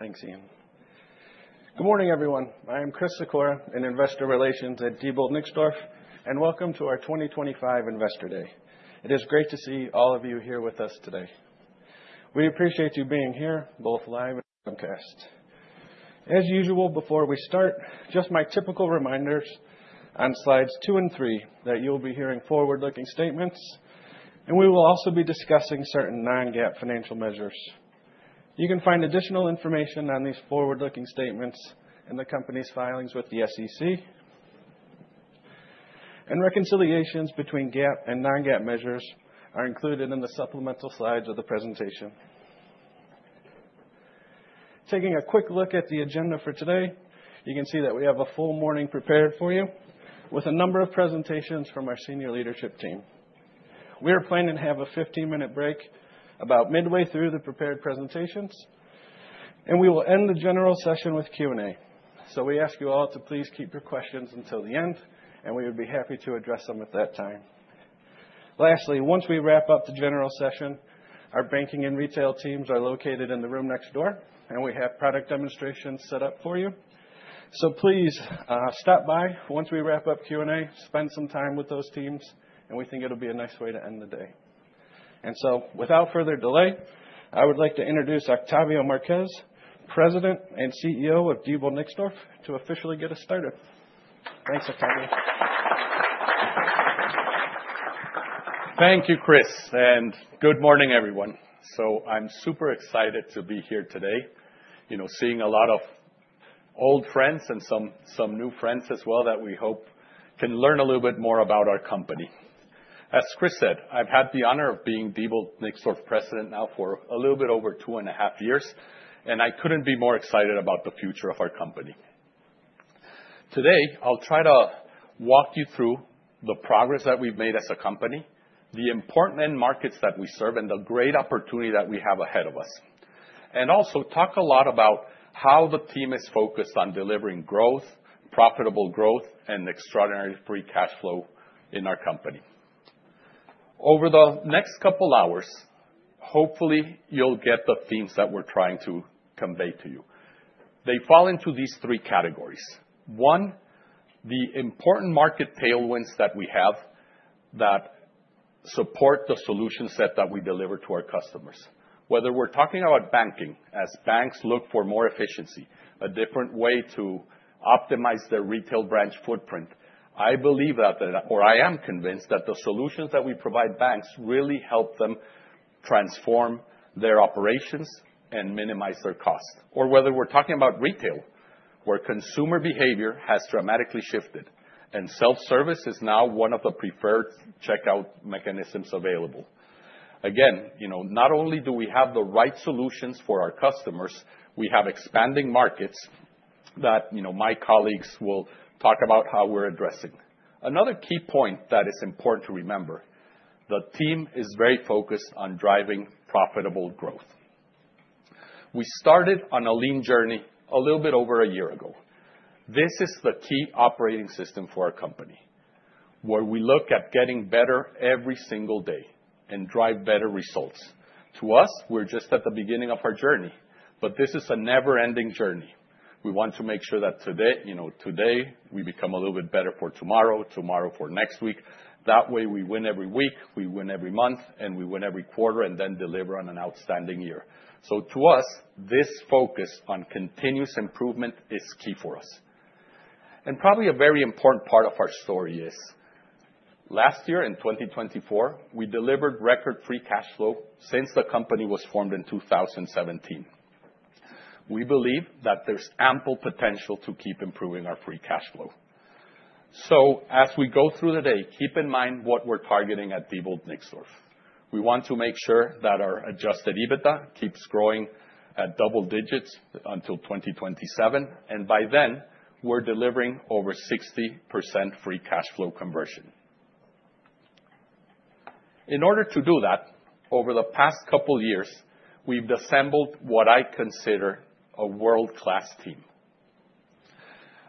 Thanks, Ian. Good morning, everyone. I am Chris Sikora, Investor Relations at Diebold Nixdorf, and welcome to our 2025 Investor Day. It is great to see all of you here with us today. We appreciate you being here, both live and broadcast. As usual, before we start, just my typical reminders on slides two and three that you'll be hearing forward-looking statements, and we will also be discussing certain non-GAAP financial measures. You can find additional information on these forward-looking statements in the company's filings with the SEC, and reconciliations between GAAP and non-GAAP measures are included in the supplemental slides of the presentation. Taking a quick look at the agenda for today, you can see that we have a full morning prepared for you with a number of presentations from our senior leadership team. We are planning to have a 15-minute break about midway through the prepared presentations, and we will end the general session with Q&A. So we ask you all to please keep your questions until the end, and we would be happy to address them at that time. Lastly, once we wrap up the general session, our banking and retail teams are located in the room next door, and we have product demonstrations set up for you. So please stop by once we wrap up Q&A, spend some time with those teams, and we think it'll be a nice way to end the day. And so, without further delay, I would like to introduce Octavio Marquez, President and CEO of Diebold Nixdorf, to officially get us started. Thanks, Octavio. Thank you, Chris, and good morning, everyone. So I'm super excited to be here today, you know, seeing a lot of old friends and some new friends as well that we hope can learn a little bit more about our company. As Chris said, I've had the honor of being Diebold Nixdorf President now for a little bit over 2.5 years, and I couldn't be more excited about the future of our company. Today, I'll try to walk you through the progress that we've made as a company, the important markets that we serve, and the great opportunity that we have ahead of us, and also talk a lot about how the team is focused on delivering growth, profitable growth, and extraordinary free cash flow in our company. Over the next couple of hours, hopefully you'll get the themes that we're trying to convey to you. They fall into these three categories. One, the important market tailwinds that we have that support the solution set that we deliver to our customers. Whether we're talking about banking, as banks look for more efficiency, a different way to optimize their retail branch footprint, I believe that, or I am convinced that the solutions that we provide banks really help them transform their operations and minimize their costs. Or whether we're talking about retail, where consumer behavior has dramatically shifted, and self-service is now one of the preferred checkout mechanisms available. Again, you know, not only do we have the right solutions for our customers, we have expanding markets that, you know, my colleagues will talk about how we're addressing. Another key point that is important to remember, the team is very focused on driving profitable growth. We started on a lean journey a little bit over a year ago. This is the key operating system for our company, where we look at getting better every single day and drive better results. To us, we're just at the beginning of our journey, but this is a never-ending journey. We want to make sure that today, you know, today we become a little bit better for tomorrow, tomorrow for next week. That way we win every week, we win every month, and we win every quarter, and then deliver on an outstanding year, so to us, this focus on continuous improvement is key for us, and probably a very important part of our story is last year in 2024, we delivered record free cash flow since the company was formed in 2017. We believe that there's ample potential to keep improving our free cash flow. So as we go through the day, keep in mind what we're targeting at Diebold Nixdorf. We want to make sure that our Adjusted EBITDA keeps growing at double digits until 2027, and by then we're delivering over 60% free cash flow conversion. In order to do that, over the past couple of years, we've assembled what I consider a world-class team.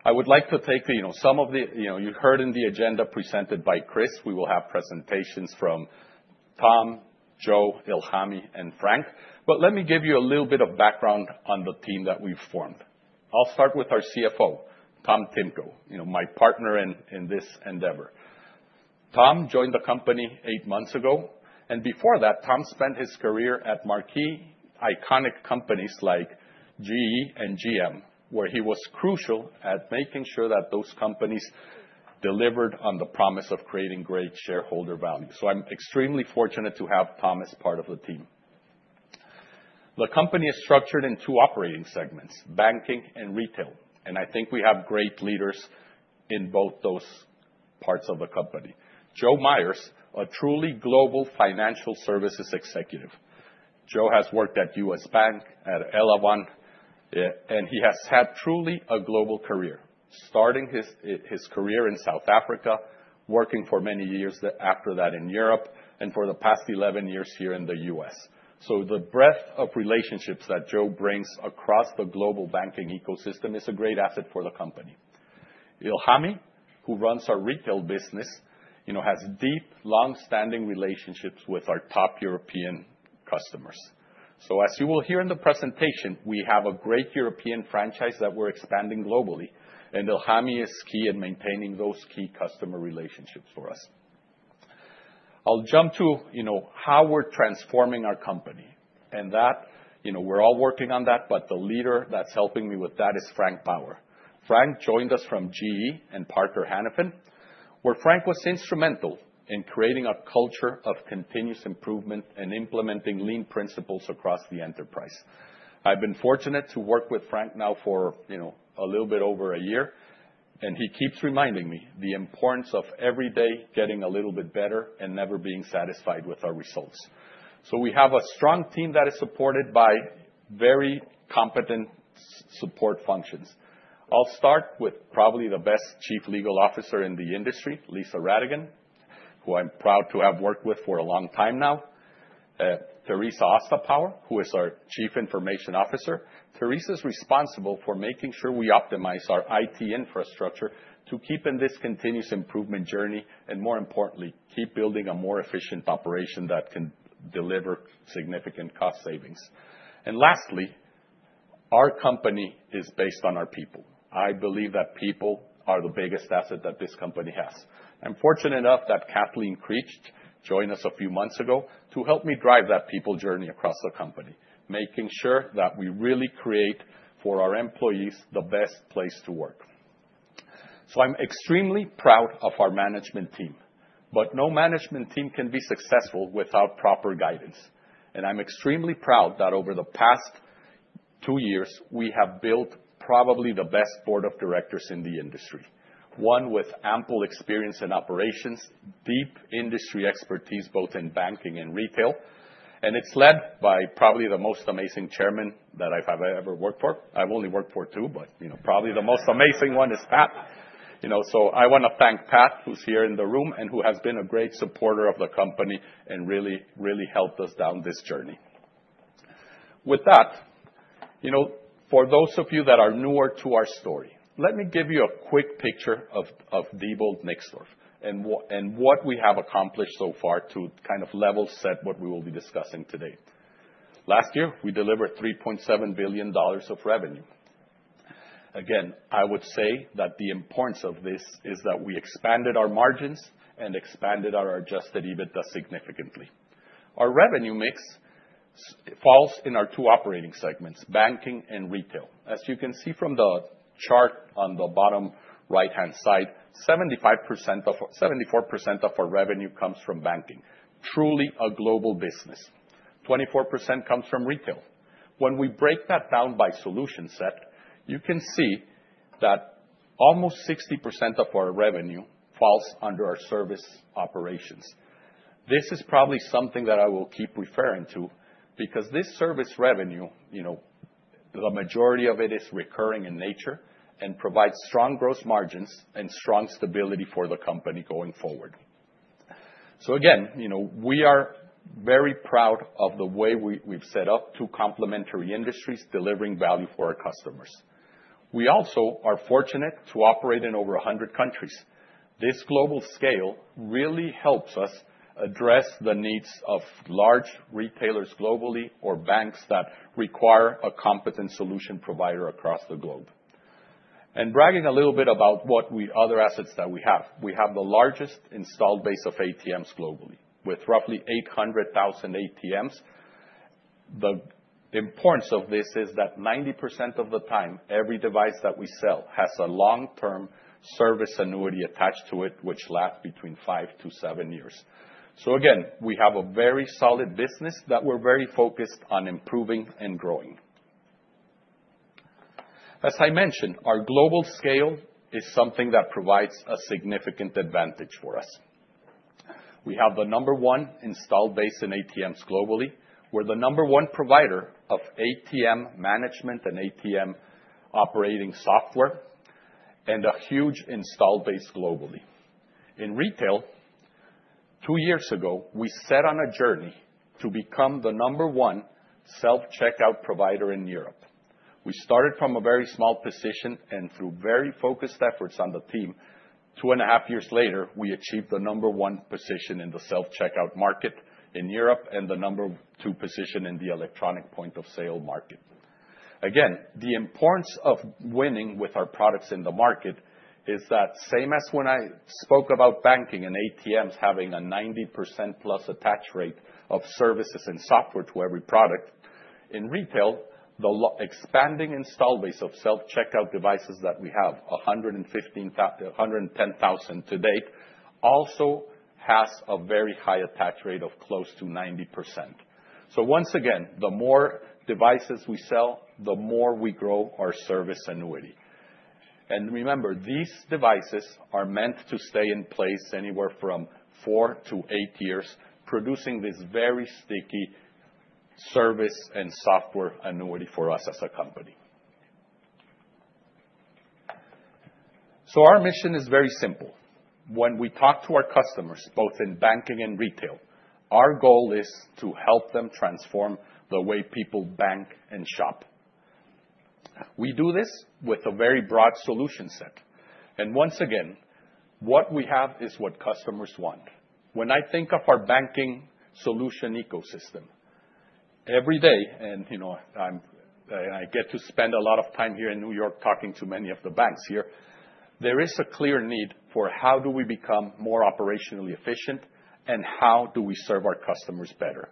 I would like to take, you know, some of the, you know, you heard in the agenda presented by Chris, we will have presentations from Tom, Joe, Ilhami, and Frank, but let me give you a little bit of background on the team that we've formed. I'll start with our CFO, Tom Timko, you know, my partner in this endeavor. Tom joined the company eight months ago, and before that, Tom spent his career at major iconic companies like GE and GM, where he was crucial at making sure that those companies delivered on the promise of creating great shareholder value. So I'm extremely fortunate to have Tom as part of the team. The company is structured in two operating segments, banking and retail, and I think we have great leaders in both those parts of the company. Joe Myers, a truly global financial services executive. Joe has worked at U.S. Bank, at Elavon, and he has had truly a global career, starting his career in South Africa, working for many years after that in Europe, and for the past 11 years here in the U.S. So the breadth of relationships that Joe brings across the global banking ecosystem is a great asset for the company. Ilhami, who runs our retail business, you know, has deep, long-standing relationships with our top European customers. So as you will hear in the presentation, we have a great European franchise that we're expanding globally, and Ilhami is key in maintaining those key customer relationships for us. I'll jump to, you know, how we're transforming our company, and that, you know, we're all working on that, but the leader that's helping me with that is Frank Baur. Frank joined us from GE and Parker Hannifin, where Frank was instrumental in creating a culture of continuous improvement and implementing lean principles across the enterprise. I've been fortunate to work with Frank now for, you know, a little bit over a year, and he keeps reminding me the importance of every day getting a little bit better and never being satisfied with our results. We have a strong team that is supported by very competent support functions. I'll start with probably the best Chief Legal Officer in the industry, Lisa Radigan, who I'm proud to have worked with for a long time now. Teresa Ostapower, who is our Chief Information Officer. Teresa is responsible for making sure we optimize our IT infrastructure to keep in this continuous improvement journey and, more importantly, keep building a more efficient operation that can deliver significant cost savings. And lastly, our company is based on our people. I believe that people are the biggest asset that this company has. I'm fortunate enough that Kathleen Creech joined us a few months ago to help me drive that people journey across the company, making sure that we really create for our employees the best place to work. I'm extremely proud of our management team, but no management team can be successful without proper guidance, and I'm extremely proud that over the past two years, we have built probably the best board of directors in the industry, one with ample experience in operations, deep industry expertise both in banking and retail, and it's led by probably the most amazing chairman that I've ever worked for. I've only worked for two, but, you know, probably the most amazing one is Pat, you know, so I want to thank Pat, who's here in the room and who has been a great supporter of the company and really, really helped us down this journey. With that, you know, for those of you that are newer to our story, let me give you a quick picture of Diebold Nixdorf and what we have accomplished so far to kind of level set what we will be discussing today. Last year, we delivered $3.7 billion of revenue. Again, I would say that the importance of this is that we expanded our margins and expanded our Adjusted EBITDA significantly. Our revenue mix falls in our two operating segments, banking and retail. As you can see from the chart on the bottom right-hand side, 75% of 74% of our revenue comes from banking, truly a global business. 24% comes from retail. When we break that down by solution set, you can see that almost 60% of our revenue falls under our service operations. This is probably something that I will keep referring to because this service revenue, you know, the majority of it is recurring in nature and provides strong gross margins and strong stability for the company going forward. So again, you know, we are very proud of the way we've set up two complementary industries delivering value for our customers. We also are fortunate to operate in over 100 countries. This global scale really helps us address the needs of large retailers globally or banks that require a competent solution provider across the globe. Bragging a little bit about what other assets that we have, we have the largest installed base of ATMs globally with roughly 800,000 ATMs. The importance of this is that 90% of the time, every device that we sell has a long-term service annuity attached to it, which lasts between five to seven years. So again, we have a very solid business that we're very focused on improving and growing. As I mentioned, our global scale is something that provides a significant advantage for us. We have the number one installed base in ATMs globally. We're the number one provider of ATM management and ATM operating software and a huge installed base globally. In retail, two years ago, we set on a journey to become the number one self-checkout provider in Europe. We started from a very small position and through very focused efforts on the team, two and a half years later, we achieved the number one position in the self-checkout market in Europe and the number two position in the electronic point of sale market. Again, the importance of winning with our products in the market is the same as when I spoke about banking and ATMs having a 90%+ attach rate of services and software to every product. In retail, the expanding install base of self-checkout devices that we have, 115,000 to date, also has a very high attach rate of close to 90%. So once again, the more devices we sell, the more we grow our service annuity. And remember, these devices are meant to stay in place anywhere from four to eight years, producing this very sticky service and software annuity for us as a company. So our mission is very simple. When we talk to our customers, both in banking and retail, our goal is to help them transform the way people bank and shop. We do this with a very broad solution set. Once again, what we have is what customers want. When I think of our banking solution ecosystem, every day, and you know, I get to spend a lot of time here in New York talking to many of the banks here, there is a clear need for how do we become more operationally efficient and how do we serve our customers better.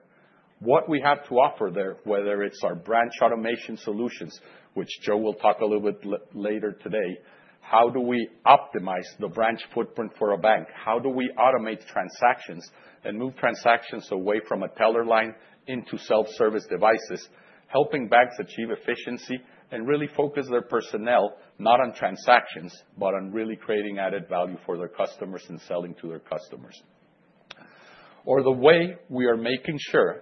What we have to offer there, whether it's our branch automation solutions, which Joe will talk a little bit later today, how do we optimize the branch footprint for a bank, how do we automate transactions and move transactions away from a teller line into self-service devices, helping banks achieve efficiency and really focus their personnel not on transactions, but on really creating added value for their customers and selling to their customers. Or the way we are making sure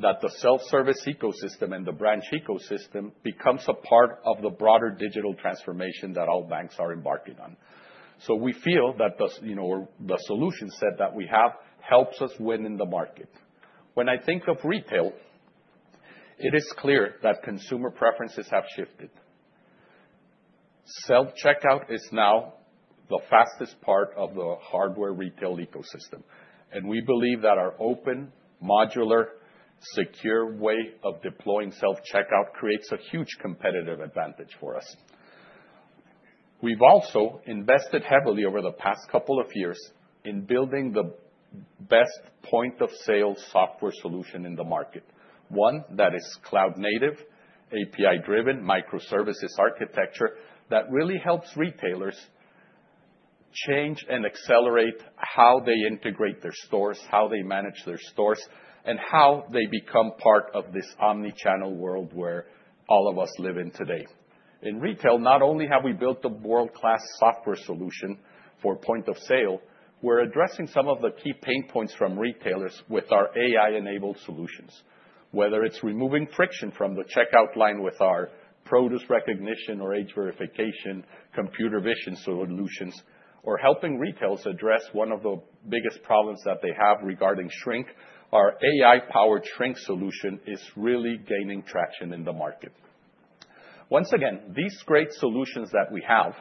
that the self-service ecosystem and the branch ecosystem becomes a part of the broader digital transformation that all banks are embarking on. So we feel that the, you know, the solution set that we have helps us win in the market. When I think of retail, it is clear that consumer preferences have shifted. Self-checkout is now the fastest part of the hardware retail ecosystem, and we believe that our open, modular, secure way of deploying self-checkout creates a huge competitive advantage for us. We've also invested heavily over the past couple of years in building the best point of sale software solution in the market, one that is cloud native, API driven, microservices architecture that really helps retailers change and accelerate how they integrate their stores, how they manage their stores, and how they become part of this omnichannel world where all of us live in today. In retail, not only have we built a world-class software solution for point of sale, we're addressing some of the key pain points from retailers with our AI-enabled solutions, whether it's removing friction from the checkout line with our produce recognition or age verification, computer vision solutions, or helping retailers address one of the biggest problems that they have regarding shrink. Our AI-powered shrink solution is really gaining traction in the market. Once again, these great solutions that we have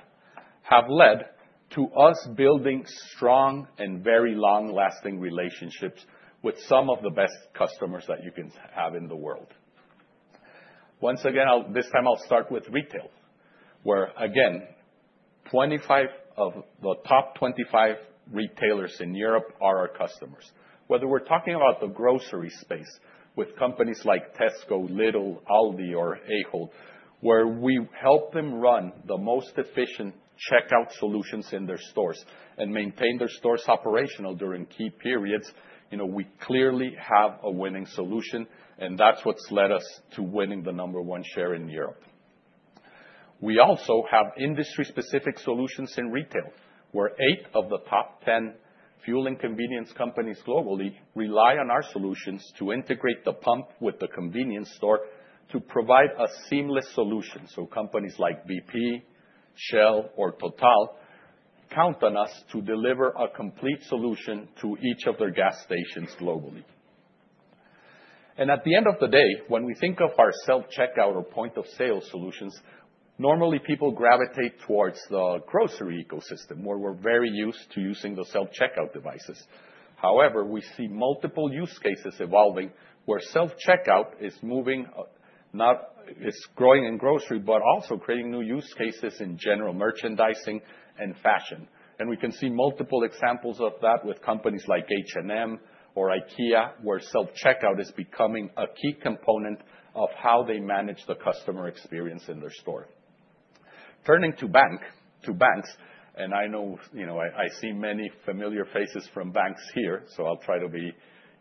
led to us building strong and very long-lasting relationships with some of the best customers that you can have in the world. Once again, this time I'll start with retail, where again, 25 of the top 25 retailers in Europe are our customers. Whether we're talking about the grocery space with companies like Tesco, Lidl, Aldi, or Ahold, where we help them run the most efficient checkout solutions in their stores and maintain their stores operational during key periods, you know, we clearly have a winning solution, and that's what's led us to winning the number one share in Europe. We also have industry-specific solutions in retail, where eight of the top 10 fuel and convenience companies globally rely on our solutions to integrate the pump with the convenience store to provide a seamless solution. Companies like BP, Shell, or Total count on us to deliver a complete solution to each of their gas stations globally. At the end of the day, when we think of our self-checkout or point of sale solutions, normally people gravitate towards the grocery ecosystem where we're very used to using the self-checkout devices. However, we see multiple use cases evolving where self-checkout is moving, not is growing in grocery, but also creating new use cases in general merchandising and fashion. We can see multiple examples of that with companies like H&M or IKEA, where self-checkout is becoming a key component of how they manage the customer experience in their store. Turning to banking to banks, and I know, you know, I see many familiar faces from banks here, so I'll try to be,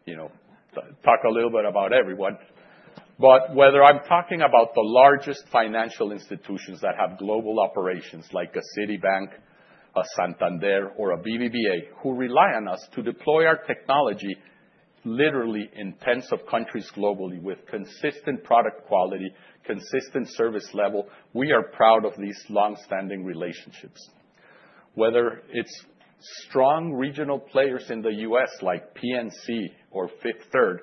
you know, talk a little bit about everyone. Whether I'm talking about the largest financial institutions that have global operations like a Citibank, a Santander, or a BBVA, who rely on us to deploy our technology literally in tens of countries globally with consistent product quality, consistent service level, we are proud of these long-standing relationships. Whether it's strong regional players in the U.S. like PNC or Fifth Third,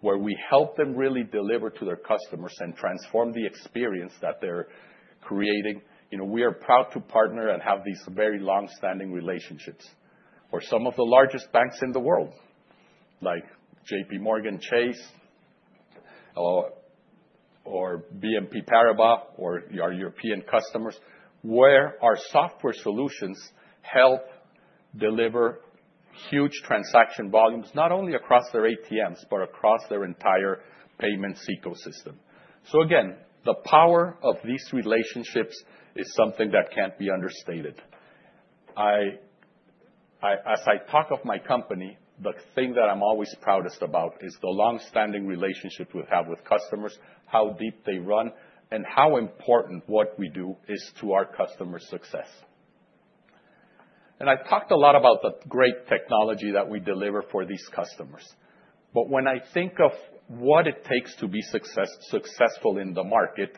where we help them really deliver to their customers and transform the experience that they're creating, you know, we are proud to partner and have these very long-standing relationships. Some of the largest banks in the world, like JPMorgan Chase or BNP Paribas, or our European customers, where our software solutions help deliver huge transaction volumes, not only across their ATMs, but across their entire payments ecosystem. Again, the power of these relationships is something that can't be understated. As I talk of my company, the thing that I'm always proudest about is the long-standing relationship we have with customers, how deep they run, and how important what we do is to our customer success. And I've talked a lot about the great technology that we deliver for these customers, but when I think of what it takes to be successful in the market,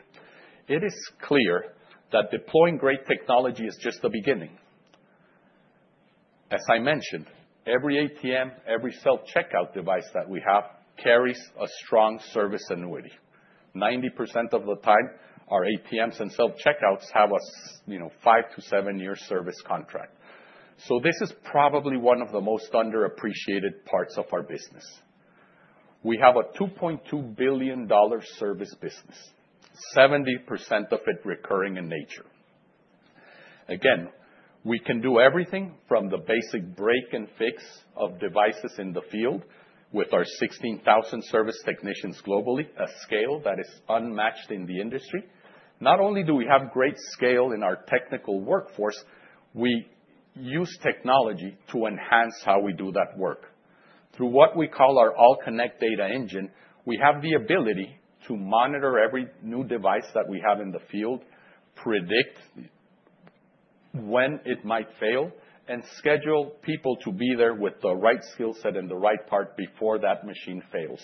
it is clear that deploying great technology is just the beginning. As I mentioned, every ATM, every self-checkout device that we have carries a strong service annuity. 90% of the time, our ATMs and self-checkouts have a, you know, five-to-seven-year service contract. So this is probably one of the most underappreciated parts of our business. We have a $2.2 billion service business, 70% of it recurring in nature. Again, we can do everything from the basic break and fix of devices in the field with our 16,000 service technicians globally, a scale that is unmatched in the industry. Not only do we have great scale in our technical workforce, we use technology to enhance how we do that work. Through what we call our AllConnect Data Engine, we have the ability to monitor every new device that we have in the field, predict when it might fail, and schedule people to be there with the right skill set and the right part before that machine fails.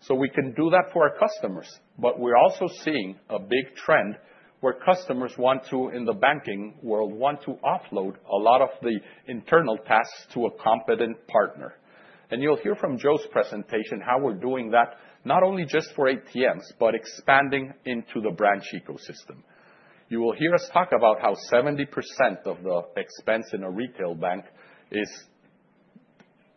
So we can do that for our customers, but we're also seeing a big trend where customers want to, in the banking world, want to offload a lot of the internal tasks to a competent partner. You'll hear from Joe's presentation how we're doing that, not only just for ATMs, but expanding into the branch ecosystem. You will hear us talk about how 70% of the expense in a retail bank is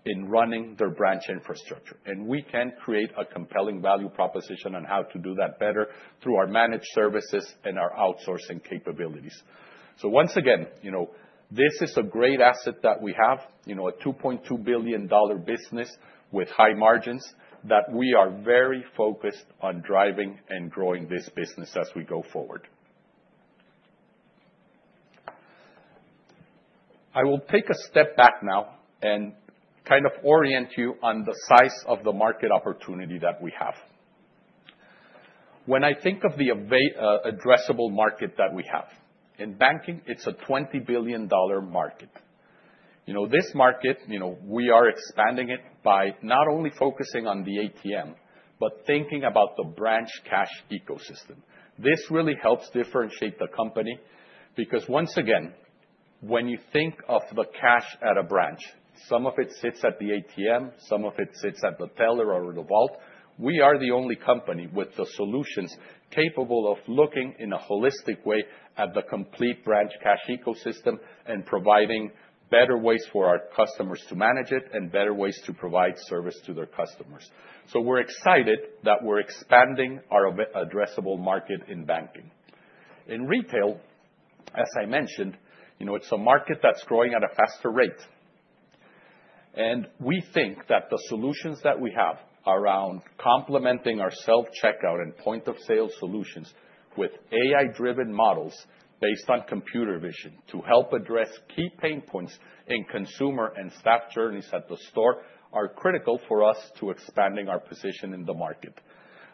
in running their branch infrastructure, and we can create a compelling value proposition on how to do that better through our managed services and our outsourcing capabilities. Once again, you know, this is a great asset that we have, you know, a $2.2 billion business with high margins that we are very focused on driving and growing this business as we go forward. I will take a step back now and kind of orient you on the size of the market opportunity that we have. When I think of the addressable market that we have in banking, it's a $20 billion market. You know, this market, you know, we are expanding it by not only focusing on the ATM, but thinking about the branch cash ecosystem. This really helps differentiate the company because once again, when you think of the cash at a branch, some of it sits at the ATM, some of it sits at the teller or the vault. We are the only company with the solutions capable of looking in a holistic way at the complete branch cash ecosystem and providing better ways for our customers to manage it and better ways to provide service to their customers. So we're excited that we're expanding our addressable market in banking. In retail, as I mentioned, you know, it's a market that's growing at a faster rate. We think that the solutions that we have around complementing our self-checkout and point of sale solutions with AI-driven models based on computer vision to help address key pain points in consumer and staff journeys at the store are critical for us to expanding our position in the market.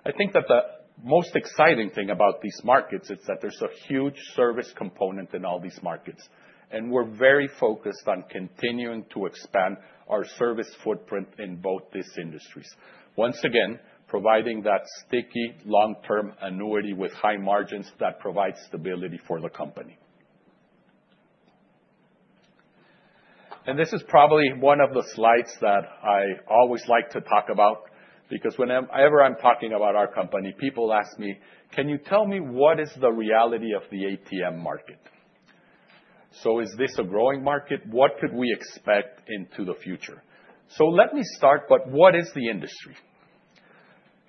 I think that the most exciting thing about these markets is that there's a huge service component in all these markets, and we're very focused on continuing to expand our service footprint in both these industries. Once again, providing that sticky long-term annuity with high margins that provides stability for the company. This is probably one of the slides that I always like to talk about because whenever I'm talking about our company, people ask me, "Can you tell me what is the reality of the ATM market?" Is this a growing market? What could we expect into the future? So let me start, but what is the industry?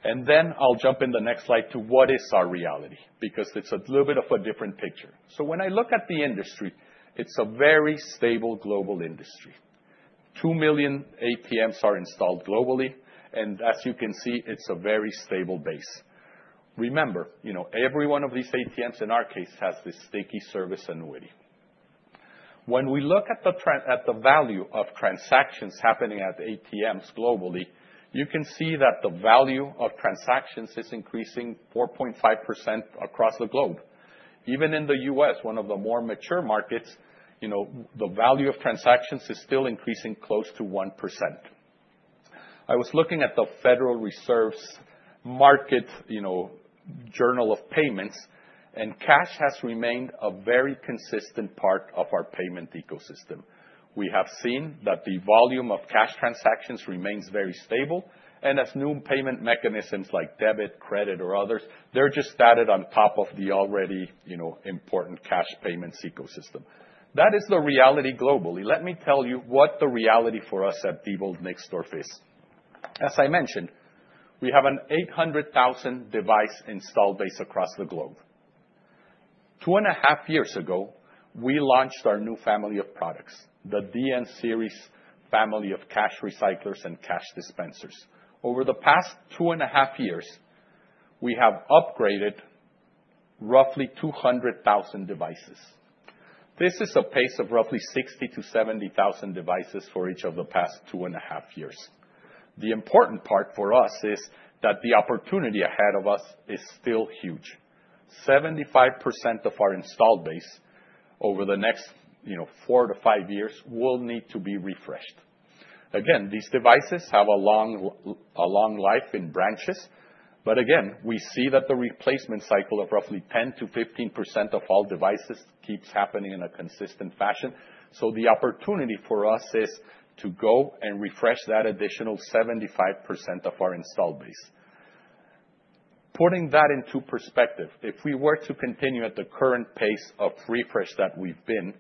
And then I'll jump in the next slide to what is our reality because it's a little bit of a different picture. So when I look at the industry, it's a very stable global industry. Two million ATMs are installed globally, and as you can see, it's a very stable base. Remember, you know, every one of these ATMs in our case has this sticky service annuity. When we look at the value of transactions happening at ATMs globally, you can see that the value of transactions is increasing 4.5% across the globe. Even in the U.S., one of the more mature markets, you know, the value of transactions is still increasing close to 1%. I was looking at the Federal Reserve's market, you know, journal of payments, and cash has remained a very consistent part of our payment ecosystem. We have seen that the volume of cash transactions remains very stable, and as new payment mechanisms like debit, credit, or others, they're just added on top of the already, you know, important cash payments ecosystem. That is the reality globally. Let me tell you what the reality for us at Diebold Nixdorf is. As I mentioned, we have an 800,000 device install base across the globe. Two and a half years ago, we launched our new family of products, the DN series family of cash recyclers and cash dispensers. Over the past two and a half years, we have upgraded roughly 200,000 devices. This is a pace of roughly 60,000-70,000 devices for each of the past two and a half years. The important part for us is that the opportunity ahead of us is still huge. 75% of our install base over the next, you know, four to five years will need to be refreshed. Again, these devices have a long life in branches, but again, we see that the replacement cycle of roughly 10%-15% of all devices keeps happening in a consistent fashion. So the opportunity for us is to go and refresh that additional 75% of our install base. Putting that into perspective, if we were to continue at the current pace of refresh that we've been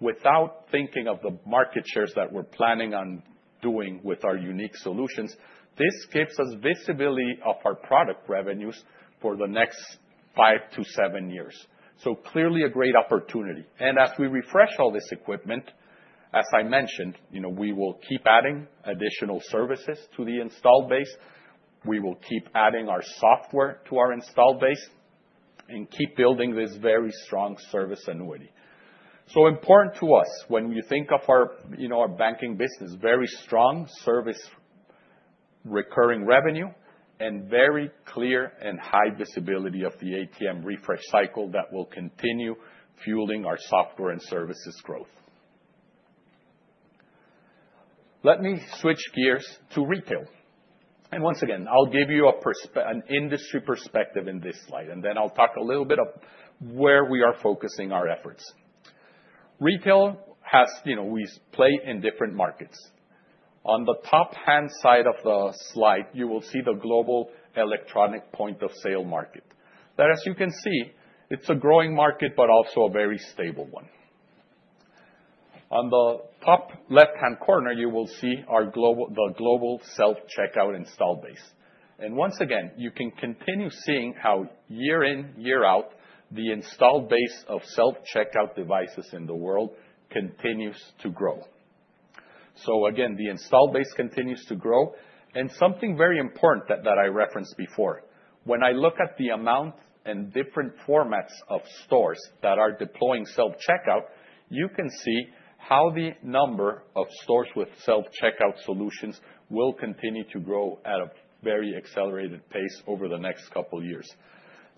without thinking of the market shares that we're planning on doing with our unique solutions, this gives us visibility of our product revenues for the next five to seven years. So clearly a great opportunity. As we refresh all this equipment, as I mentioned, you know, we will keep adding additional services to the install base. We will keep adding our software to our install base and keep building this very strong service annuity. So important to us when we think of our, you know, our banking business, very strong service recurring revenue and very clear and high visibility of the ATM refresh cycle that will continue fueling our software and services growth. Let me switch gears to retail. And once again, I'll give you an industry perspective in this slide, and then I'll talk a little bit of where we are focusing our efforts. Retail has, you know, we play in different markets. On the top half of the slide, you will see the global electronic point of sale market. That, as you can see, it's a growing market, but also a very stable one. On the top left-hand corner, you will see the global self-checkout install base, and once again, you can continue seeing how year in, year out, the install base of self-checkout devices in the world continues to grow, so again, the install base continues to grow, and something very important that I referenced before, when I look at the amount and different formats of stores that are deploying self-checkout, you can see how the number of stores with self-checkout solutions will continue to grow at a very accelerated pace over the next couple of years,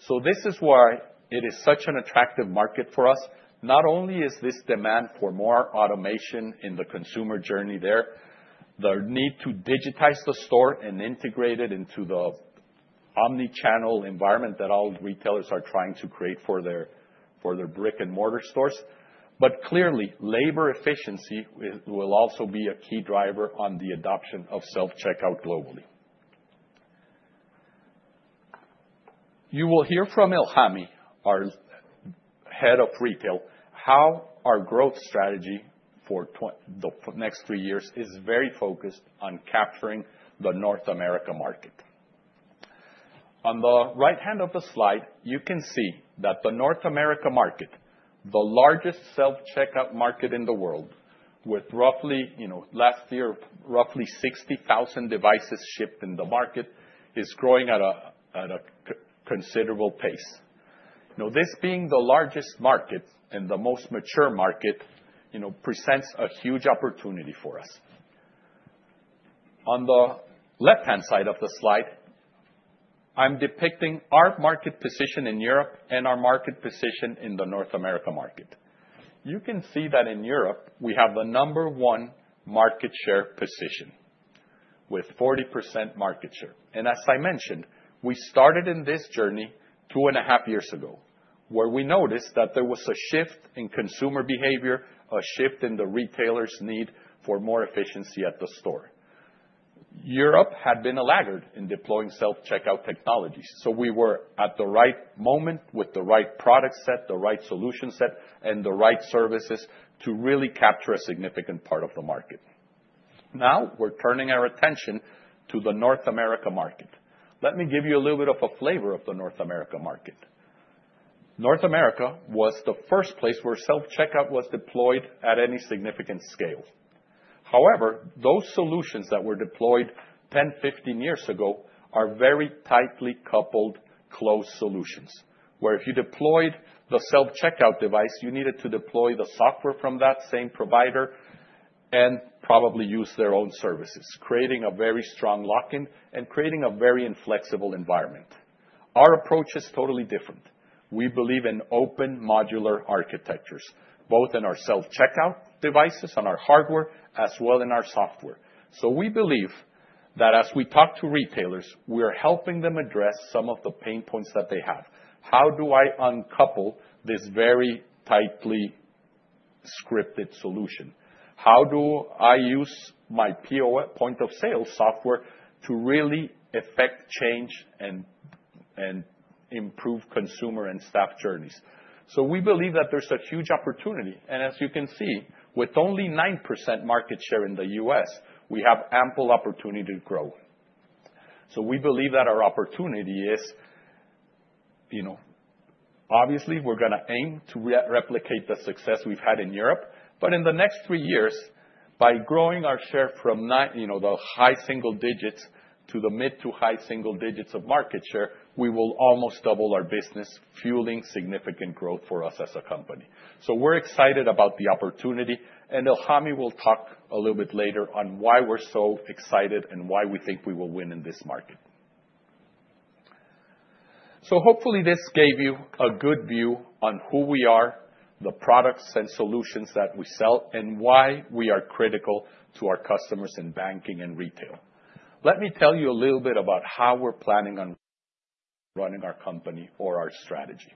so this is why it is such an attractive market for us. Not only is this demand for more automation in the consumer journey there, the need to digitize the store and integrate it into the omnichannel environment that all retailers are trying to create for their brick-and-mortar stores. But clearly, labor efficiency will also be a key driver on the adoption of self-checkout globally. You will hear from Ilhami, our head of retail, how our growth strategy for the next three years is very focused on capturing the North America market. On the right hand of the slide, you can see that the North America market, the largest self-checkout market in the world, with roughly, you know, last year, roughly 60,000 devices shipped in the market, is growing at a considerable pace. Now, this being the largest market and the most mature market, you know, presents a huge opportunity for us. On the left-hand side of the slide, I'm depicting our market position in Europe and our market position in the North America market. You can see that in Europe, we have the number one market share position with 40% market share. And as I mentioned, we started in this journey two and a half years ago where we noticed that there was a shift in consumer behavior, a shift in the retailer's need for more efficiency at the store. Europe had been a laggard in deploying self-checkout technologies. So we were at the right moment with the right product set, the right solution set, and the right services to really capture a significant part of the market. Now we're turning our attention to the North America market. Let me give you a little bit of a flavor of the North America market. North America was the first place where self-checkout was deployed at any significant scale. However, those solutions that were deployed 10, 15 years ago are very tightly coupled, closed solutions where if you deployed the self-checkout device, you needed to deploy the software from that same provider and probably use their own services, creating a very strong lock-in and creating a very inflexible environment. Our approach is totally different. We believe in open modular architectures, both in our self-checkout devices, on our hardware, as well as in our software. So we believe that as we talk to retailers, we are helping them address some of the pain points that they have. How do I uncouple this very tightly scripted solution? How do I use my point of sale software to really effect change and improve consumer and staff journeys? So we believe that there's a huge opportunity. As you can see, with only 9% market share in the U.S., we have ample opportunity to grow. We believe that our opportunity is, you know, obviously we're going to aim to replicate the success we've had in Europe. In the next three years, by growing our share from, you know, the high single digits to the mid to high single digits of market share, we will almost double our business, fueling significant growth for us as a company. We're excited about the opportunity. Ilhami will talk a little bit later on why we're so excited and why we think we will win in this market. Hopefully this gave you a good view on who we are, the products and solutions that we sell, and why we are critical to our customers in banking and retail. Let me tell you a little bit about how we're planning on running our company or our strategy.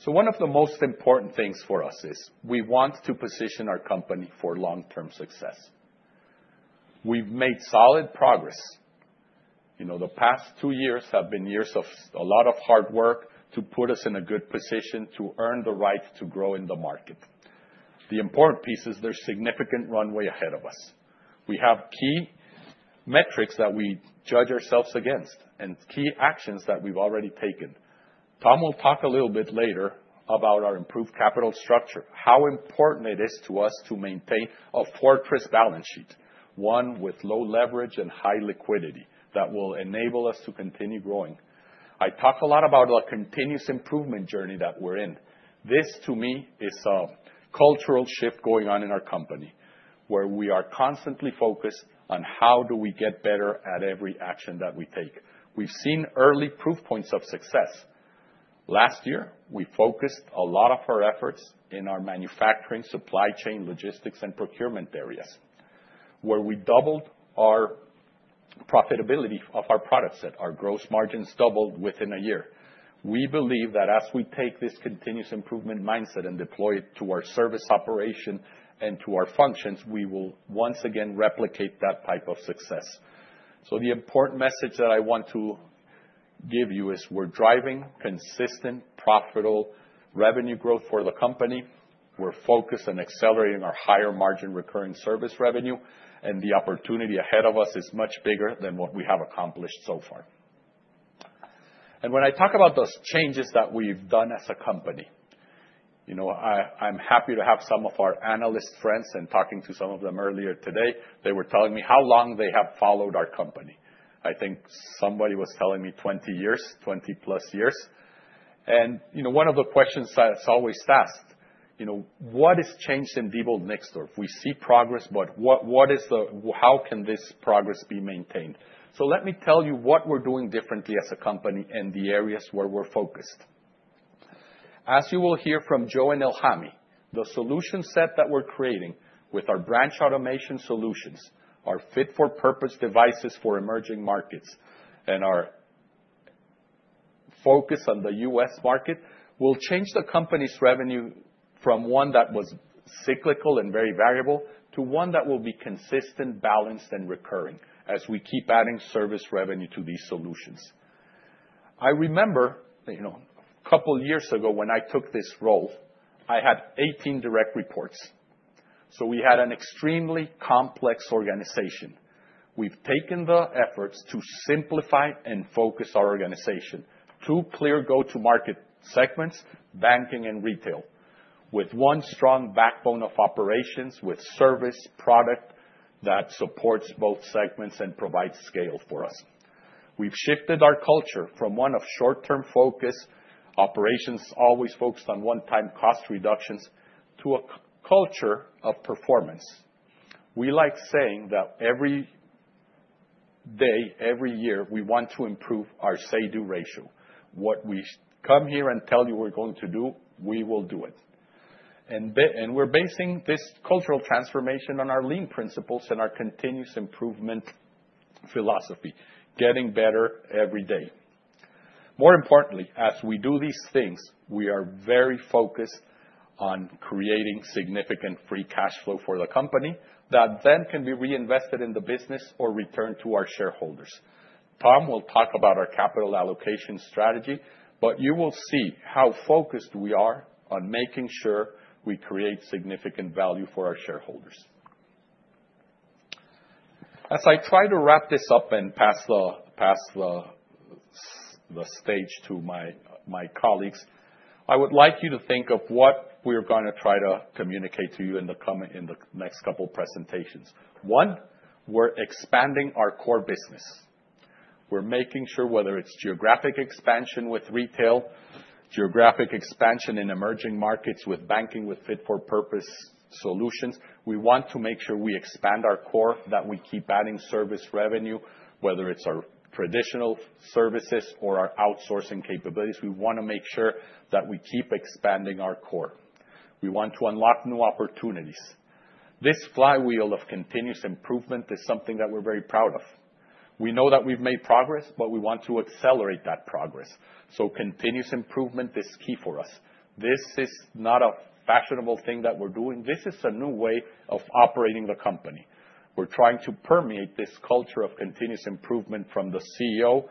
So one of the most important things for us is we want to position our company for long-term success. We've made solid progress. You know, the past two years have been years of a lot of hard work to put us in a good position to earn the right to grow in the market. The important piece is there's significant runway ahead of us. We have key metrics that we judge ourselves against and key actions that we've already taken. Tom will talk a little bit later about our improved capital structure, how important it is to us to maintain a fortress balance sheet, one with low leverage and high liquidity that will enable us to continue growing. I talk a lot about a continuous improvement journey that we're in. This, to me, is a cultural shift going on in our company where we are constantly focused on how do we get better at every action that we take. We've seen early proof points of success. Last year, we focused a lot of our efforts in our manufacturing, supply chain, logistics, and procurement areas where we doubled our profitability of our product set. Our gross margins doubled within a year. We believe that as we take this continuous improvement mindset and deploy it to our service operation and to our functions, we will once again replicate that type of success. So the important message that I want to give you is we're driving consistent, profitable revenue growth for the company. We're focused on accelerating our higher margin recurring service revenue, and the opportunity ahead of us is much bigger than what we have accomplished so far. And when I talk about those changes that we've done as a company, you know, I'm happy to have some of our analyst friends and talking to some of them earlier today. They were telling me how long they have followed our company. I think somebody was telling me 20 years, 20+ years. And, you know, one of the questions that's always asked, you know, what has changed in Diebold Nixdorf? We see progress, but what is the, how can this progress be maintained? So let me tell you what we're doing differently as a company and the areas where we're focused. As you will hear from Joe and Ilhami, the solution set that we're creating with our branch automation solutions, our fit for purpose devices for emerging markets, and our focus on the U.S. market will change the company's revenue from one that was cyclical and very variable to one that will be consistent, balanced, and recurring as we keep adding service revenue to these solutions. I remember, you know, a couple of years ago when I took this role, I had 18 direct reports. So we had an extremely complex organization. We've taken the efforts to simplify and focus our organization to clear go-to-market segments, banking and retail, with one strong backbone of operations with service product that supports both segments and provides scale for us. We've shifted our culture from one of short-term focus operations always focused on one-time cost reductions to a culture of performance. We like saying that every day, every year, we want to improve our say-do ratio. What we come here and tell you we're going to do, we will do it. And we're basing this cultural transformation on our lean principles and our continuous improvement philosophy, getting better every day. More importantly, as we do these things, we are very focused on creating significant free cash flow for the company that then can be reinvested in the business or returned to our shareholders. Tom will talk about our capital allocation strategy, but you will see how focused we are on making sure we create significant value for our shareholders. As I try to wrap this up and pass the stage to my colleagues, I would like you to think of what we're going to try to communicate to you in the next couple of presentations. One, we're expanding our core business. We're making sure, whether it's geographic expansion with retail, geographic expansion in emerging markets with banking with fit-for-purpose solutions. We want to make sure we expand our core, that we keep adding service revenue, whether it's our traditional services or our outsourcing capabilities. We want to make sure that we keep expanding our core. We want to unlock new opportunities. This flywheel of continuous improvement is something that we're very proud of. We know that we've made progress, but we want to accelerate that progress. So continuous improvement is key for us. This is not a fashionable thing that we're doing. This is a new way of operating the company. We're trying to permeate this culture of continuous improvement from the CEO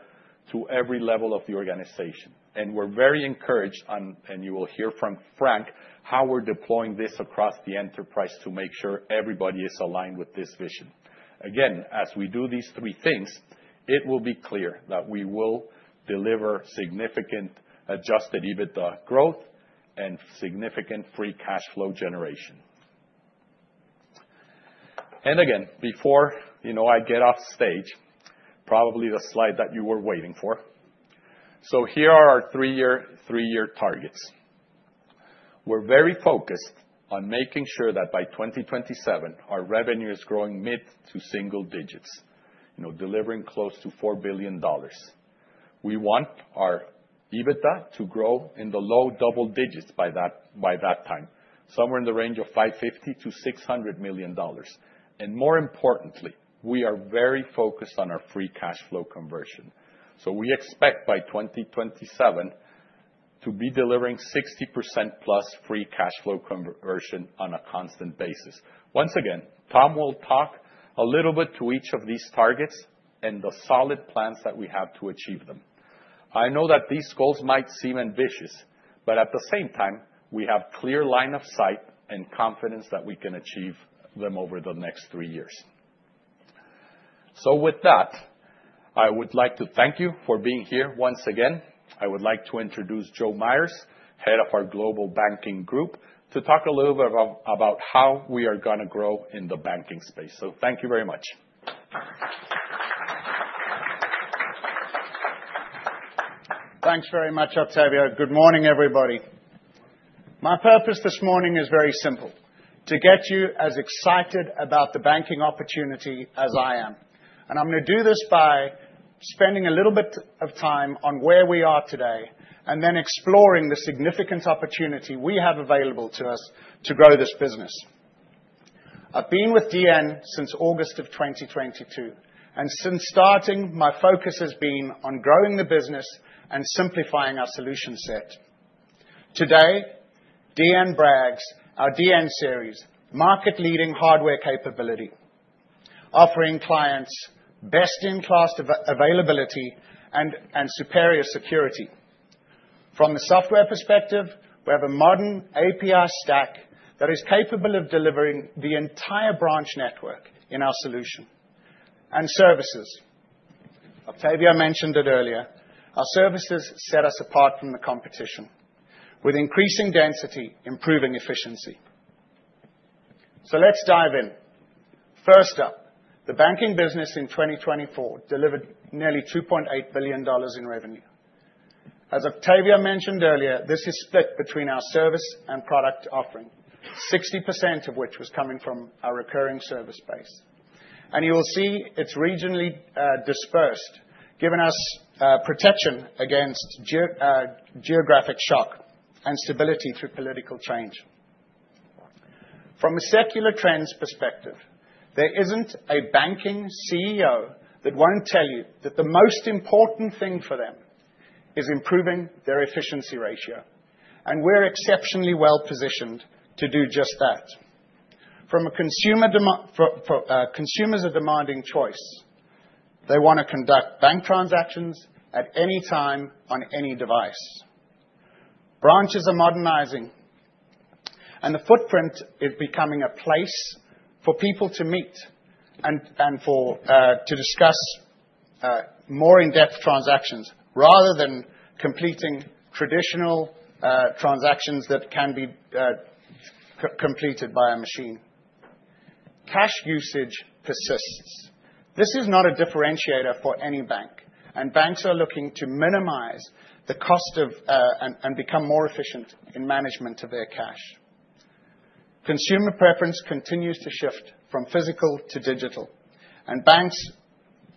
to every level of the organization. We're very encouraged on, and you will hear from Frank, how we're deploying this across the enterprise to make sure everybody is aligned with this vision. Again, as we do these three things, it will be clear that we will deliver significant Adjusted EBITDA growth and significant free cash flow generation. Again, before, you know, I get off stage, probably the slide that you were waiting for. Here are our three-year targets. We're very focused on making sure that by 2027, our revenue is growing mid to single digits, you know, delivering close to $4 billion. We want our EBITDA to grow in the low double digits by that time, somewhere in the range of $550 million-$600 million. More importantly, we are very focused on our free cash flow conversion. So we expect by 2027 to be delivering 60%+ free cash flow conversion on a constant basis. Once again, Tom will talk a little bit to each of these targets and the solid plans that we have to achieve them. I know that these goals might seem ambitious, but at the same time, we have clear line of sight and confidence that we can achieve them over the next three years. So with that, I would like to thank you for being here once again. I would like to introduce Joe Myers, Head of our Global Banking Group, to talk a little bit about how we are going to grow in the banking space. So thank you very much. Thanks very much, Octavio. Good morning, everybody. My purpose this morning is very simple: to get you as excited about the banking opportunity as I am. I'm going to do this by spending a little bit of time on where we are today and then exploring the significant opportunity we have available to us to grow this business. I've been with DN since August of 2022, and since starting, my focus has been on growing the business and simplifying our solution set. Today, DN brings our DN Series, market-leading hardware capability, offering clients best-in-class availability and superior security. From the software perspective, we have a modern API stack that is capable of delivering the entire branch network in our solution and services. Octavio mentioned it earlier. Our services set us apart from the competition with increasing density, improving efficiency. Let's dive in. First up, the banking business in 2024 delivered nearly $2.8 billion in revenue. As Octavio mentioned earlier, this is split between our service and product offering, 60% of which was coming from our recurring service base, and you will see it's regionally dispersed, giving us protection against geographic shock and stability through political change. From a secular trends perspective, there isn't a banking CEO that won't tell you that the most important thing for them is improving their efficiency ratio, and we're exceptionally well positioned to do just that. From a consumer's demanding choice, they want to conduct bank transactions at any time on any device. Branches are modernizing, and the footprint is becoming a place for people to meet and to discuss more in-depth transactions rather than completing traditional transactions that can be completed by a machine. Cash usage persists. This is not a differentiator for any bank, and banks are looking to minimize the cost and become more efficient in management of their cash. Consumer preference continues to shift from physical to digital, and banks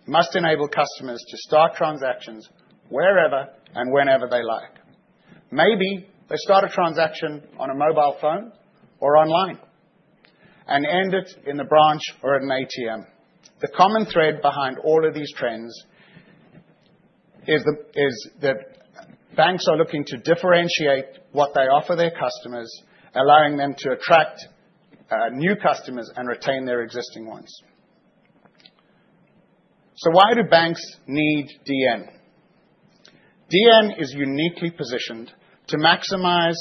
must enable customers to start transactions wherever and whenever they like. Maybe they start a transaction on a mobile phone or online and end it in the branch or at an ATM. The common thread behind all of these trends is that banks are looking to differentiate what they offer their customers, allowing them to attract new customers and retain their existing ones. So why do banks need DN? DN is uniquely positioned to maximize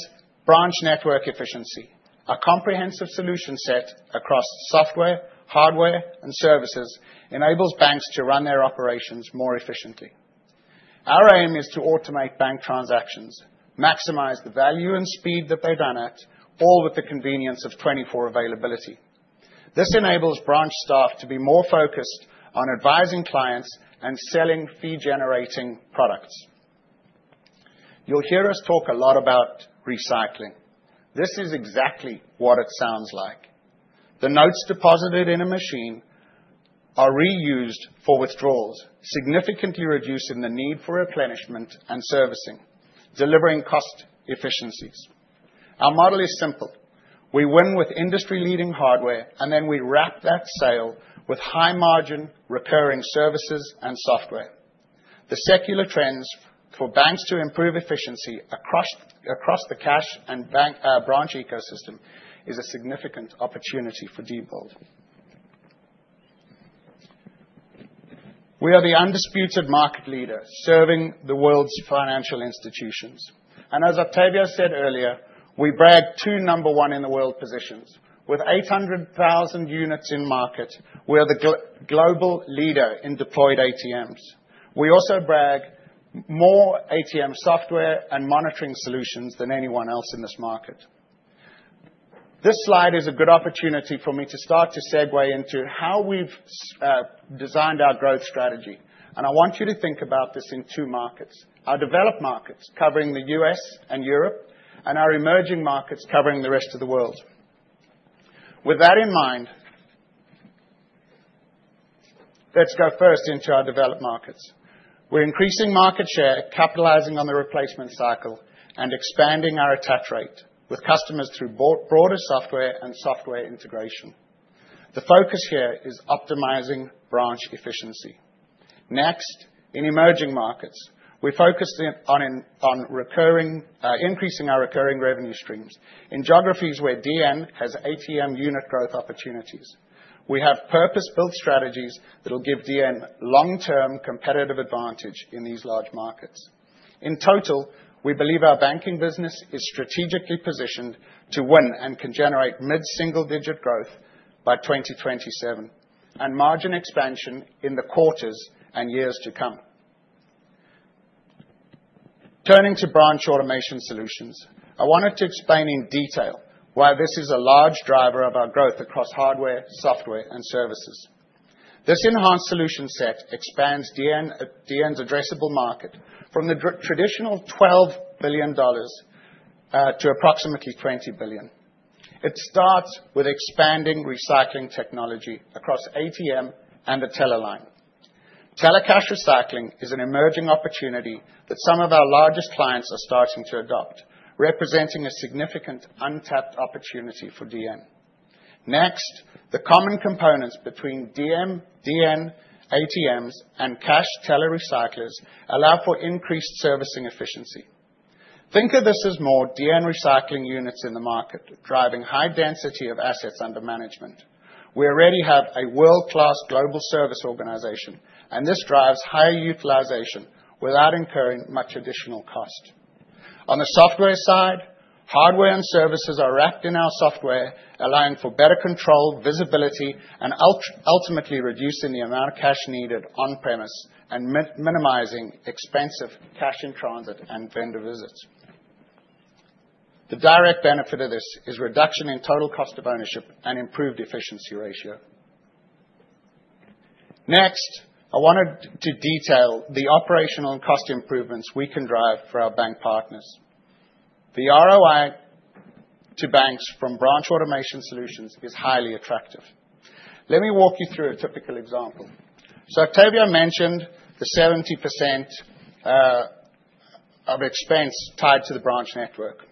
branch network efficiency. A comprehensive solution set across software, hardware, and services enables banks to run their operations more efficiently. Our aim is to automate bank transactions, maximize the value and speed that they've done at, all with the convenience of 24/7 availability. This enables branch staff to be more focused on advising clients and selling fee-generating products. You'll hear us talk a lot about recycling. This is exactly what it sounds like. The notes deposited in a machine are reused for withdrawals, significantly reducing the need for replenishment and servicing, delivering cost efficiencies. Our model is simple. We win with industry-leading hardware, and then we wrap that sale with high-margin recurring services and software. The secular trends for banks to improve efficiency across the cash and branch ecosystem is a significant opportunity for Diebold. We are the undisputed market leader serving the world's financial institutions. As Octavio said earlier, we have two number one in the world positions. With 800,000 units in market, we are the global leader in deployed ATMs. We also brag more ATM software and monitoring solutions than anyone else in this market. This slide is a good opportunity for me to start to segue into how we've designed our growth strategy, and I want you to think about this in two markets: our developed markets covering the U.S. and Europe, and our emerging markets covering the rest of the world. With that in mind, let's go first into our developed markets. We're increasing market share, capitalizing on the replacement cycle, and expanding our attach rate with customers through broader software and software integration. The focus here is optimizing branch efficiency. Next, in emerging markets, we focus on increasing our recurring revenue streams. In geographies where DN has ATM unit growth opportunities, we have purpose-built strategies that will give DN long-term competitive advantage in these large markets. In total, we believe our banking business is strategically positioned to win and can generate mid-single-digit growth by 2027 and margin expansion in the quarters and years to come. Turning to branch automation solutions, I wanted to explain in detail why this is a large driver of our growth across hardware, software, and services. This enhanced solution set expands DN's addressable market from the traditional $12 billion to approximately $20 billion. It starts with expanding recycling technology across ATM and the teller line. Teller cash recycling is an emerging opportunity that some of our largest clients are starting to adopt, representing a significant untapped opportunity for DN. Next, the common components between DN, ATMs, and cash teller recyclers allow for increased servicing efficiency. Think of this as more DN recycling units in the market, driving high density of assets under management. We already have a world-class global service organization, and this drives higher utilization without incurring much additional cost. On the software side, hardware and services are wrapped in our software, allowing for better control, visibility, and ultimately reducing the amount of cash needed on-premise and minimizing expensive cash-in-transit and vendor visits. The direct benefit of this is reduction in total cost of ownership and improved efficiency ratio. Next, I wanted to detail the operational and cost improvements we can drive for our bank partners. The ROI to banks from branch automation solutions is highly attractive. Let me walk you through a typical example. So Octavio mentioned the 70% of expense tied to the branch network.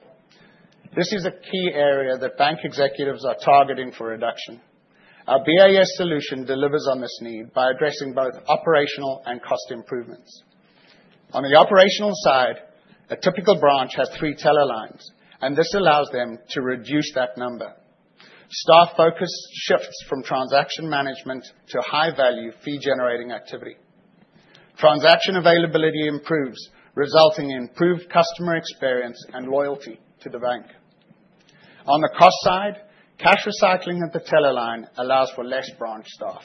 This is a key area that bank executives are targeting for reduction. Our BIS Solution delivers on this need by addressing both operational and cost improvements. On the operational side, a typical branch has three teller lines, and this allows them to reduce that number. Staff focus shifts from transaction management to high-value fee-generating activity. Transaction availability improves, resulting in improved customer experience and loyalty to the bank. On the cost side, cash recycling at the teller line allows for less branch staff.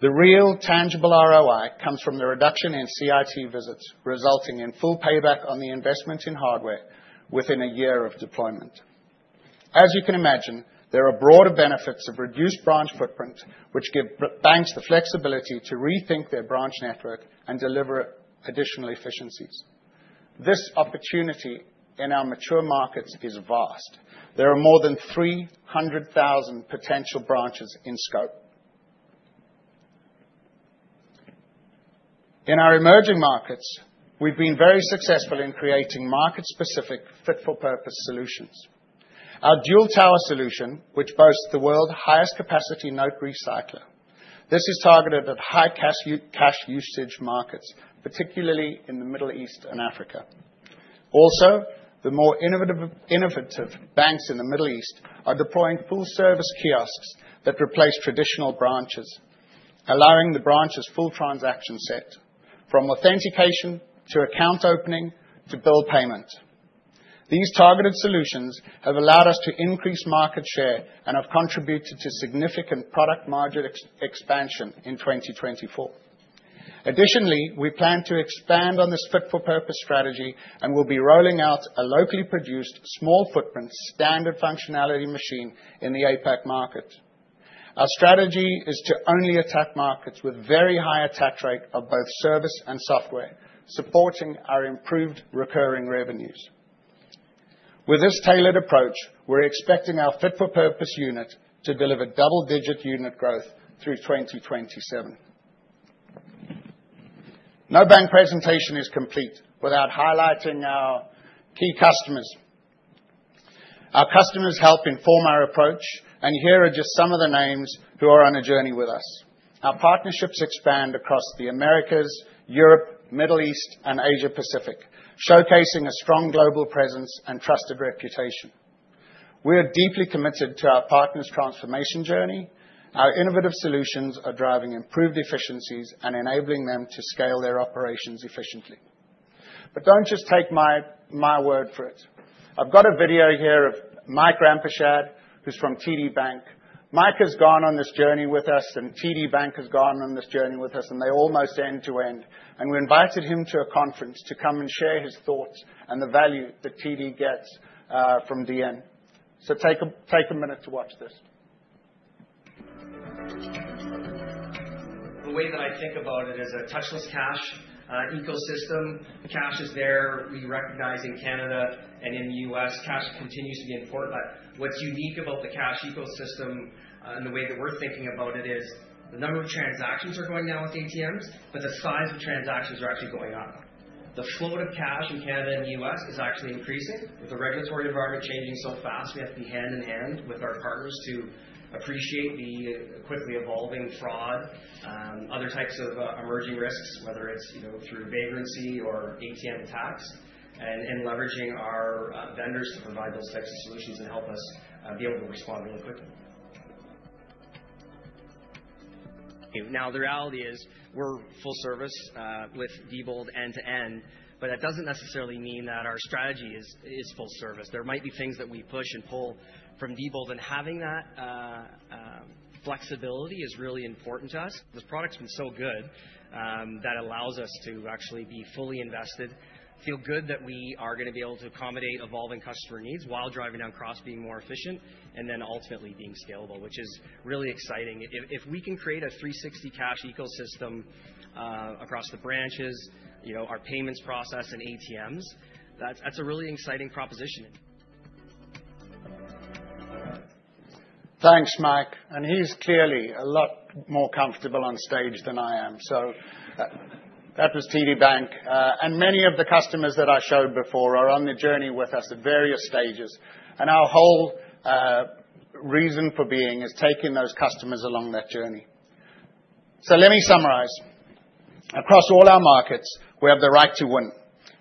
The real tangible ROI comes from the reduction in CIT visits, resulting in full payback on the investment in hardware within a year of deployment. As you can imagine, there are broader benefits of reduced branch footprint, which give banks the flexibility to rethink their branch network and deliver additional efficiencies. This opportunity in our mature markets is vast. There are more than 300,000 potential branches in scope. In our emerging markets, we've been very successful in creating market-specific fit-for-purpose solutions. Our Dual Tower solution, which boasts the world's highest capacity note recycler. This is targeted at high cash usage markets, particularly in the Middle East and Africa. Also, the more innovative banks in the Middle East are deploying full-service kiosks that replace traditional branches, allowing the branch's full transaction set, from authentication to account opening to bill payment. These targeted solutions have allowed us to increase market share and have contributed to significant product margin expansion in 2024. Additionally, we plan to expand on this fit-for-purpose strategy and will be rolling out a locally produced small-footprint standard functionality machine in the APAC market. Our strategy is to only attack markets with very high attach rate of both service and software, supporting our improved recurring revenues. With this tailored approach, we're expecting our fit-for-purpose unit to deliver double-digit unit growth through 2027. No bank presentation is complete without highlighting our key customers. Our customers help inform our approach, and here are just some of the names who are on a journey with us. Our partnerships expand across the Americas, Europe, Middle East, and Asia-Pacific, showcasing a strong global presence and trusted reputation. We are deeply committed to our partners' transformation journey. Our innovative solutions are driving improved efficiencies and enabling them to scale their operations efficiently. But don't just take my word for it. I've got a video here of Mike Rampershad, who's from TD Bank. Mike has gone on this journey with us, and TD Bank has gone on this journey with us, and they're almost end to end. We invited him to a conference to come and share his thoughts and the value that TD gets from DN. Take a minute to watch this. The way that I think about it is a touchless cash ecosystem. Cash is there. We recognize in Canada and in the U.S., cash continues to be important, but what's unique about the cash ecosystem and the way that we're thinking about it is the number of transactions are going down with ATMs, but the size of transactions are actually going up. The float of cash in Canada and the U.S. is actually increasing. With the regulatory environment changing so fast, we have to be hand in hand with our partners to appreciate the quickly evolving fraud, other types of emerging risks, whether it's through vandalism or ATM attacks, and leveraging our vendors to provide those types of solutions and help us be able to respond really quickly. Now, the reality is we're full service with Diebold end to end, but that doesn't necessarily mean that our strategy is full service. There might be things that we push and pull from Diebold, and having that flexibility is really important to us. This product's been so good that it allows us to actually be fully invested, feel good that we are going to be able to accommodate evolving customer needs while driving down cost, being more efficient, and then ultimately being scalable, which is really exciting. If we can create a 360 cash ecosystem across the branches, our payments process, and ATMs, that's a really exciting proposition. Thanks, Mike. And he's clearly a lot more comfortable on stage than I am. So that was TD Bank. And many of the customers that I showed before are on the journey with us at various stages. And our whole reason for being is taking those customers along that journey. So let me summarize. Across all our markets, we have the right to win.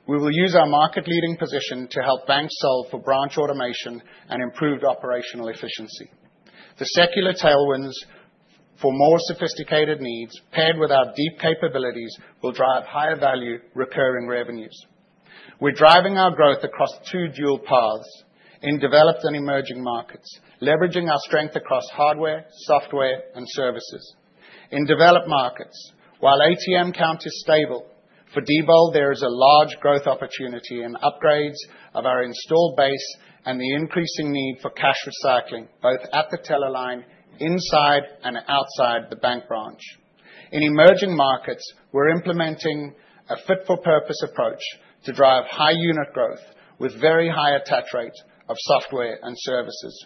We will use our market-leading position to help banks solve for branch automation and improved operational efficiency. The secular tailwinds for more sophisticated needs, paired with our deep capabilities, will drive higher value recurring revenues. We're driving our growth across two dual paths in developed and emerging markets, leveraging our strength across hardware, software, and services. In developed markets, while ATM count is stable, for Diebold, there is a large growth opportunity in upgrades of our installed base and the increasing need for cash recycling, both at the teller line, inside, and outside the bank branch. In emerging markets, we're implementing a fit-for-purpose approach to drive high unit growth with very high attach rate of software and services.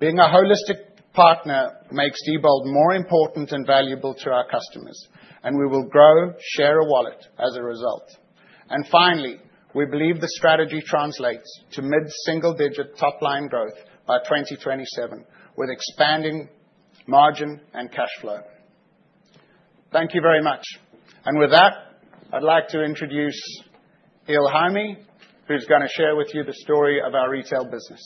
Being a holistic partner makes Diebold more important and valuable to our customers, and we will grow share of wallet as a result. And finally, we believe the strategy translates to mid-single-digit top-line growth by 2027, with expanding margin and cash flow. Thank you very much. And with that, I'd like to introduce Ilhami, who's going to share with you the story of our retail business.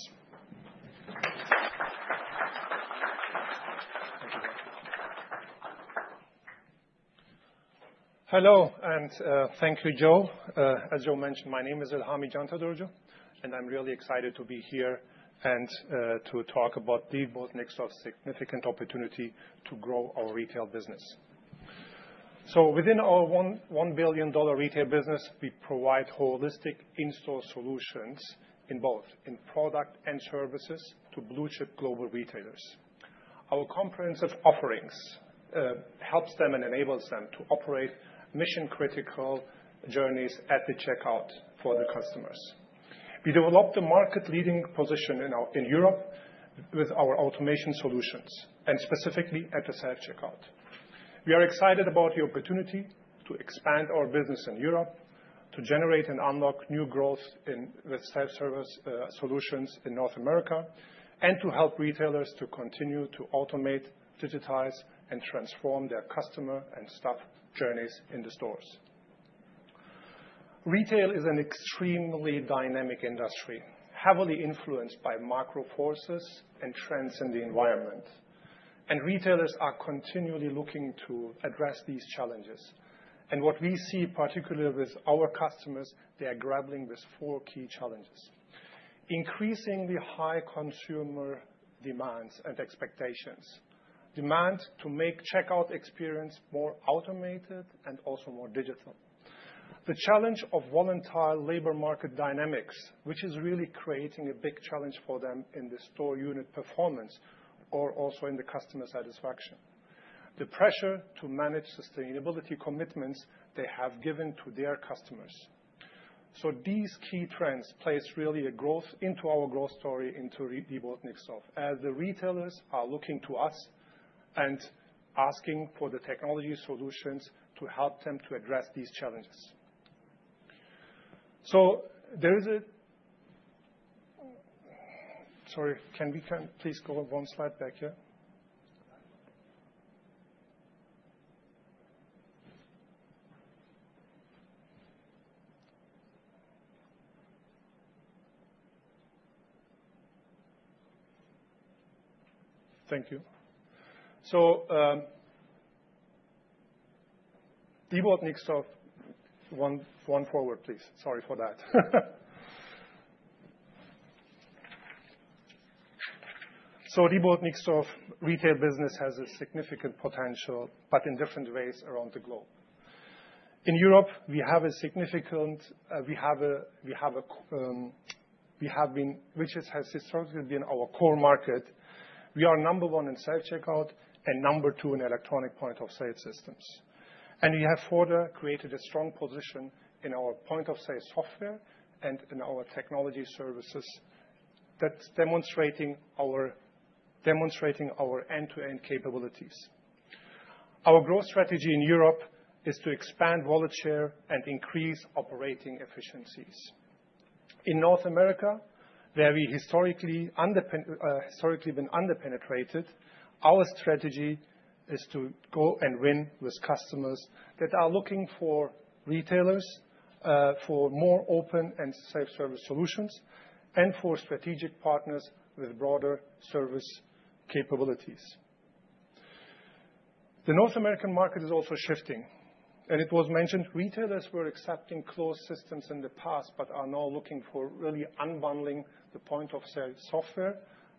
Hello, and thank you, Joe.As Joe mentioned, my name is Ilhami Cantadurucu, and I'm really excited to be here and to talk about Diebold Nixdorf's significant opportunity to grow our retail business, so within our $1 billion retail business, we provide holistic in-store solutions in both product and services to blue-chip global retailers. Our comprehensive offerings help them and enable them to operate mission-critical journeys at the checkout for the customers. We developed a market-leading position in Europe with our automation solutions, and specifically at the self-checkout. We are excited about the opportunity to expand our business in Europe, to generate and unlock new growth with self-service solutions in North America, and to help retailers to continue to automate, digitize, and transform their customer and staff journeys in the stores. Retail is an extremely dynamic industry, heavily influenced by macro forces and trends in the environment. And retailers are continually looking to address these challenges. And what we see, particularly with our customers, they are grappling with four key challenges: increasingly high consumer demands and expectations, demand to make the checkout experience more automated and also more digital, the challenge of volatile labor market dynamics, which is really creating a big challenge for them in the store unit performance or also in the customer satisfaction, the pressure to manage sustainability commitments they have given to their customers. So these key trends place really a growth into our growth story into Diebold Nixdorf, as the retailers are looking to us and asking for the technology solutions to help them to address these challenges. So there is a, sorry, can we please go one slide back here? Thank you. So Diebold Nixdorf, one forward, please. Sorry for that. Diebold Nixdorf's retail business has a significant potential, but in different ways around the globe. In Europe, which has historically been our core market. We are number one in self-checkout and number two in electronic point-of-sale systems. We have further created a strong position in our point-of-sale software and in our technology services that's demonstrating our end-to-end capabilities. Our growth strategy in Europe is to expand wallet share and increase operating efficiencies. In North America, where we have historically been underpenetrated, our strategy is to go and win with customers that are looking for retailers for more open and self-service solutions and for strategic partners with broader service capabilities. The North American market is also shifting. It was mentioned retailers were accepting closed systems in the past, but are now looking for really unbundling the point-of-sale software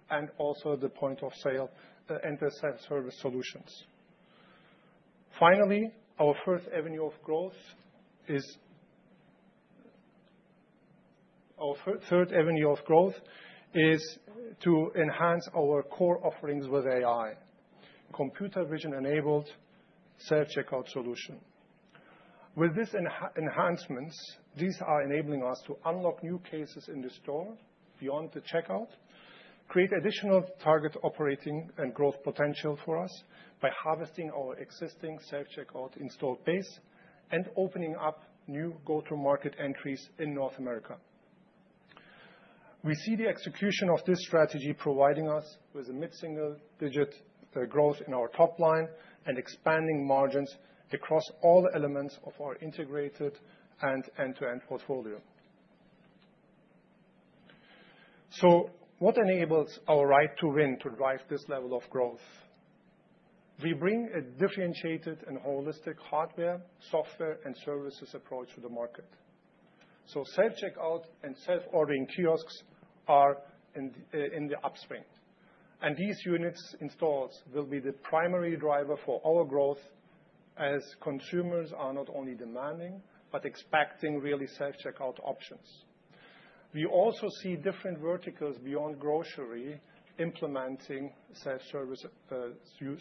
and also the point-of-sale and the self-service solutions. Finally, our third avenue of growth is to enhance our core offerings with AI: computer vision-enabled self-checkout solution. With these enhancements, these are enabling us to unlock new cases in the store beyond the checkout, create additional target operating and growth potential for us by harvesting our existing self-checkout installed base and opening up new go-to-market entries in North America. We see the execution of this strategy providing us with a mid-single-digit growth in our top line and expanding margins across all elements of our integrated and end-to-end portfolio. What enables our right to win to drive this level of growth? We bring a differentiated and holistic hardware, software, and services approach to the market. So self-checkout and self-ordering kiosks are in the upswing. And these units installed will be the primary driver for our growth as consumers are not only demanding but expecting really self-checkout options. We also see different verticals beyond grocery implementing self-service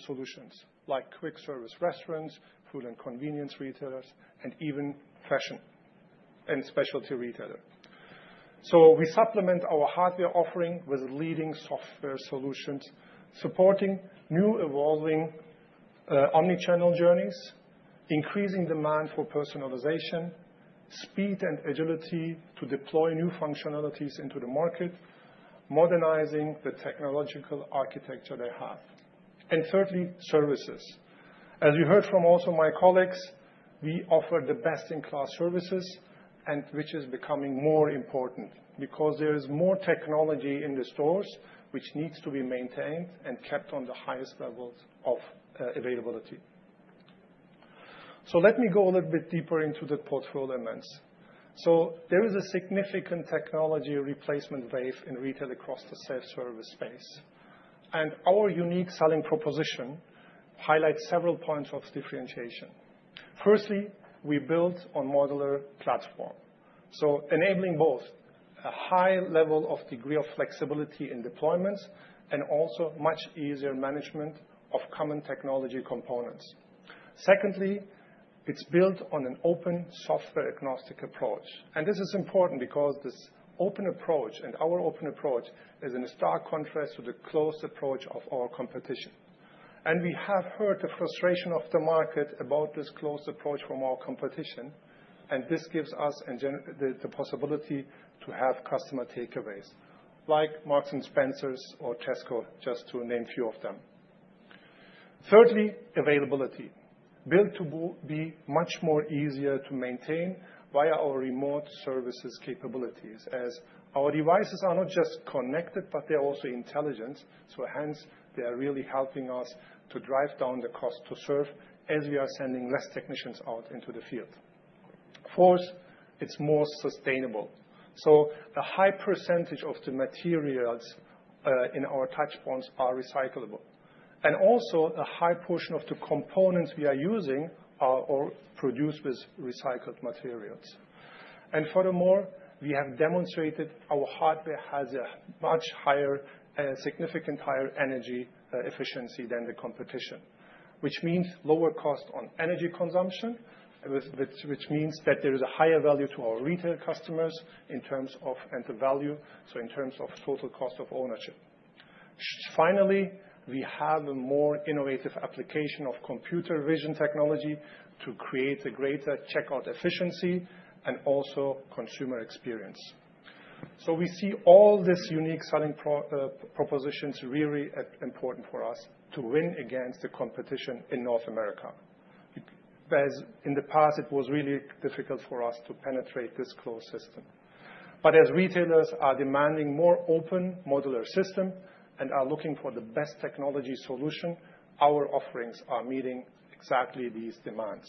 solutions like quick-service restaurants, food and convenience retailers, and even fashion and specialty retailer. So we supplement our hardware offering with leading software solutions supporting new evolving omnichannel journeys, increasing demand for personalization, speed and agility to deploy new functionalities into the market, modernizing the technological architecture they have. And thirdly, services. As you heard from also my colleagues, we offer the best-in-class services, which is becoming more important because there is more technology in the stores which needs to be maintained and kept on the highest levels of availability. So let me go a little bit deeper into the portfolio lens. There is a significant technology replacement wave in retail across the self-service space. Our unique selling proposition highlights several points of differentiation. Firstly, we build on a modular platform, enabling both a high degree of flexibility in deployments and also much easier management of common technology components. Secondly, it's built on an open software-agnostic approach. This is important because this open approach and our open approach is in stark contrast to the closed approach of our competition. We have heard the frustration of the market about this closed approach from our competition, and this gives us the possibility to have customer takeaways like Marks & Spencer's or Tesco, just to name a few of them. Thirdly, availability. Built to be much more easier to maintain via our remote services capabilities, as our devices are not just connected, but they're also intelligent. So hence, they are really helping us to drive down the cost to serve as we are sending less technicians out into the field. Fourth, it's more sustainable. So a high percentage of the materials in our touchpoints are recyclable. And also, a high portion of the components we are using are produced with recycled materials. And furthermore, we have demonstrated our hardware has a much higher, significantly higher energy efficiency than the competition, which means lower cost on energy consumption, which means that there is a higher value to our retail customers in terms of value, so in terms of total cost of ownership. Finally, we have a more innovative application of computer vision technology to create a greater checkout efficiency and also consumer experience. So we see all these unique selling propositions really important for us to win against the competition in North America. As in the past, it was really difficult for us to penetrate this closed system. But as retailers are demanding more open modular systems and are looking for the best technology solution, our offerings are meeting exactly these demands.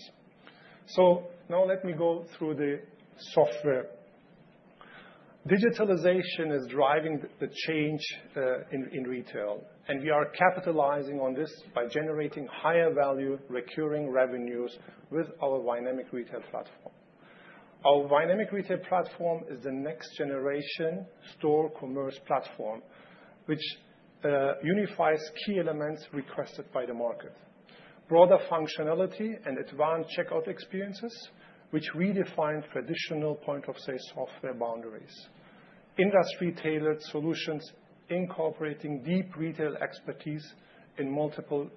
So now let me go through the software. Digitalization is driving the change in retail, and we are capitalizing on this by generating higher value recurring revenues with our Vynamic Retail Platform. Our Vynamic Retail Platform is the next-generation store commerce platform, which unifies key elements requested by the market: broader functionality and advanced checkout experiences, which redefine traditional point-of-sale software boundaries, industry-tailored solutions incorporating deep retail expertise in multiple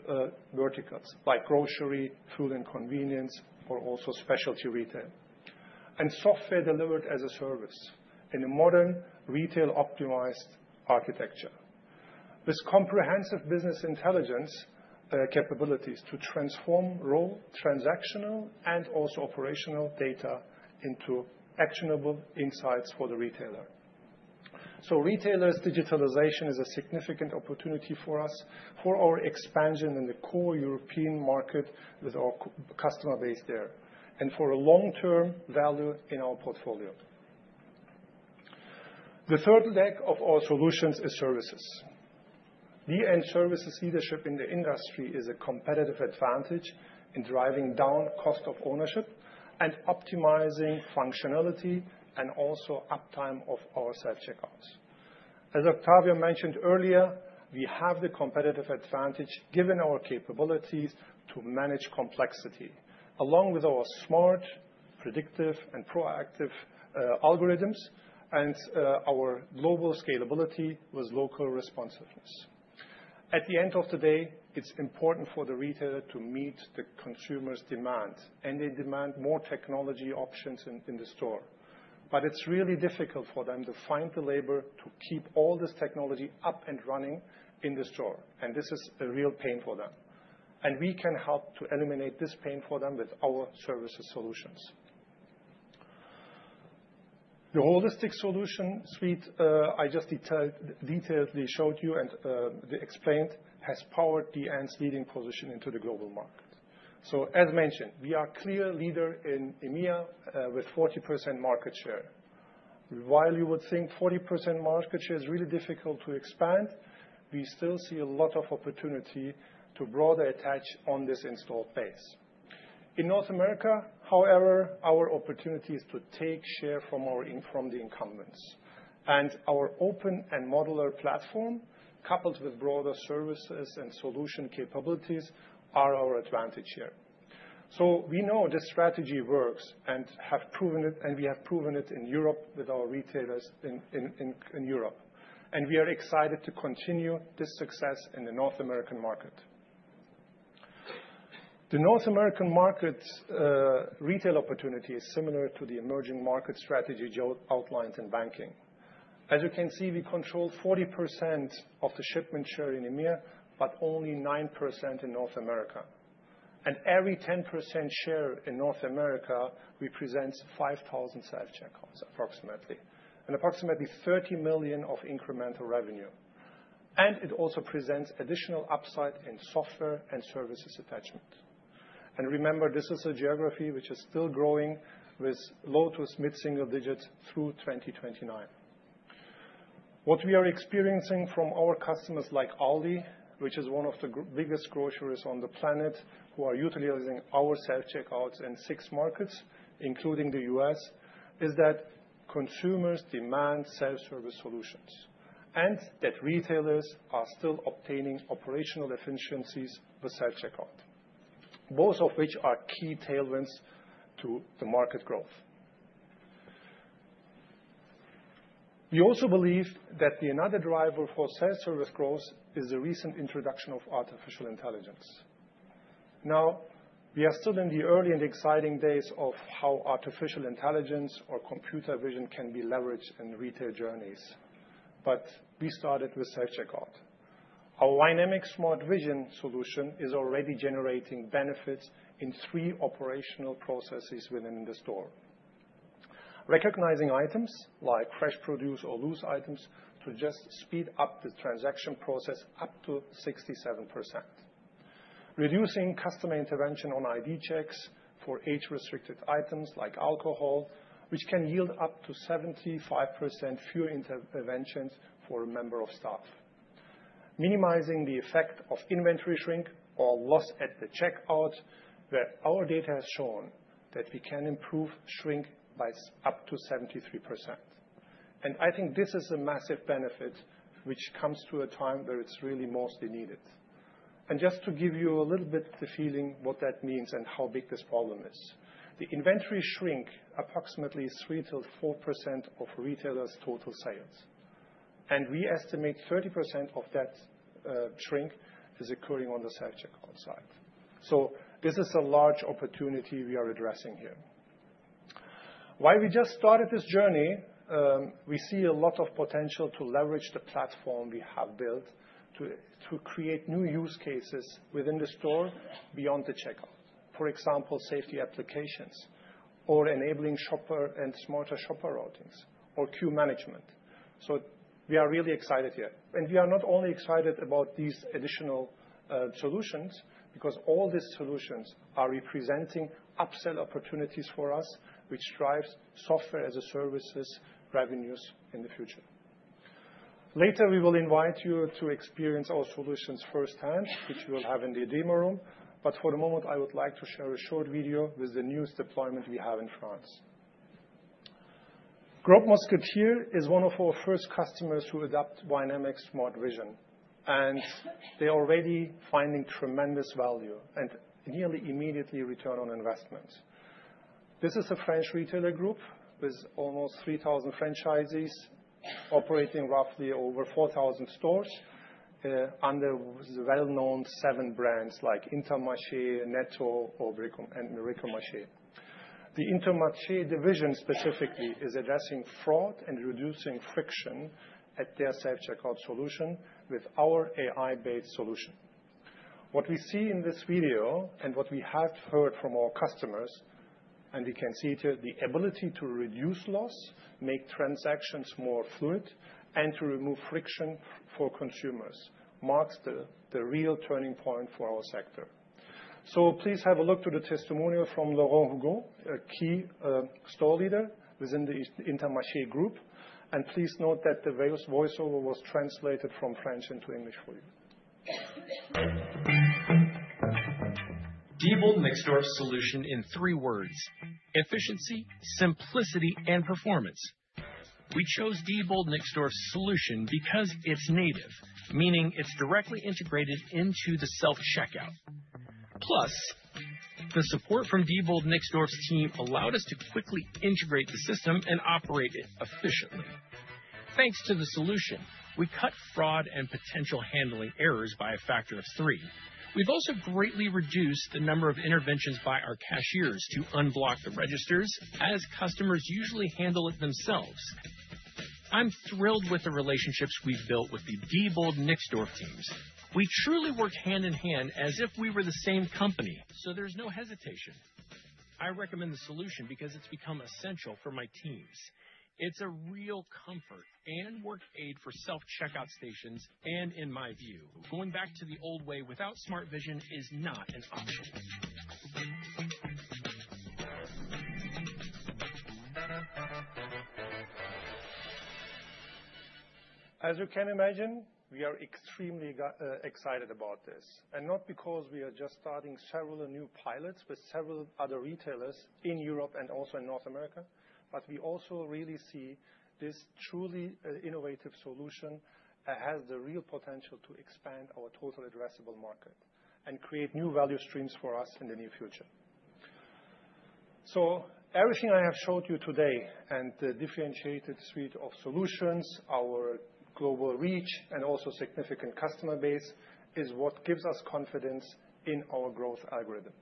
verticals like grocery, food, and convenience, or also specialty retail, and software delivered as a service in a modern retail-optimized architecture with comprehensive business intelligence capabilities to transform raw transactional and also operational data into actionable insights for the retailer, so retailers' digitalization is a significant opportunity for us for our expansion in the core European market with our customer base there and for a long-term value in our portfolio. The third leg of our solutions is services. The end-services leadership in the industry is a competitive advantage in driving down cost of ownership and optimizing functionality and also uptime of our self-checkouts. As Octavio mentioned earlier, we have the competitive advantage given our capabilities to manage complexity along with our smart, predictive, and proactive algorithms and our global scalability with local responsiveness. At the end of the day, it's important for the retailer to meet the consumer's demands, and they demand more technology options in the store, but it's really difficult for them to find the labor to keep all this technology up and running in the store, and this is a real pain for them. And we can help to eliminate this pain for them with our services solutions. The holistic solution suite I just detailed, showed you, and explained has powered DN's leading position in the global market. So as mentioned, we are a clear leader in EMEA with 40% market share. While you would think 40% market share is really difficult to expand, we still see a lot of opportunity to broadly attach on this installed base. In North America, however, our opportunity is to take share from the incumbents. And our open and modular platform, coupled with broader services and solution capabilities, are our advantage here. So we know this strategy works and have proven it, and we have proven it in Europe with our retailers in Europe. And we are excited to continue this success in the North American market. The North American market retail opportunity is similar to the emerging market strategy Joe outlined in banking. As you can see, we control 40% of the shipment share in EMEA, but only 9% in North America. And every 10% share in North America represents 5,000 self-checkouts approximately and approximately $30 million of incremental revenue. And it also presents additional upside in software and services attachment. And remember, this is a geography which is still growing with low to mid-single digits through 2029. What we are experiencing from our customers like Aldi, which is one of the biggest groceries on the planet, who are utilizing our self-checkouts in six markets, including the U.S., is that consumers demand self-service solutions and that retailers are still obtaining operational efficiencies with self-checkout, both of which are key tailwinds to the market growth. We also believe that another driver for self-service growth is the recent introduction of artificial intelligence. Now, we are still in the early and exciting days of how artificial intelligence or computer vision can be leveraged in retail journeys. But we started with self-checkout. Our Vynamic Smart Vision solution is already generating benefits in three operational processes within the store, recognizing items like fresh produce or loose items to just speed up the transaction process up to 67%, reducing customer intervention on ID checks for age-restricted items like alcohol, which can yield up to 75% fewer interventions for a member of staff, minimizing the effect of inventory shrink or loss at the checkout, where our data has shown that we can improve shrink by up to 73%, and I think this is a massive benefit which comes to a time where it's really mostly needed, and just to give you a little bit of the feeling of what that means and how big this problem is, the inventory shrink approximately 3%-4% of retailers' total sales, and we estimate 30% of that shrink is occurring on the self-checkout side. This is a large opportunity we are addressing here. While we just started this journey, we see a lot of potential to leverage the platform we have built to create new use cases within the store beyond the checkout, for example, safety applications or enabling shopper and smarter shopper routings or queue management. We are really excited here. And we are not only excited about these additional solutions because all these solutions are representing upsell opportunities for us, which drives software as a service revenues in the future. Later, we will invite you to experience our solutions firsthand, which you will have in the demo room. But for the moment, I would like to share a short video with the newest deployment we have in France. Groupe Les Mousquetaires is one of our first customers who adopt Vynamic Smart Vision. They are already finding tremendous value and nearly immediate return on investment. This is a French retailer group with almost 3,000 franchisees operating roughly over 4,000 stores under the well-known seven brands like Intermarché, Netto, and Bricomarché. The Intermarché Division specifically is addressing fraud and reducing friction at their self-checkout solution with our AI-based solution. What we see in this video and what we have heard from our customers, and you can see it here, the ability to reduce loss, make transactions more fluid, and to remove friction for consumers marks the real turning point for our sector. Please have a look to the testimonial from Laurent Hugou, a key store leader within the Intermarché Group. Please note that the voiceover was translated from French into English for you. Diebold Nixdorf's solution in three words: efficiency, simplicity, and performance. We chose Diebold Nixdorf's solution because it's native, meaning it's directly integrated into the self-checkout. Plus, the support from Diebold Nixdorf's team allowed us to quickly integrate the system and operate it efficiently. Thanks to the solution, we cut fraud and potential handling errors by a factor of three. We've also greatly reduced the number of interventions by our cashiers to unblock the registers, as customers usually handle it themselves. I'm thrilled with the relationships we've built with the Diebold Nixdorf teams. We truly work hand in hand as if we were the same company, so there's no hesitation. I recommend the solution because it's become essential for my teams. It's a real comfort and work aid for self-checkout stations, and in my view, going back to the old way without smart vision is not an option. As you can imagine, we are extremely excited about this. Not because we are just starting several new pilots with several other retailers in Europe and also in North America, but we also really see this truly innovative solution has the real potential to expand our total addressable market and create new value streams for us in the near future. So everything I have showed you today and the differentiated suite of solutions, our global reach, and also significant customer base is what gives us confidence in our growth algorithm.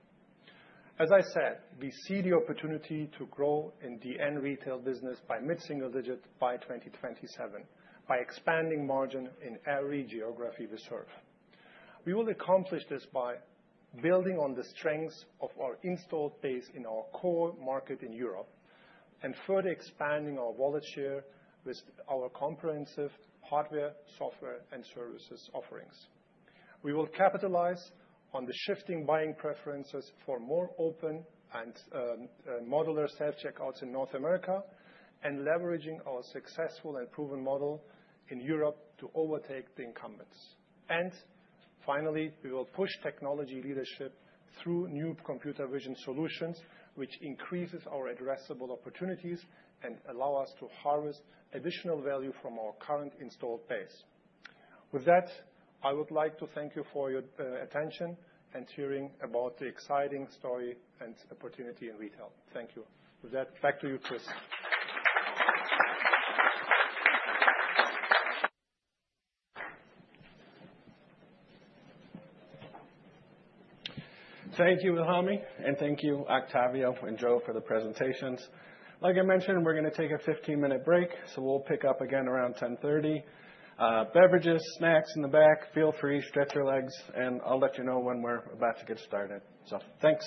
As I said, we see the opportunity to grow in the retail business by mid-single digit by 2027 by expanding margin in every geography we serve. We will accomplish this by building on the strengths of our installed base in our core market in Europe and further expanding our wallet share with our comprehensive hardware, software, and services offerings. We will capitalize on the shifting buying preferences for more open and modular self-checkouts in North America and leveraging our successful and proven model in Europe to overtake the incumbents. And finally, we will push technology leadership through new computer vision solutions, which increases our addressable opportunities and allows us to harvest additional value from our current installed base. With that, I would like to thank you for your attention and hearing about the exciting story and opportunity in retail. Thank you. With that, back to you, Chris. Thank you, Ilhami, and thank you, Octavio and Joe, for the presentations. Like I mentioned, we're going to take a 15-minute break, so we'll pick up again around 10:30 A.M. Beverages, snacks in the back, feel free. Stretch your legs, and I'll let you know when we're about to get started. So thanks.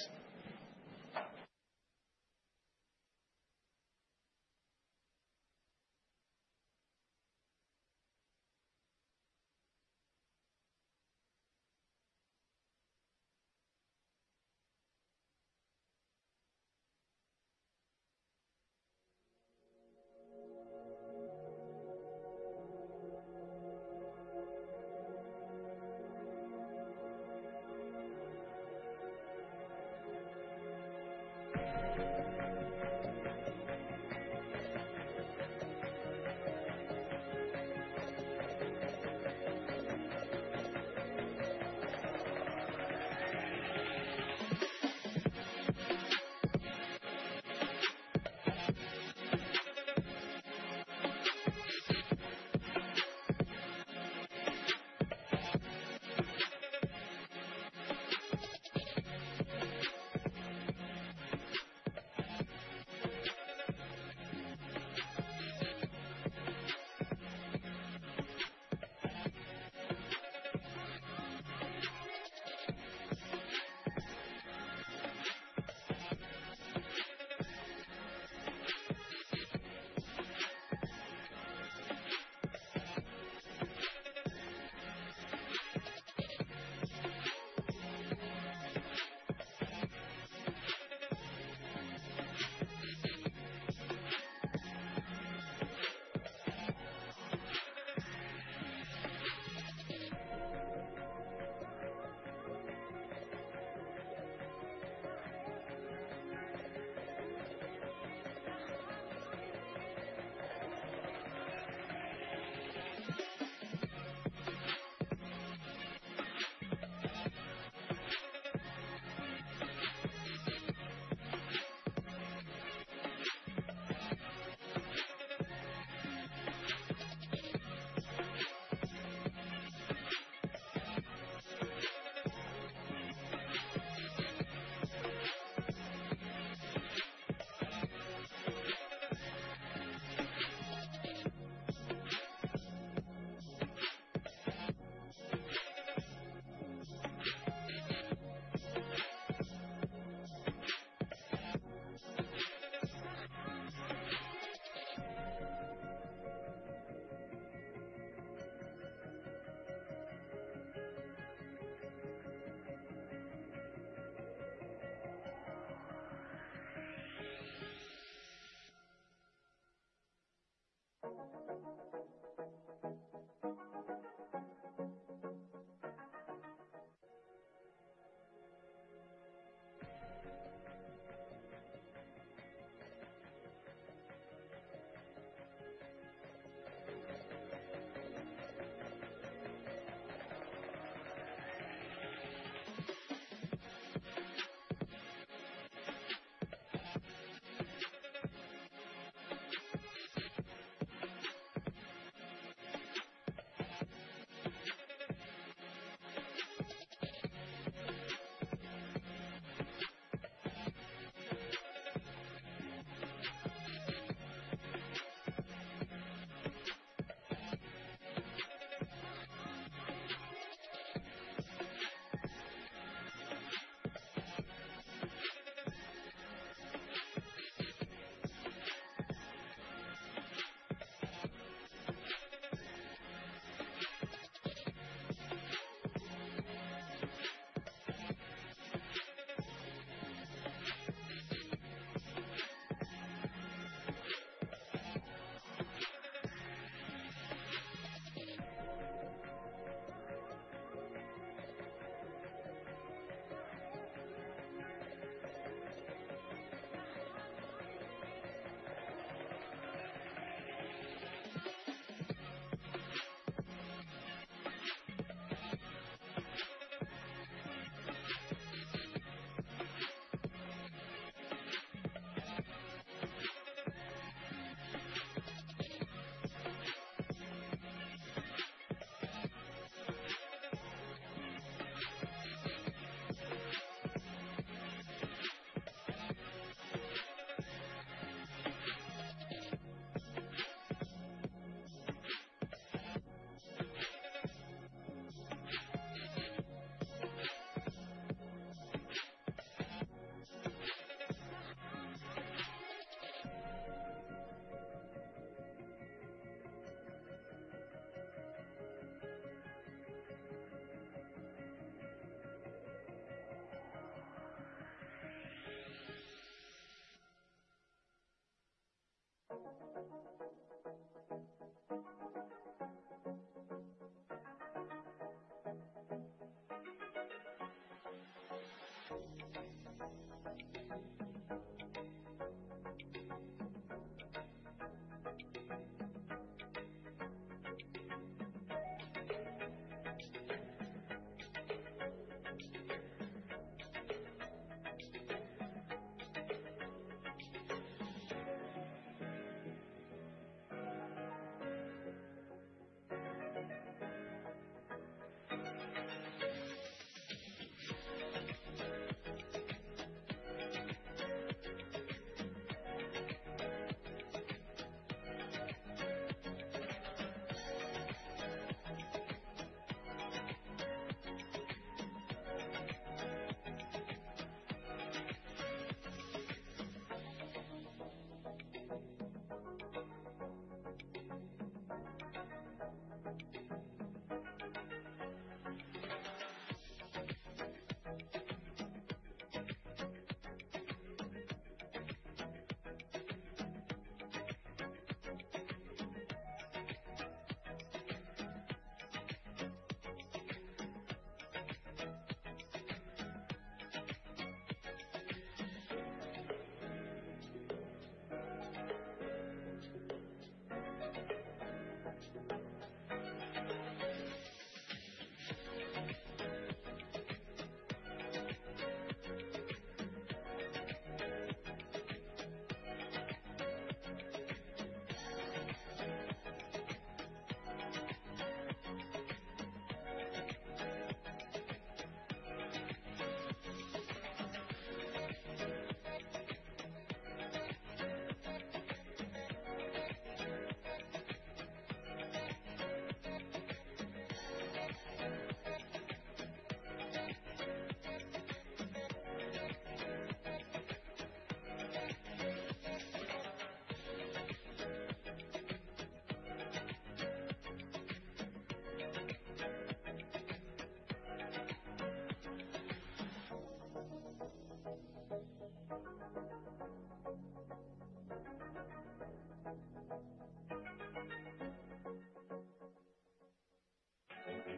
All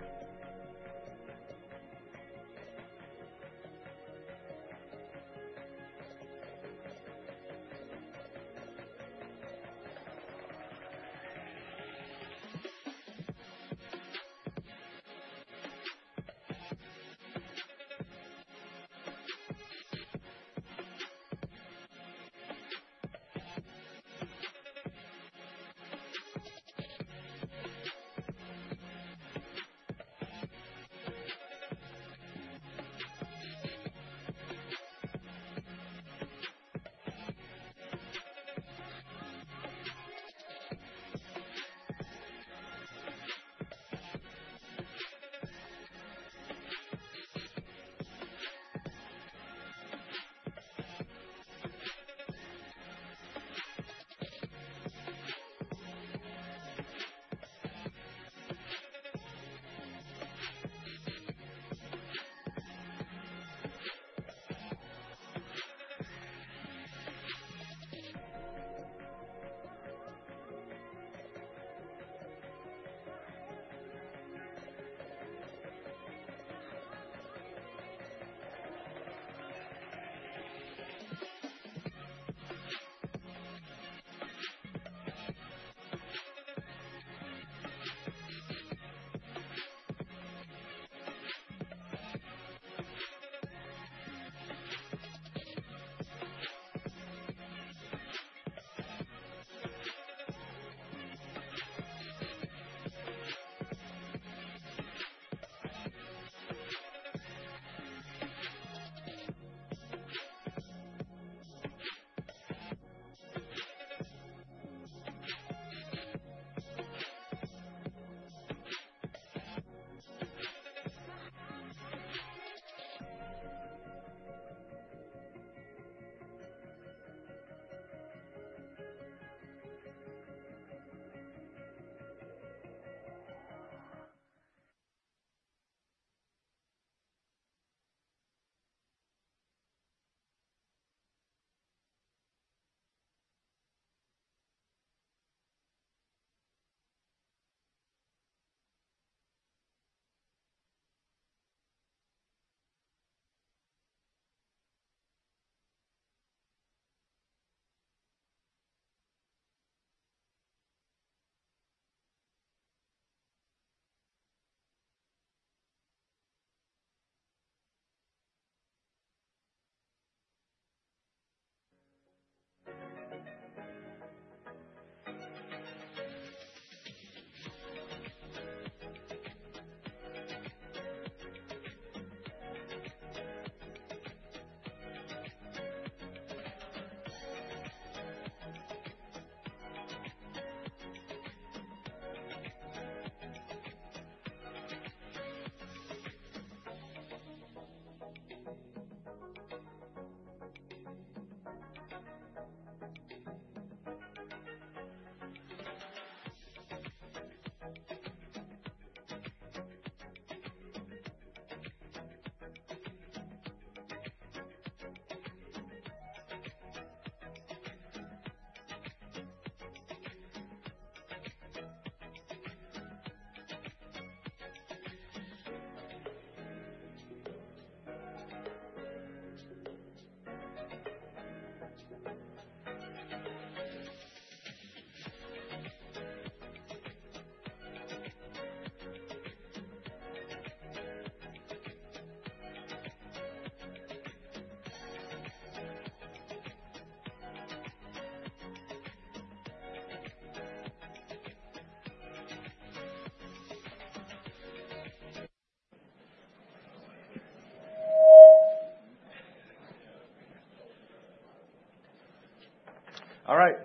right,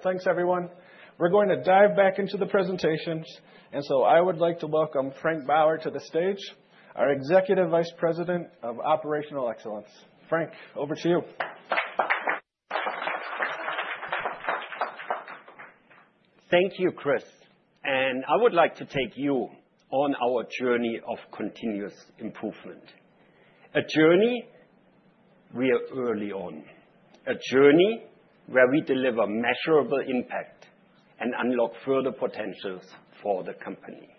thanks everyone. We're going to dive back into the presentations, and so I would like to welcome Frank Baur to the stage, our Executive Vice President of Operational Excellence. Frank, over to you. Thank you, Chris, and I would like to take you on our journey of continuous improvement. A journey we are early on, a journey where we deliver measurable impact and unlock further potentials for the company.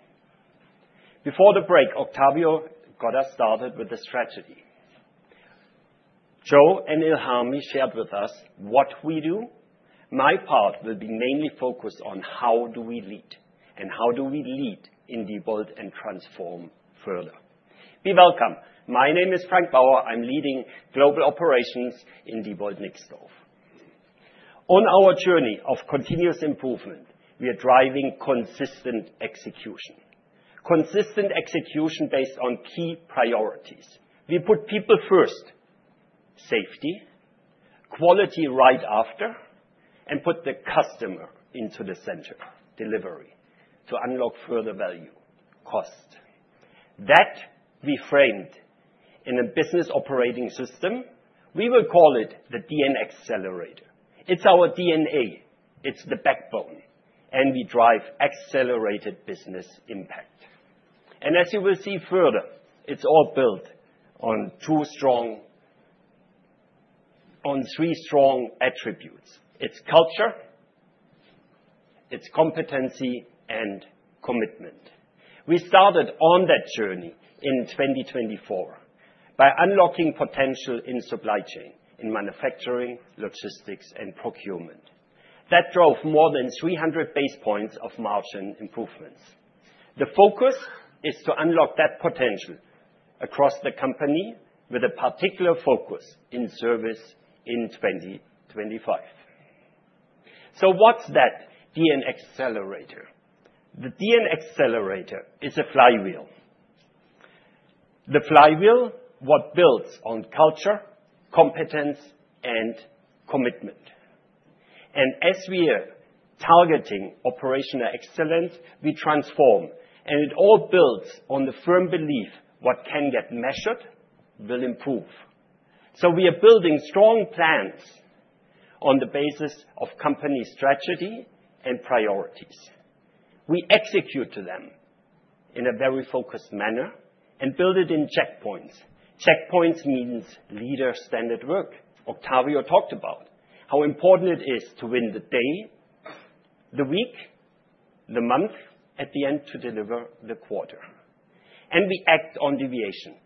Before the break, Octavio got us started with the strategy. Joe and Ilhami shared with us what we do. My part will be mainly focused on how do we lead, and how do we lead in Diebold and transform further. Be welcome. My name is Frank Baur. I'm leading global operations in Diebold Nixdorf. On our journey of continuous improvement, we are driving consistent execution. Consistent execution based on key priorities. We put people first, safety, quality right after, and put the customer into the center, delivery, to unlock further value, cost. That we framed in a business operating system. We will call it the DnA Accelerator. It's our DNA. It's the backbone, and we drive accelerated business impact. And as you will see further, it's all built on two strong, on three strong attributes. It's culture, it's competency, and commitment. We started on that journey in 2024 by unlocking potential in supply chain, in manufacturing, logistics, and procurement. That drove more than 300 basis points of margin improvements. The focus is to unlock that potential across the company with a particular focus in service in 2025. So what's that DnA Accelerator? The DnA Accelerator is a flywheel. The flywheel what builds on culture, competence, and commitment. And as we are targeting operational excellence, we transform, and it all builds on the firm belief what can get measured will improve. So we are building strong plans on the basis of company strategy and priorities. We execute to them in a very focused manner and build it in checkpoints. Checkpoints means leader-standard work. Octavio talked about how important it is to win the day, the week, the month, at the end to deliver the quarter. And we act on deviation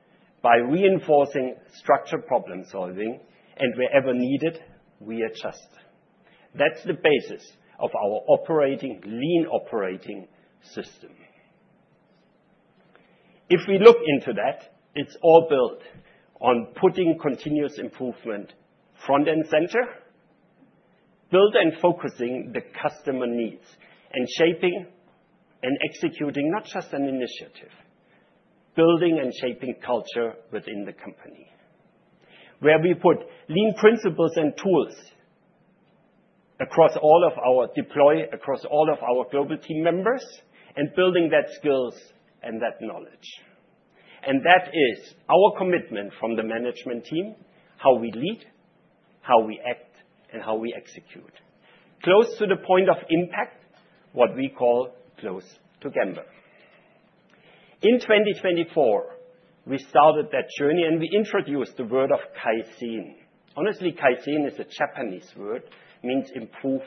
by reinforcing structured problem-solving, and wherever needed, we adjust. That's the basis of our operating, lean operating system. If we look into that, it's all built on putting continuous improvement front and center, building and focusing the customer needs, and shaping and executing not just an initiative, building and shaping culture within the company. Where we put lean principles and tools across all of our deploy, across all of our global team members, and building that skills and that knowledge. And that is our commitment from the management team, how we lead, how we act, and how we execute. Close to the point of impact, what we call close to gemba. In 2024, we started that journey and we introduced the world of Kaizen. Honestly, Kaizen is a Japanese word, means improve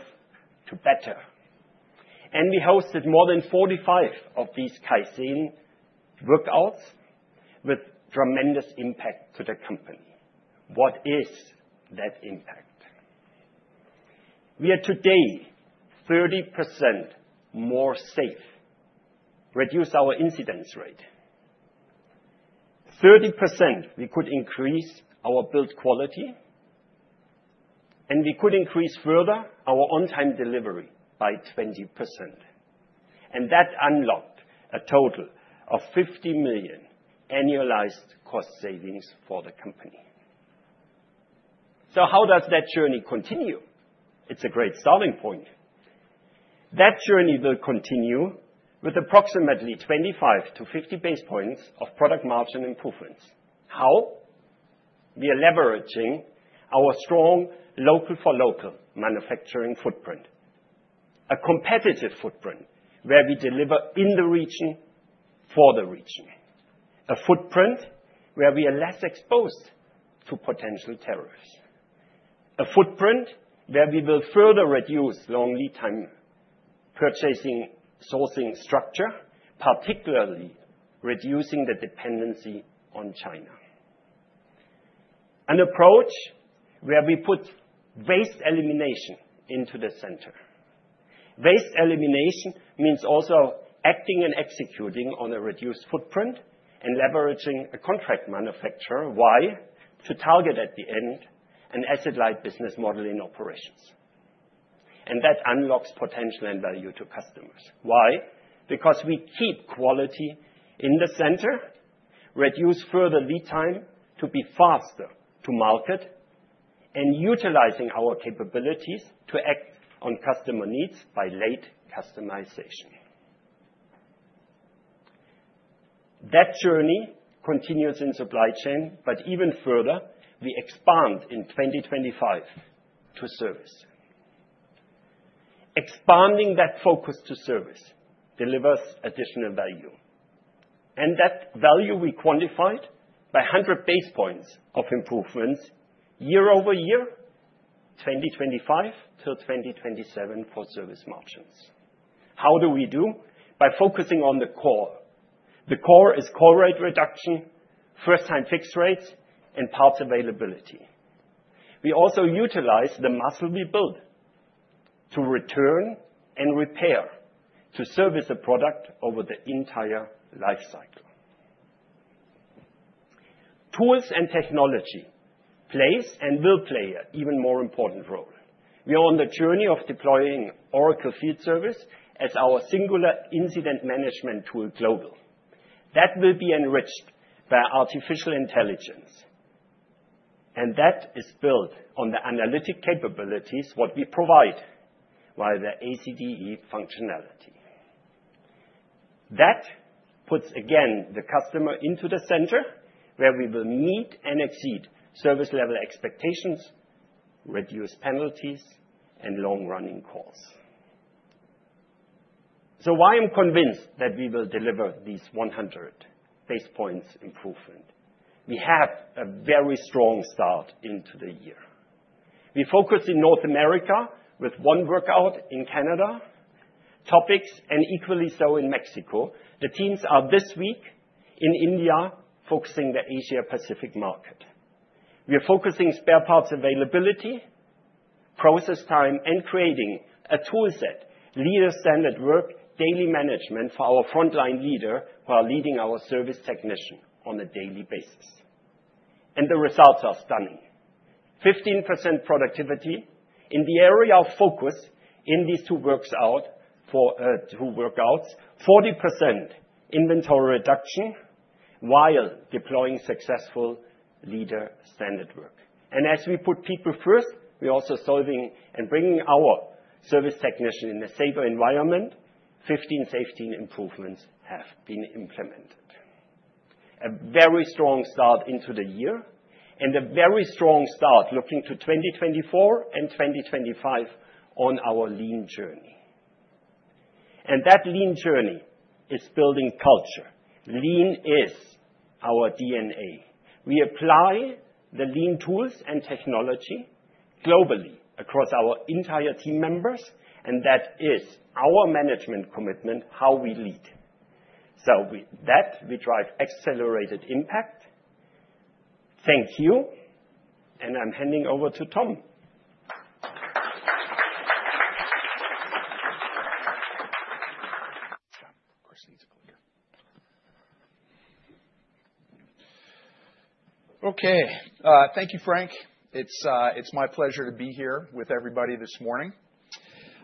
to better. And we hosted more than 45 of these Kaizen workouts with tremendous impact to the company. What is that impact? We are today 30% more safe, reduced our incidence rate 30%. We could increase our build quality, and we could increase further our on-time delivery by 20%. And that unlocked a total of $50 million annualized cost savings for the company. So how does that journey continue? It's a great starting point. That journey will continue with approximately 25-50 basis points of product margin improvements. How? We are leveraging our strong local-for-local manufacturing footprint. A competitive footprint where we deliver in the region for the region. A footprint where we are less exposed to potential tariffs. A footprint where we will further reduce long lead time purchasing sourcing structure, particularly reducing the dependency on China. An approach where we put waste elimination into the center. Waste elimination means also acting and executing on a reduced footprint and leveraging a contract manufacturer. Why? To target at the end an asset-light business model in operations. And that unlocks potential and value to customers. Why? Because we keep quality in the center, reduce further lead time to be faster to market, and utilizing our capabilities to act on customer needs by late customization. That journey continues in supply chain, but even further, we expand in 2025 to service. Expanding that focus to service delivers additional value. And that value we quantified by 100 basis points of improvements year over year, 2025-2027 for service margins. How do we do? By focusing on the core. The core is core rate reduction, first-time fix rates, and parts availability. We also utilize the muscle we build to return and repair to service a product over the entire life cycle. Tools and technology play and will play an even more important role. We are on the journey of deploying Oracle Field Service as our singular incident management tool globally. That will be enriched by artificial intelligence. And that is built on the analytic capabilities that we provide via the ACDE functionality. That puts again the customer into the center where we will meet and exceed service-level expectations, reduce penalties, and long-running calls, so why I'm convinced that we will deliver these 100 basis points improvement. We have a very strong start into the year. We focus in North America with one workout in Canada, topics, and equally so in Mexico. The teams are this week in India focusing the Asia-Pacific market. We are focusing spare parts availability, process time, and creating a toolset, leader-standard work, daily management for our frontline leader who are leading our service technician on a daily basis, and the results are stunning. 15% productivity in the area of focus in these two works out for two workouts, 40% inventory reduction while deploying successful leader-standard work, and as we put people first, we are also solving and bringing our service technician in a safer environment. 15 safety improvements have been implemented. A very strong start into the year and a very strong start looking to 2024 and 2025 on our lean journey, and that lean journey is building culture. Lean is our DNA. We apply the lean tools and technology globally across our entire team members, and that is our management commitment, how we lead. So with that, we drive accelerated impact. Thank you, and I'm handing over to Tom. Questions? Okay. Thank you, Frank. It's my pleasure to be here with everybody this morning.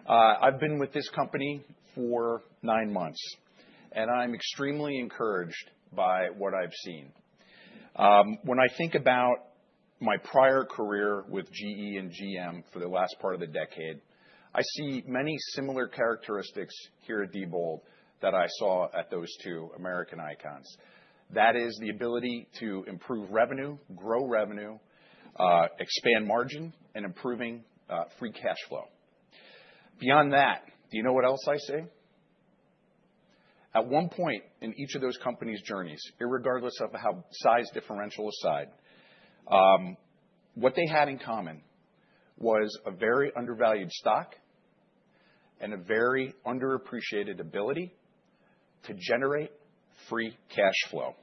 I've been with this company for nine months, and I'm extremely encouraged by what I've seen. When I think about my prior career with GE and GM for the last part of the decade, I see many similar characteristics here at Diebold that I saw at those two American icons. That is the ability to improve revenue, grow revenue, expand margin, and improving free cash flow. Beyond that, do you know what else I see? At one point in each of those companies' journeys, irregardless of how size differential aside, what they had in common was a very undervalued stock and a very underappreciated ability to generate free cash flow.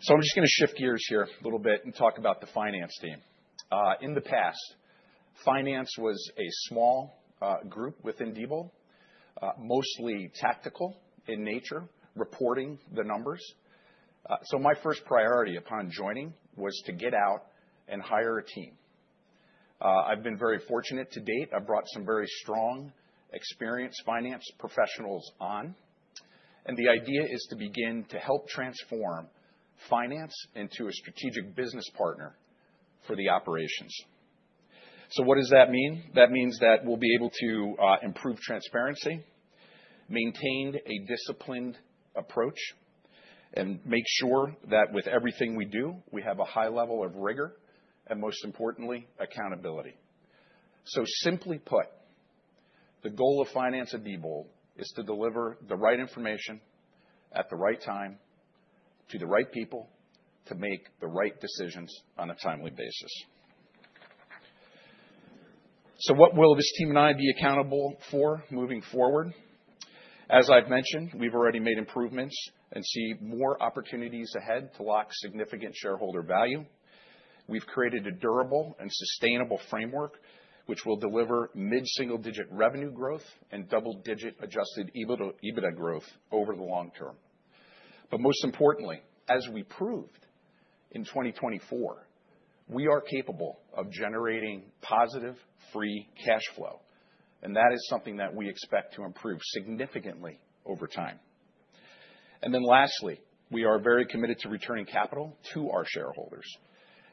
So I'm just going to shift gears here a little bit and talk about the finance team. In the past, finance was a small group within Diebold, mostly tactical in nature, reporting the numbers. So my first priority upon joining was to get out and hire a team. I've been very fortunate to date. I've brought some very strong experienced finance professionals on. And the idea is to begin to help transform finance into a strategic business partner for the operations. So what does that mean? That means that we'll be able to improve transparency, maintain a disciplined approach, and make sure that with everything we do, we have a high level of rigor and, most importantly, accountability. So simply put, the goal of finance at Diebold is to deliver the right information at the right time to the right people to make the right decisions on a timely basis. So what will this team and I be accountable for moving forward? As I've mentioned, we've already made improvements and see more opportunities ahead to lock significant shareholder value. We've created a durable and sustainable framework which will deliver mid-single-digit revenue growth and double-digit Adjusted EBITDA growth over the long term. But most importantly, as we proved in 2024, we are capable of generating positive free cash flow. And that is something that we expect to improve significantly over time. And then lastly, we are very committed to returning capital to our shareholders,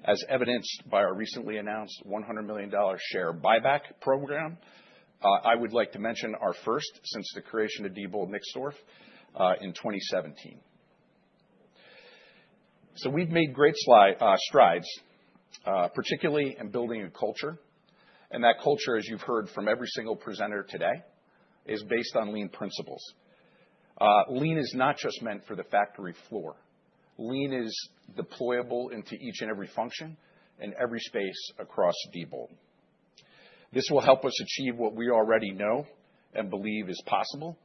as evidenced by our recently announced $100 million share buyback program. I would like to mention our first since the creation of Diebold Nixdorf in 2017. So we've made great strides, particularly in building a culture. And that culture, as you've heard from every single presenter today, is based on lean principles. Lean is not just meant for the factory floor. Lean is deployable into each and every function and every space across Diebold. This will help us achieve what we already know and believe is possible,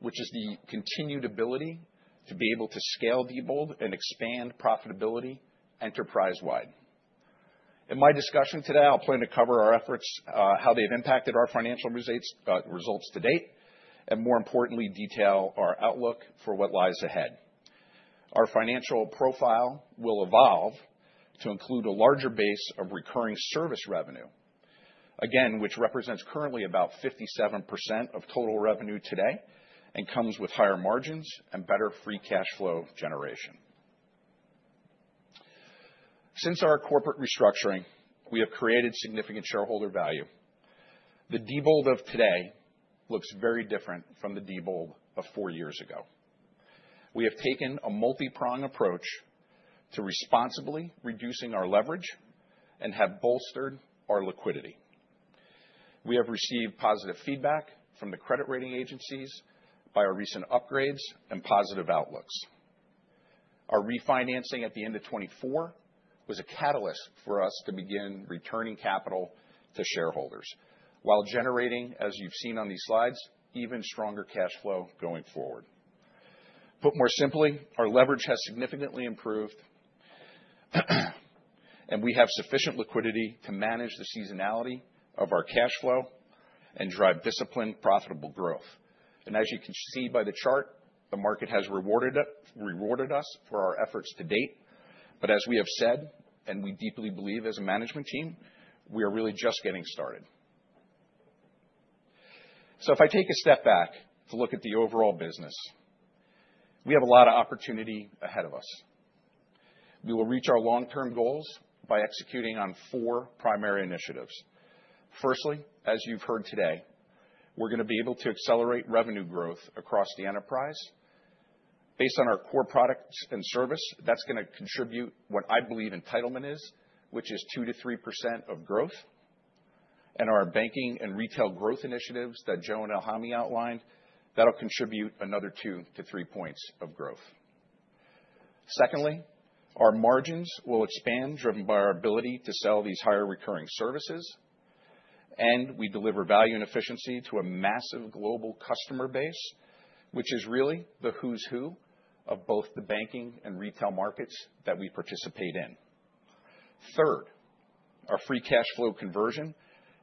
which is the continued ability to be able to scale Diebold and expand profitability enterprise-wide. In my discussion today, I'll plan to cover our efforts, how they've impacted our financial results to date, and more importantly, detail our outlook for what lies ahead. Our financial profile will evolve to include a larger base of recurring service revenue, again, which represents currently about 57% of total revenue today and comes with higher margins and better free cash flow generation. Since our corporate restructuring, we have created significant shareholder value. The Diebold of today looks very different from the Diebold of four years ago. We have taken a multi-prong approach to responsibly reducing our leverage and have bolstered our liquidity. We have received positive feedback from the credit rating agencies by our recent upgrades and positive outlooks. Our refinancing at the end of 2024 was a catalyst for us to begin returning capital to shareholders while generating, as you've seen on these slides, even stronger cash flow going forward. Put more simply, our leverage has significantly improved, and we have sufficient liquidity to manage the seasonality of our cash flow and drive disciplined profitable growth. As you can see by the chart, the market has rewarded us for our efforts to date. As we have said, and we deeply believe as a management team, we are really just getting started. If I take a step back to look at the overall business, we have a lot of opportunity ahead of us. We will reach our long-term goals by executing on four primary initiatives. Firstly, as you've heard today, we're going to be able to accelerate revenue growth across the enterprise. Based on our core products and service, that's going to contribute what I believe entitlement is, which is 2%-3% of growth. Our banking and retail growth initiatives that Joe and Ilhami outlined, that'll contribute another 2-3 points of growth. Secondly, our margins will expand driven by our ability to sell these higher recurring services. And we deliver value and efficiency to a massive global customer base, which is really the who's who of both the banking and retail markets that we participate in. Third, our free cash flow conversion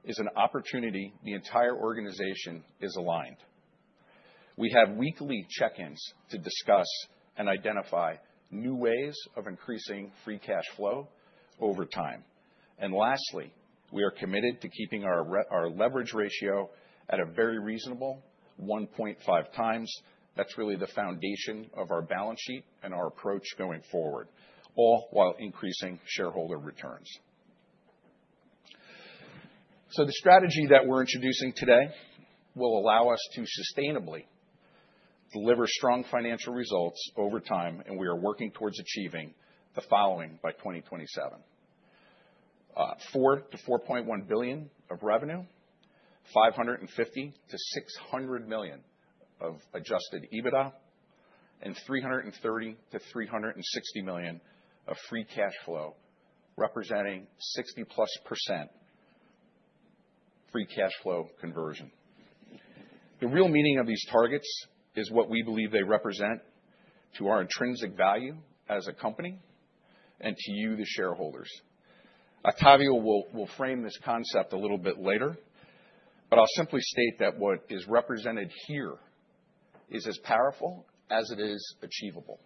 is an opportunity the entire organization is aligned. We have weekly check-ins to discuss and identify new ways of increasing free cash flow over time. And lastly, we are committed to keeping our leverage ratio at a very reasonable 1.5x. That's really the foundation of our balance sheet and our approach going forward, all while increasing shareholder returns. The strategy that we're introducing today will allow us to sustainably deliver strong financial results over time, and we are working towards achieving the following by 2027: $4 billion-$4.1 billion of revenue, $550 million-$600 million of Adjusted EBITDA, and $330 million-$360 million of free cash flow, representing 60+% free cash flow conversion. The real meaning of these targets is what we believe they represent to our intrinsic value as a company and to you, the shareholders. Octavio will frame this concept a little bit later, but I'll simply state that what is represented here is as powerful as it is achievable.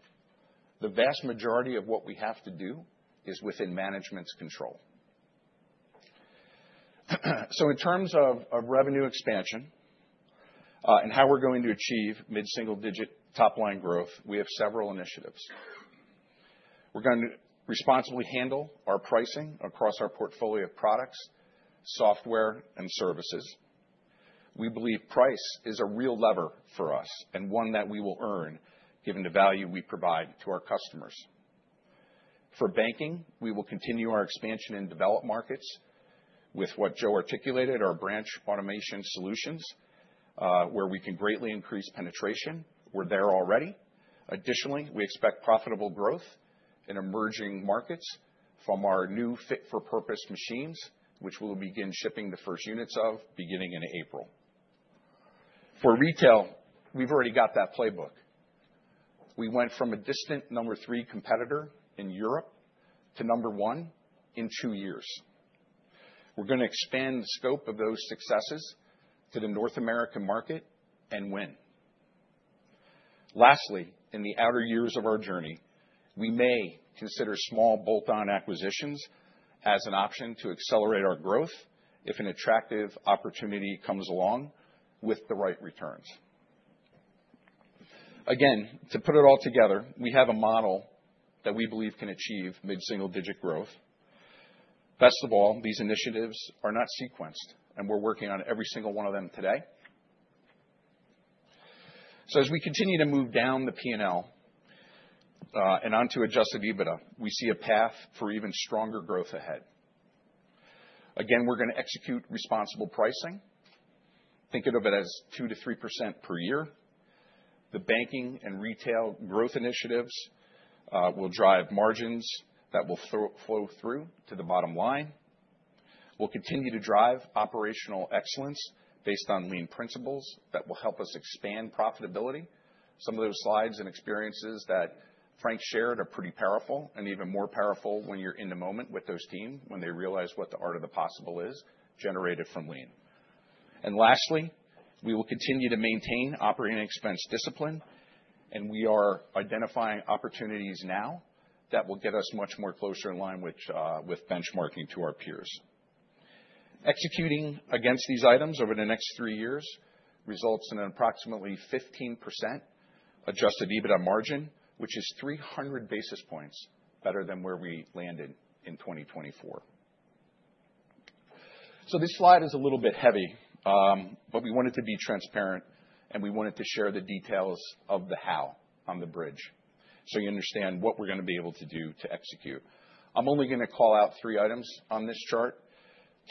The vast majority of what we have to do is within management's control. In terms of revenue expansion and how we're going to achieve mid-single-digit top-line growth, we have several initiatives. We're going to responsibly handle our pricing across our portfolio of products, software, and services. We believe price is a real lever for us and one that we will earn given the value we provide to our customers. For banking, we will continue our expansion in developed markets with what Joe articulated, our branch automation solutions, where we can greatly increase penetration. We're there already. Additionally, we expect profitable growth in emerging markets from our new fit-for-purpose machines, which we'll begin shipping the first units of beginning in April. For retail, we've already got that playbook. We went from a distant number three competitor in Europe to number one in two years. We're going to expand the scope of those successes to the North American market and win. Lastly, in the outer years of our journey, we may consider small bolt-on acquisitions as an option to accelerate our growth if an attractive opportunity comes along with the right returns. Again, to put it all together, we have a model that we believe can achieve mid-single-digit growth. Best of all, these initiatives are not sequenced, and we're working on every single one of them today. So as we continue to move down the P&L and onto Adjusted EBITDA, we see a path for even stronger growth ahead. Again, we're going to execute responsible pricing. Think of it as 2%-3% per year. The banking and retail growth initiatives will drive margins that will flow through to the bottom line. We'll continue to drive operational excellence based on lean principles that will help us expand profitability. Some of those slides and experiences that Frank shared are pretty powerful and even more powerful when you're in the moment with those teams when they realize what the art of the possible is generated from lean, and lastly, we will continue to maintain operating expense discipline, and we are identifying opportunities now that will get us much more closer in line with benchmarking to our peers. Executing against these items over the next three years results in an approximately 15% Adjusted EBITDA margin, which is 300 basis points better than where we landed in 2024, so this slide is a little bit heavy, but we wanted to be transparent, and we wanted to share the details of the how on the bridge so you understand what we're going to be able to do to execute. I'm only going to call out three items on this chart,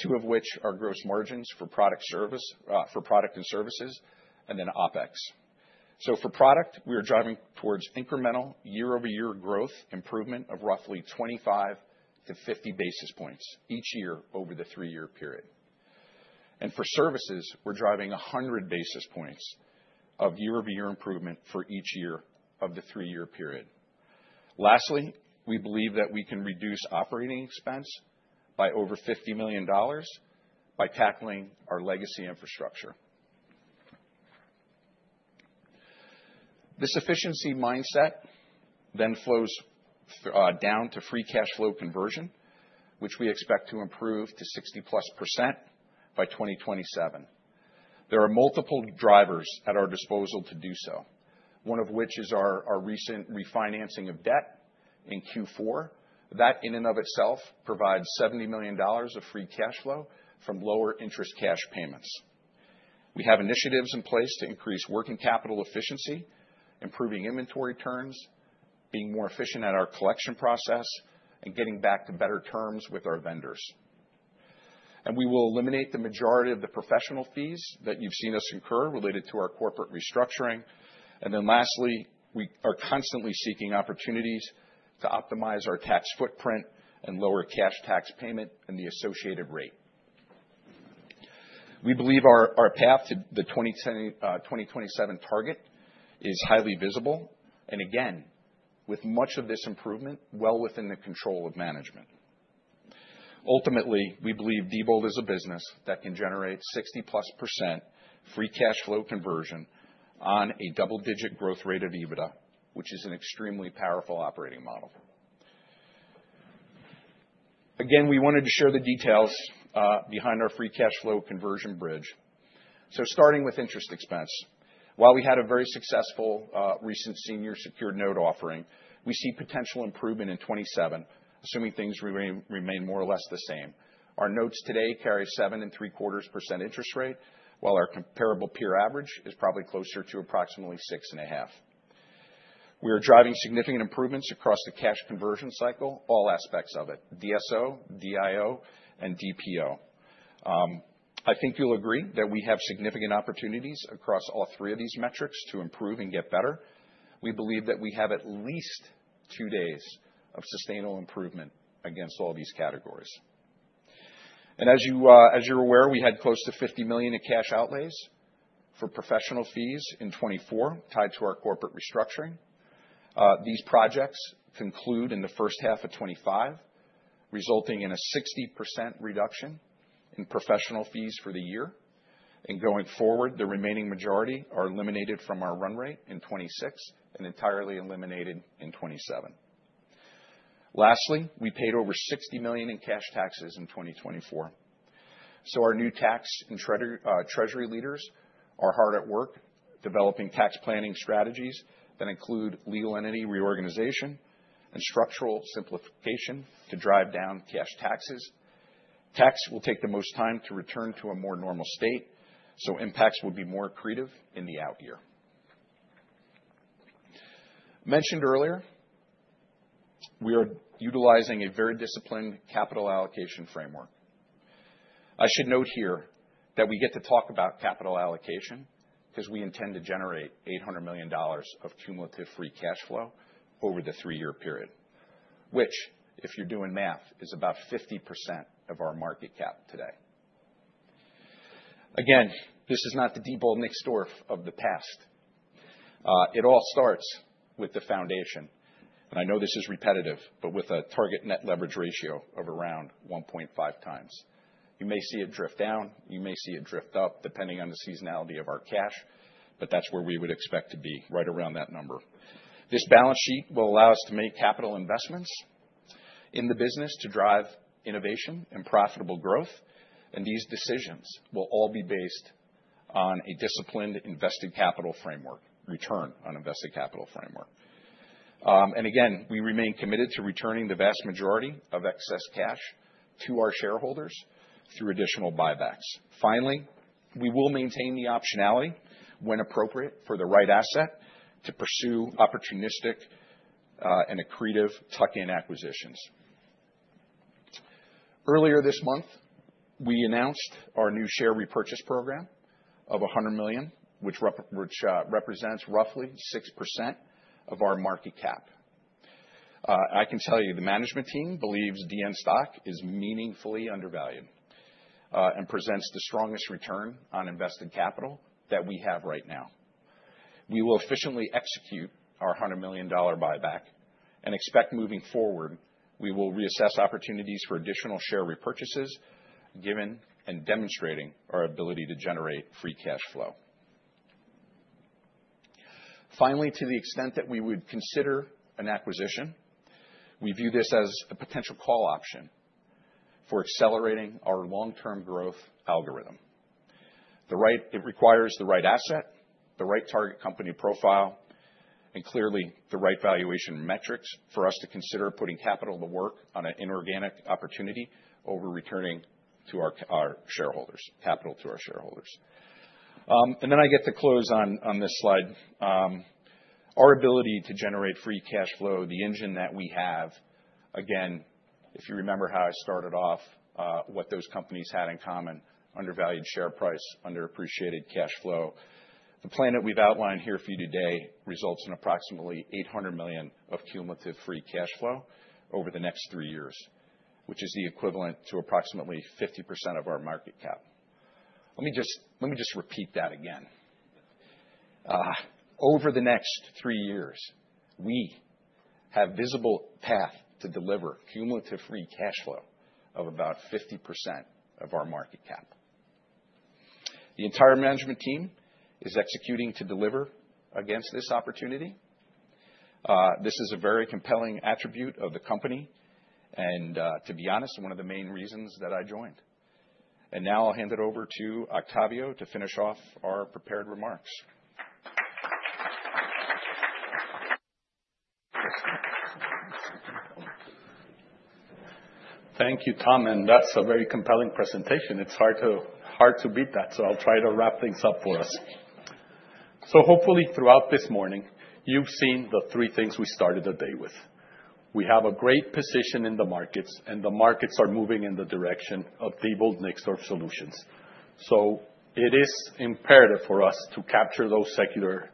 two of which are gross margins for product and services, and then OpEx. So for product, we are driving towards incremental year-over-year growth improvement of roughly 25-50 basis points each year over the three-year period. And for services, we're driving 100 basis points of year-over-year improvement for each year of the three-year period. Lastly, we believe that we can reduce operating expense by over $50 million by tackling our legacy infrastructure. This efficiency mindset then flows down to free cash flow conversion, which we expect to improve to 60+% by 2027. There are multiple drivers at our disposal to do so, one of which is our recent refinancing of debt in Q4. That in and of itself provides $70 million of free cash flow from lower-interest cash payments. We have initiatives in place to increase working capital efficiency, improving inventory turns, being more efficient at our collection process, and getting back to better terms with our vendors. And we will eliminate the majority of the professional fees that you've seen us incur related to our corporate restructuring. And then lastly, we are constantly seeking opportunities to optimize our tax footprint and lower cash tax payment and the associated rate. We believe our path to the 2027 target is highly visible and, again, with much of this improvement well within the control of management. Ultimately, we believe Diebold Nixdorf is a business that can generate 60+% free cash flow conversion on a double-digit growth rate of EBITDA, which is an extremely powerful operating model. Again, we wanted to share the details behind our free cash flow conversion bridge. So starting with interest expense, while we had a very successful recent senior secured note offering, we see potential improvement in 2027, assuming things remain more or less the same. Our notes today carry 7.75% interest rate, while our comparable peer average is probably closer to approximately 6.5%. We are driving significant improvements across the cash conversion cycle, all aspects of it: DSO, DIO, and DPO. I think you'll agree that we have significant opportunities across all three of these metrics to improve and get better. We believe that we have at least two days of sustainable improvement against all these categories. And as you're aware, we had close to $50 million in cash outlays for professional fees in 2024 tied to our corporate restructuring. These projects conclude in the first half of 2025, resulting in a 60% reduction in professional fees for the year. And going forward, the remaining majority are eliminated from our run rate in 2026 and entirely eliminated in 2027. Lastly, we paid over $60 million in cash taxes in 2024. So our new tax and treasury leaders are hard at work developing tax planning strategies that include legal entity reorganization and structural simplification to drive down cash taxes. Tax will take the most time to return to a more normal state, so impacts will be more creative in the out year. Mentioned earlier, we are utilizing a very disciplined capital allocation framework. I should note here that we get to talk about capital allocation because we intend to generate $800 million of cumulative free cash flow over the three-year period, which, if you're doing math, is about 50% of our market cap today. Again, this is not the Diebold Nixdorf of the past. It all starts with the foundation, and I know this is repetitive, but with a target net leverage ratio of around 1.5x. You may see it drift down. You may see it drift up depending on the seasonality of our cash, but that's where we would expect to be, right around that number. This balance sheet will allow us to make capital investments in the business to drive innovation and profitable growth, and these decisions will all be based on a disciplined invested capital framework, return on invested capital framework. And again, we remain committed to returning the vast majority of excess cash to our shareholders through additional buybacks. Finally, we will maintain the optionality, when appropriate for the right asset, to pursue opportunistic and accretive tuck-in acquisitions. Earlier this month, we announced our new share repurchase program of 100 million, which represents roughly 6% of our market cap. I can tell you the management team believes DN Stock is meaningfully undervalued and presents the strongest return on invested capital that we have right now. We will efficiently execute our $100 million buyback and expect moving forward, we will reassess opportunities for additional share repurchases given and demonstrating our ability to generate free cash flow. Finally, to the extent that we would consider an acquisition, we view this as a potential call option for accelerating our long-term growth algorithm. It requires the right asset, the right target company profile, and clearly the right valuation metrics for us to consider putting capital to work on an inorganic opportunity over returning capital to our shareholders. And then I get to close on this slide. Our ability to generate free cash flow, the engine that we have, again, if you remember how I started off, what those companies had in common: undervalued share price, underappreciated cash flow. The plan that we've outlined here for you today results in approximately $800 million of cumulative free cash flow over the next three years, which is the equivalent to approximately 50% of our market cap. Let me just repeat that again. Over the next three years, we have a visible path to deliver cumulative free cash flow of about 50% of our market cap. The entire management team is executing to deliver against this opportunity. This is a very compelling attribute of the company and, to be honest, one of the main reasons that I joined, and now I'll hand it over to Octavio to finish off our prepared remarks. Thank you, Tom, and that's a very compelling presentation. It's hard to beat that, so I'll try to wrap things up for us, so hopefully, throughout this morning, you've seen the three things we started the day with. We have a great position in the markets, and the markets are moving in the direction of Diebold Nixdorf solutions. It is imperative for us to capture those secular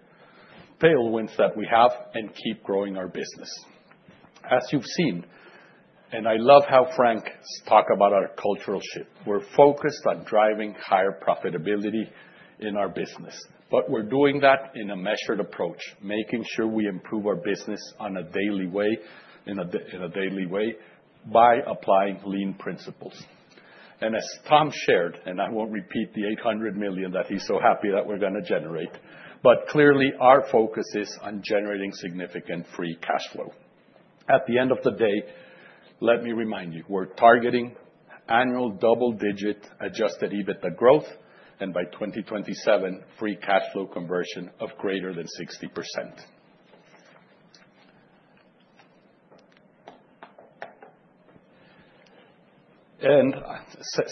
tailwinds that we have and keep growing our business. As you've seen, and I love how Frank talked about our cultural shift. We're focused on driving higher profitability in our business, but we're doing that in a measured approach, making sure we improve our business on a daily way by applying lean principles. And as Tom shared, and I won't repeat the $800 million that he's so happy that we're going to generate, but clearly our focus is on generating significant free cash flow. At the end of the day, let me remind you, we're targeting annual double-digit Adjusted EBITDA growth and by 2027, free cash flow conversion of greater than 60%. And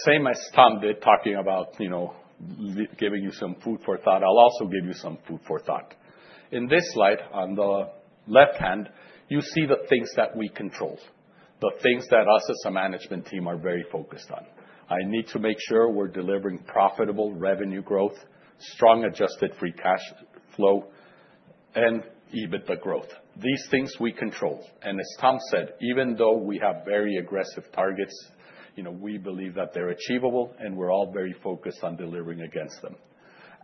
same as Tom did, talking about giving you some food for thought, I'll also give you some food for thought. In this slide on the left hand, you see the things that we control, the things that us as a management team are very focused on. I need to make sure we're delivering profitable revenue growth, strong adjusted free cash flow, and EBITDA growth. These things we control, and as Tom said, even though we have very aggressive targets, we believe that they're achievable, and we're all very focused on delivering against them.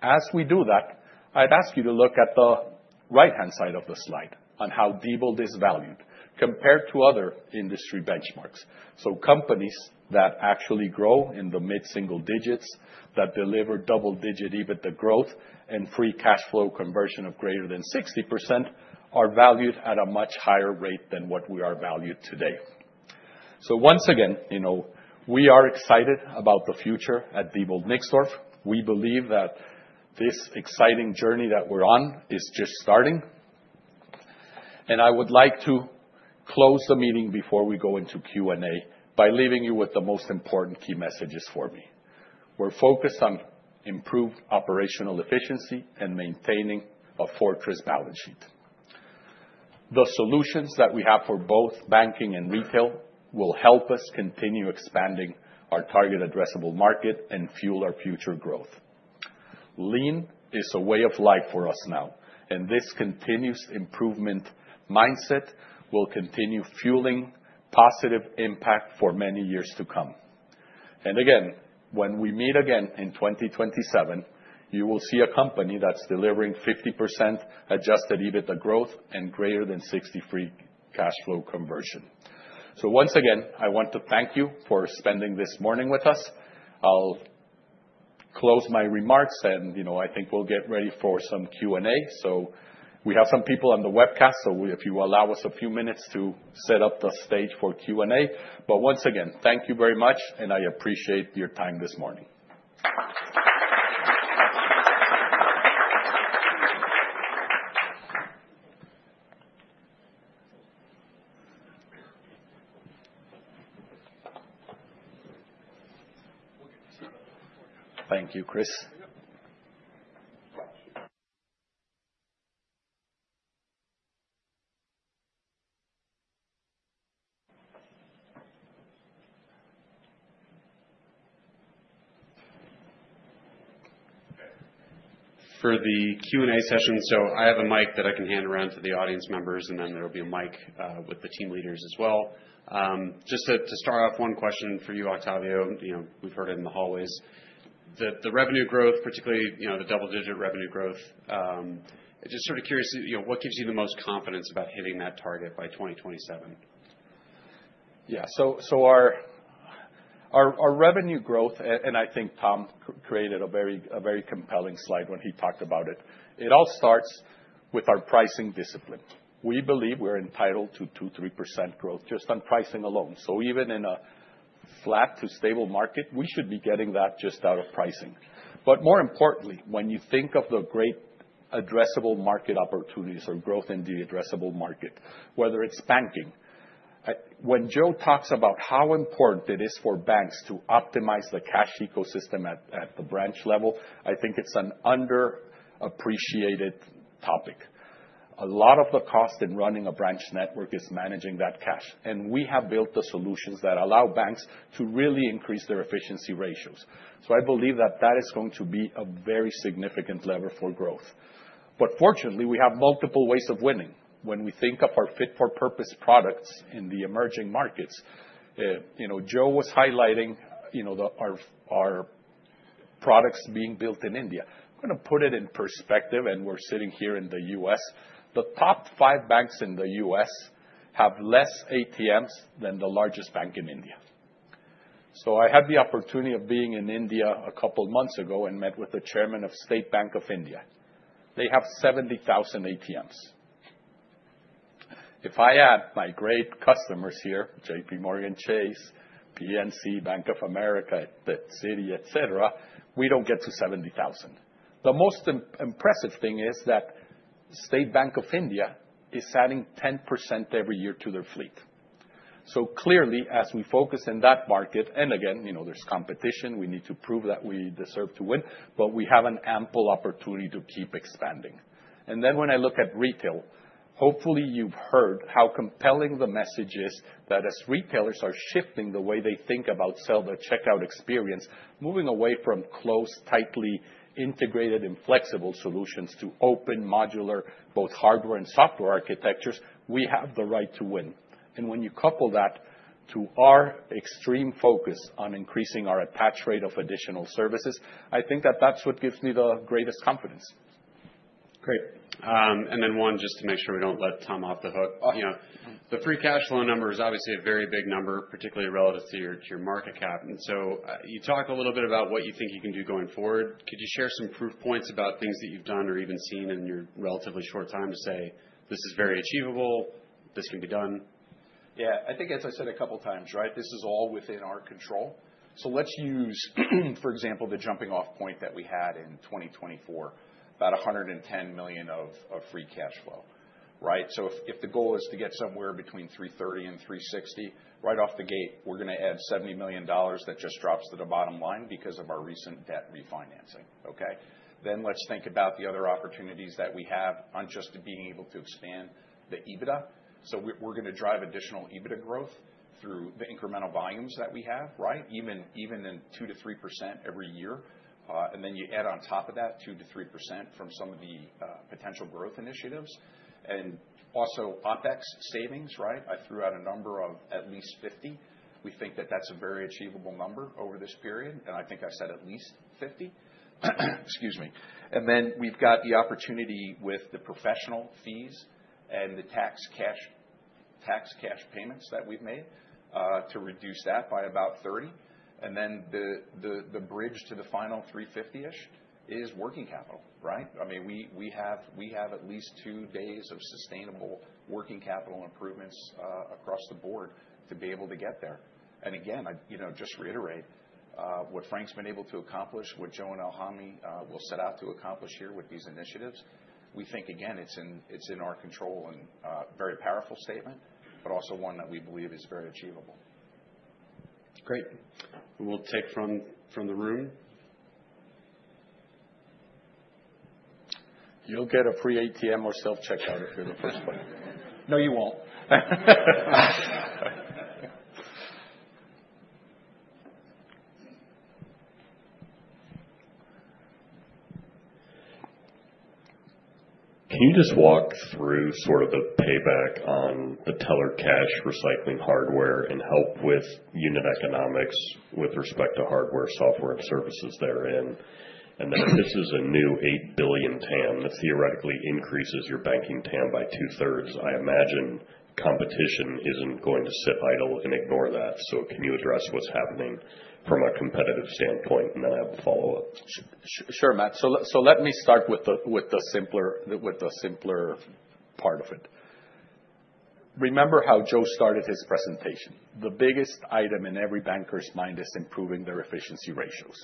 As we do that, I'd ask you to look at the right-hand side of the slide on how Diebold Nixdorf is valued compared to other industry benchmarks, so companies that actually grow in the mid-single digits, that deliver double-digit EBITDA growth and free cash flow conversion of greater than 60% are valued at a much higher rate than what we are valued today, so once again, we are excited about the future at Diebold Nixdorf. We believe that this exciting journey that we're on is just starting. I would like to close the meeting before we go into Q&A by leaving you with the most important key messages for me. We're focused on improved operational efficiency and maintaining a fortress balance sheet. The solutions that we have for both banking and retail will help us continue expanding our target addressable market and fuel our future growth. Lean is a way of life for us now, and this continuous improvement mindset will continue fueling positive impact for many years to come. Again, when we meet again in 2027, you will see a company that's delivering 50% Adjusted EBITDA growth and greater than 60% free cash flow conversion. Once again, I want to thank you for spending this morning with us. I'll close my remarks, and I think we'll get ready for some Q&A. So we have some people on the webcast, so if you allow us a few minutes to set up the stage for Q&A. But once again, thank you very much, and I appreciate your time this morning. Thank you, Chris. For the Q&A session, so I have a mic that I can hand around to the audience members, and then there'll be a mic with the team leaders as well. Just to start off, one question for you, Octavio. We've heard it in the hallways. The revenue growth, particularly the double-digit revenue growth, just sort of curious, what gives you the most confidence about hitting that target by 2027? Yeah. So our revenue growth, and I think Tom created a very compelling slide when he talked about it. It all starts with our pricing discipline. We believe we're entitled to 2%-3% growth just on pricing alone. So even in a flat to stable market, we should be getting that just out of pricing. But more importantly, when you think of the great addressable market opportunities or growth in the addressable market, whether it's banking, when Joe talks about how important it is for banks to optimize the cash ecosystem at the branch level, I think it's an underappreciated topic. A lot of the cost in running a branch network is managing that cash. And we have built the solutions that allow banks to really increase their efficiency ratios. So I believe that that is going to be a very significant lever for growth. But fortunately, we have multiple ways of winning. When we think of our fit-for-purpose products in the emerging markets, Joe was highlighting our products being built in India. I'm going to put it in perspective, and we're sitting here in the U.S. The top five banks in the U.S. have less ATMs than the largest bank in India. So I had the opportunity of being in India a couple of months ago and met with the Chairman of State Bank of India. They have 70,000 ATMs. If I add my great customers here, JPMorgan Chase, PNC, Bank of America, Citibank, etc., we don't get to 70,000. The most impressive thing is that State Bank of India is adding 10% every year to their fleet. So clearly, as we focus in that market, and again, there's competition, we need to prove that we deserve to win, but we have an ample opportunity to keep expanding. And then when I look at retail, hopefully you've heard how compelling the message is that as retailers are shifting the way they think about the checkout experience, moving away from closed, tightly integrated, and flexible solutions to open, modular, both hardware and software architectures, we have the right to win. And when you couple that to our extreme focus on increasing our attach rate of additional services, I think that that's what gives me the greatest confidence. Great. And then, one, just to make sure we don't let Tom off the hook. The free cash flow number is obviously a very big number, particularly relative to your market cap. And so you talked a little bit about what you think you can do going forward. Could you share some proof points about things that you've done or even seen in your relatively short time to say, "This is very achievable. This can be done"? Yeah. I think, as I said a couple of times, this is all within our control. So let's use, for example, the jumping-off point that we had in 2024, about $110 million of free cash flow. So if the goal is to get somewhere between $330 million and $360 million, right off the gate, we're going to add $70 million that just drops to the bottom line because of our recent debt refinancing. Then let's think about the other opportunities that we have on just being able to expand the EBITDA. So we're going to drive additional EBITDA growth through the incremental volumes that we have, even in 2% to 3% every year. And then you add on top of that 2%-3% from some of the potential growth initiatives. And also OpEx savings. I threw out a number of at least 50. We think that that's a very achievable number over this period. And I think I said at least 50. Excuse me. And then we've got the opportunity with the professional fees and the tax cash payments that we've made to reduce that by about 30. And then the bridge to the final 350-ish is working capital. I mean, we have at least two days of sustainable working capital improvements across the board to be able to get there. And again, just reiterate what Frank's been able to accomplish, what Joe and Ilhami will set out to accomplish here with these initiatives. We think, again, it's in our control and a very powerful statement, but also one that we believe is very achievable. Great. We'll take from the room. You'll get a free ATM or self-checkout if you're the first play. No, you won't. Can you just walk through sort of the payback on the teller cash recycling hardware and help with unit economics with respect to hardware, software, and services therein? And then this is a new $8 billion TAM that theoretically increases your banking TAM by 2/3. I imagine competition isn't going to sit idle and ignore that. So can you address what's happening from a competitive standpoint? And then I have a follow-up. Sure, Matt. So let me start with the simpler part of it. Remember how Joe started his presentation. The biggest item in every banker's mind is improving their efficiency ratios.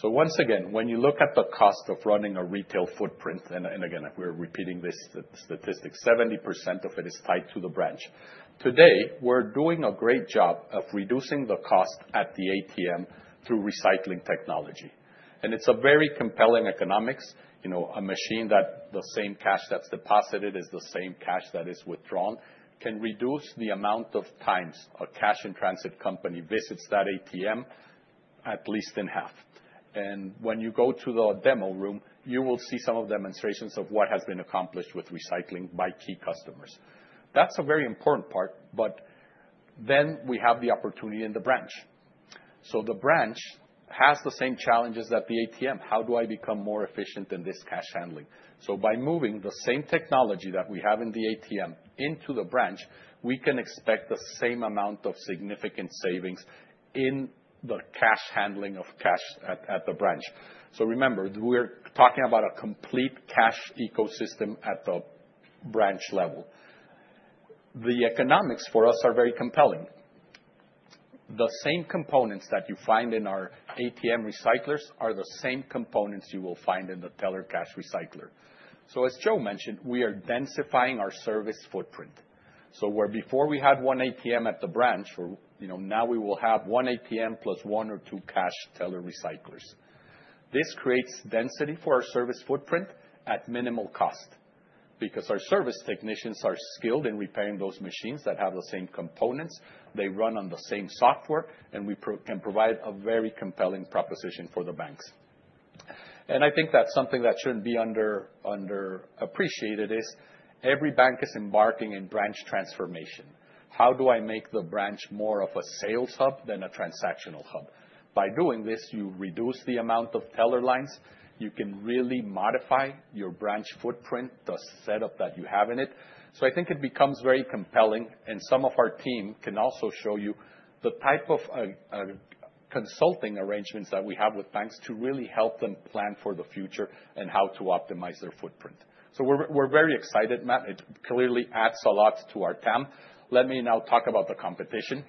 So, once again, when you look at the cost of running a retail footprint, and again, we're repeating this statistic, 70% of it is tied to the branch. Today, we're doing a great job of reducing the cost at the ATM through recycling technology. And it's a very compelling economics. A machine that the same cash that's deposited is the same cash that is withdrawn can reduce the amount of times a cash-in-transit company visits that ATM at least in half. And when you go to the demo room, you will see some of the demonstrations of what has been accomplished with recycling by key customers. That's a very important part, but then we have the opportunity in the branch. So the branch has the same challenges that the ATM. How do I become more efficient in this cash handling? By moving the same technology that we have in the ATM into the branch, we can expect the same amount of significant savings in the cash handling of cash at the branch. Remember, we're talking about a complete cash ecosystem at the branch level. The economics for us are very compelling. The same components that you find in our ATM recyclers are the same components you will find in the teller cash recycler. As Joe mentioned, we are densifying our service footprint. Where before we had one ATM at the branch, now we will have one ATM plus one or two cash teller recyclers. This creates density for our service footprint at minimal cost because our service technicians are skilled in repairing those machines that have the same components. They run on the same software, and we can provide a very compelling proposition for the banks. I think that's something that shouldn't be underappreciated: every bank is embarking on branch transformation. How do I make the branch more of a sales hub than a transactional hub? By doing this, you reduce the amount of teller lines. You can really modify your branch footprint, the setup that you have in it. So I think it becomes very compelling. Some of our team can also show you the type of consulting arrangements that we have with banks to really help them plan for the future and how to optimize their footprint. So we're very excited, Matt. It clearly adds a lot to our TAM. Let me now talk about the competition.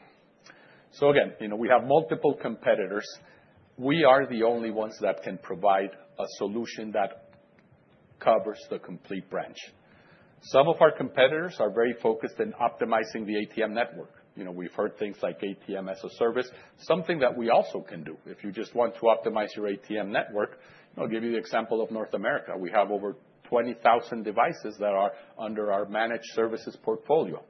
So again, we have multiple competitors. We are the only ones that can provide a solution that covers the complete branch. Some of our competitors are very focused on optimizing the ATM network. We've heard things like ATM as a service, something that we also can do. If you just want to optimize your ATM network, I'll give you the example of North America. We have over 20,000 devices that are under our managed services portfolio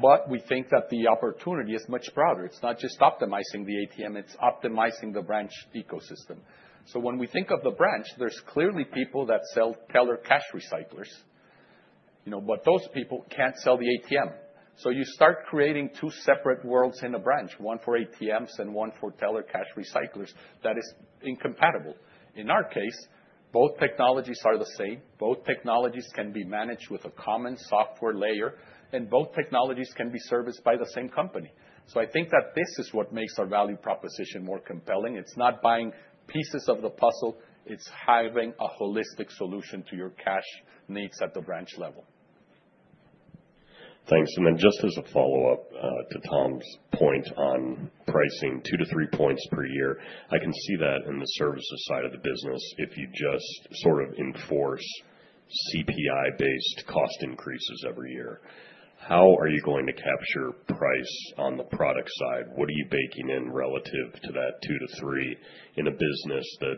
but we think that the opportunity is much broader. It's not just optimizing the ATM. It's optimizing the branch ecosystem. So when we think of the branch, there's clearly people that sell teller cash recyclers, but those people can't sell the ATM. So you start creating two separate worlds in a branch, one for ATMs and one for teller cash recyclers. That is incompatible. In our case, both technologies are the same. Both technologies can be managed with a common software layer, and both technologies can be serviced by the same company. So I think that this is what makes our value proposition more compelling. It's not buying pieces of the puzzle. It's having a holistic solution to your cash needs at the branch level. Thanks. And then just as a follow-up to Tom's point on pricing, two to three points per year, I can see that in the services side of the business. If you just sort of enforce CPI-based cost increases every year, how are you going to capture price on the product side? What are you baking in relative to that two to three in a business that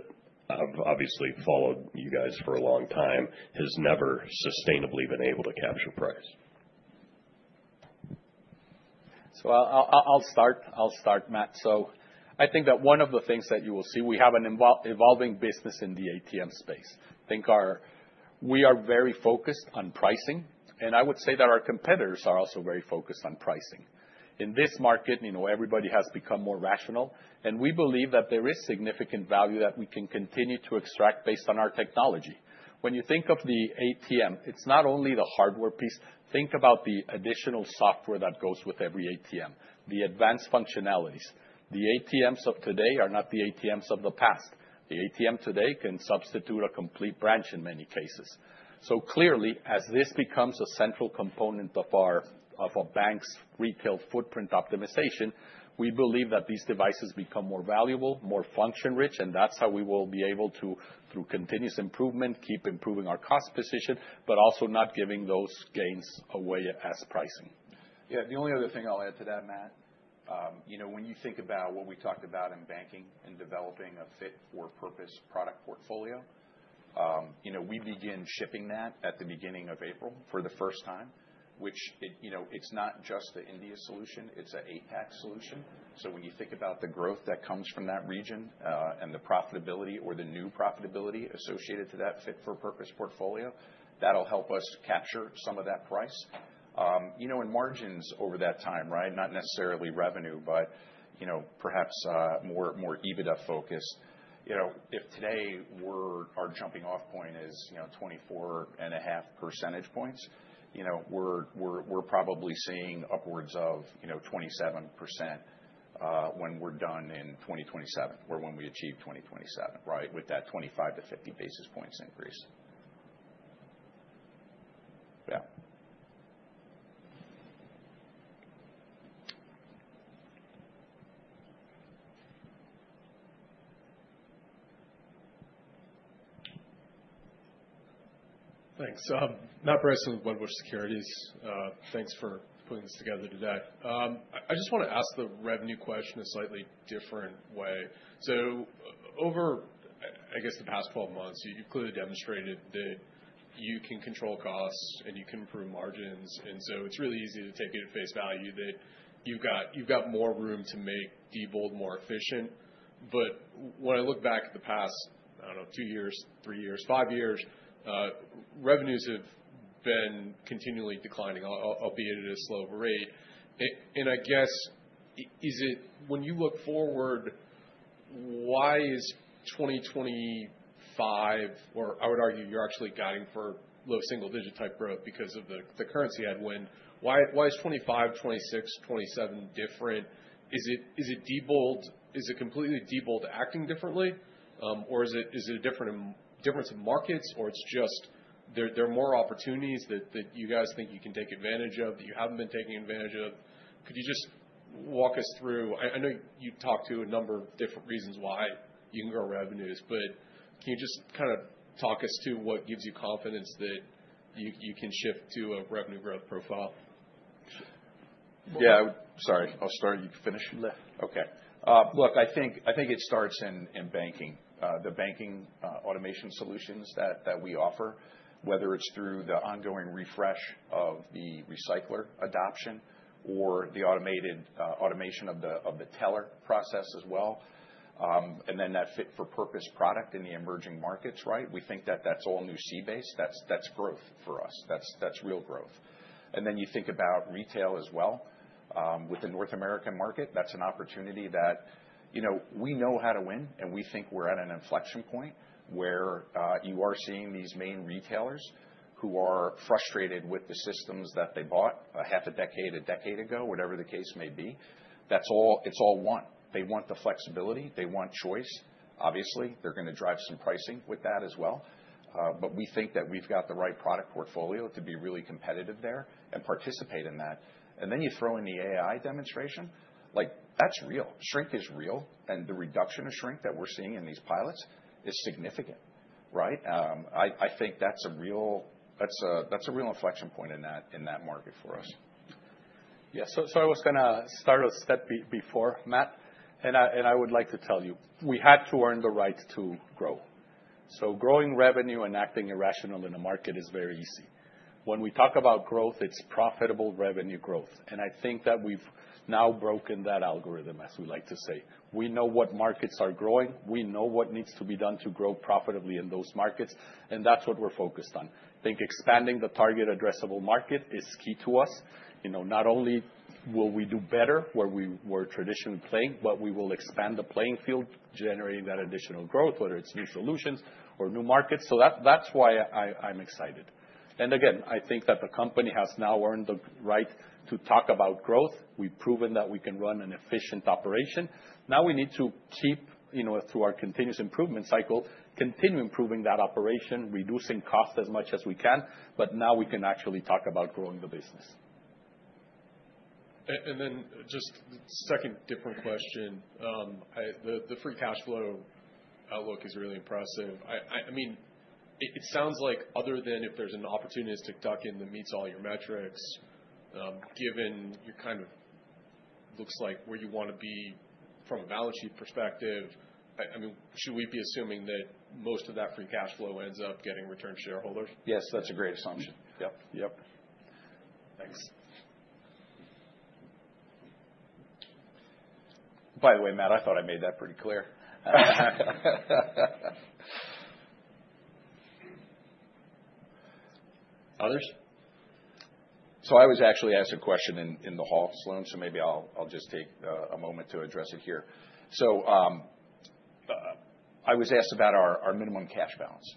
I've obviously followed you guys for a long time, has never sustainably been able to capture price? So I'll start, Matt. So I think that one of the things that you will see, we have an evolving business in the ATM space. I think we are very focused on pricing, and I would say that our competitors are also very focused on pricing. In this market, everybody has become more rational, and we believe that there is significant value that we can continue to extract based on our technology. When you think of the ATM, it's not only the hardware piece. Think about the additional software that goes with every ATM, the advanced functionalities. The ATMs of today are not the ATMs of the past. The ATM today can substitute a complete branch in many cases. So clearly, as this becomes a central component of our bank's retail footprint optimization, we believe that these devices become more valuable, more function-rich, and that's how we will be able to, through continuous improvement, keep improving our cost position, but also not giving those gains away as pricing. Yeah. The only other thing I'll add to that, Matt, when you think about what we talked about in banking and developing a fit-for-purpose product portfolio, we begin shipping that at the beginning of April for the first time, which it's not just the India solution. It's an APAC solution. So when you think about the growth that comes from that region and the profitability or the new profitability associated to that fit-for-purpose portfolio, that'll help us capture some of that price. And margins over that time, not necessarily revenue, but perhaps more EBITDA focused. If today our jumping-off point is 24.5 percentage points, we're probably seeing upwards of 27% when we're done in 2027 or when we achieve 2027 with that 25-50 basis points increase. Yeah. Thanks. Matt Bryson with Wedbush Securities. Thanks for putting this together today. I just want to ask the revenue question a slightly different way. So over, I guess, the past 12 months, you've clearly demonstrated that you can control costs and you can improve margins. And so it's really easy to take it at face value that you've got more room to make Diebold more efficient. But when I look back at the past, I don't know, two years, three years, five years, revenues have been continually declining, albeit at a slower rate. And I guess, when you look forward, why is 2025, or I would argue you're actually guiding for low single-digit type growth because of the currency headwind, why is 2025, 2026, 2027 different? Is it completely Diebold acting differently, or is it a difference in markets, or there are more opportunities that you guys think you can take advantage of that you haven't been taking advantage of? Could you just walk us through? I know you talked to a number of different reasons why you can grow revenues, but can you just kind of talk us through what gives you confidence that you can shift to a revenue growth profile? Yeah. Sorry. I'll start. You finish. Okay. Look, I think it starts in banking. The banking automation solutions that we offer, whether it's through the ongoing refresh of the recycler adoption or the automation of the teller process as well, and then that fit-for-purpose product in the emerging markets, we think that that's all new customer base. That's growth for us. That's real growth, and then you think about retail as well. With the North American market, that's an opportunity that we know how to win, and we think we're at an inflection point where you are seeing these main retailers who are frustrated with the systems that they bought a half a decade, a decade ago, whatever the case may be. It's all one. They want the flexibility. They want choice. Obviously, they're going to drive some pricing with that as well. But we think that we've got the right product portfolio to be really competitive there and participate in that. And then you throw in the AI demonstration. That's real. Shrink is real, and the reduction of shrink that we're seeing in these pilots is significant. I think that's a real inflection point in that market for us. Yeah. So I was going to start a step before, Matt, and I would like to tell you we had to earn the right to grow. So growing revenue and acting irrational in a market is very easy. When we talk about growth, it's profitable revenue growth. And I think that we've now broken that algorithm, as we like to say. We know what markets are growing. We know what needs to be done to grow profitably in those markets, and that's what we're focused on. I think expanding the target addressable market is key to us. Not only will we do better where we were traditionally playing, but we will expand the playing field, generating that additional growth, whether it's new solutions or new markets. So that's why I'm excited. And again, I think that the company has now earned the right to talk about growth. We've proven that we can run an efficient operation. Now we need to keep, through our continuous improvement cycle, continue improving that operation, reducing cost as much as we can, but now we can actually talk about growing the business. And then just a second different question. The free cash flow outlook is really impressive. I mean, it sounds like other than if there's an opportunistic tuck-in that meets all your metrics, given you kind of look like where you want to be from a balance sheet perspective, should we be assuming that most of that free cash flow ends up getting returned to shareholders? Yes. That's a great assumption. By the way, Matt, I thought I made that pretty clear. Others? So I was actually asked a question in the hallway, so maybe I'll just take a moment to address it here. I was asked about our minimum cash balance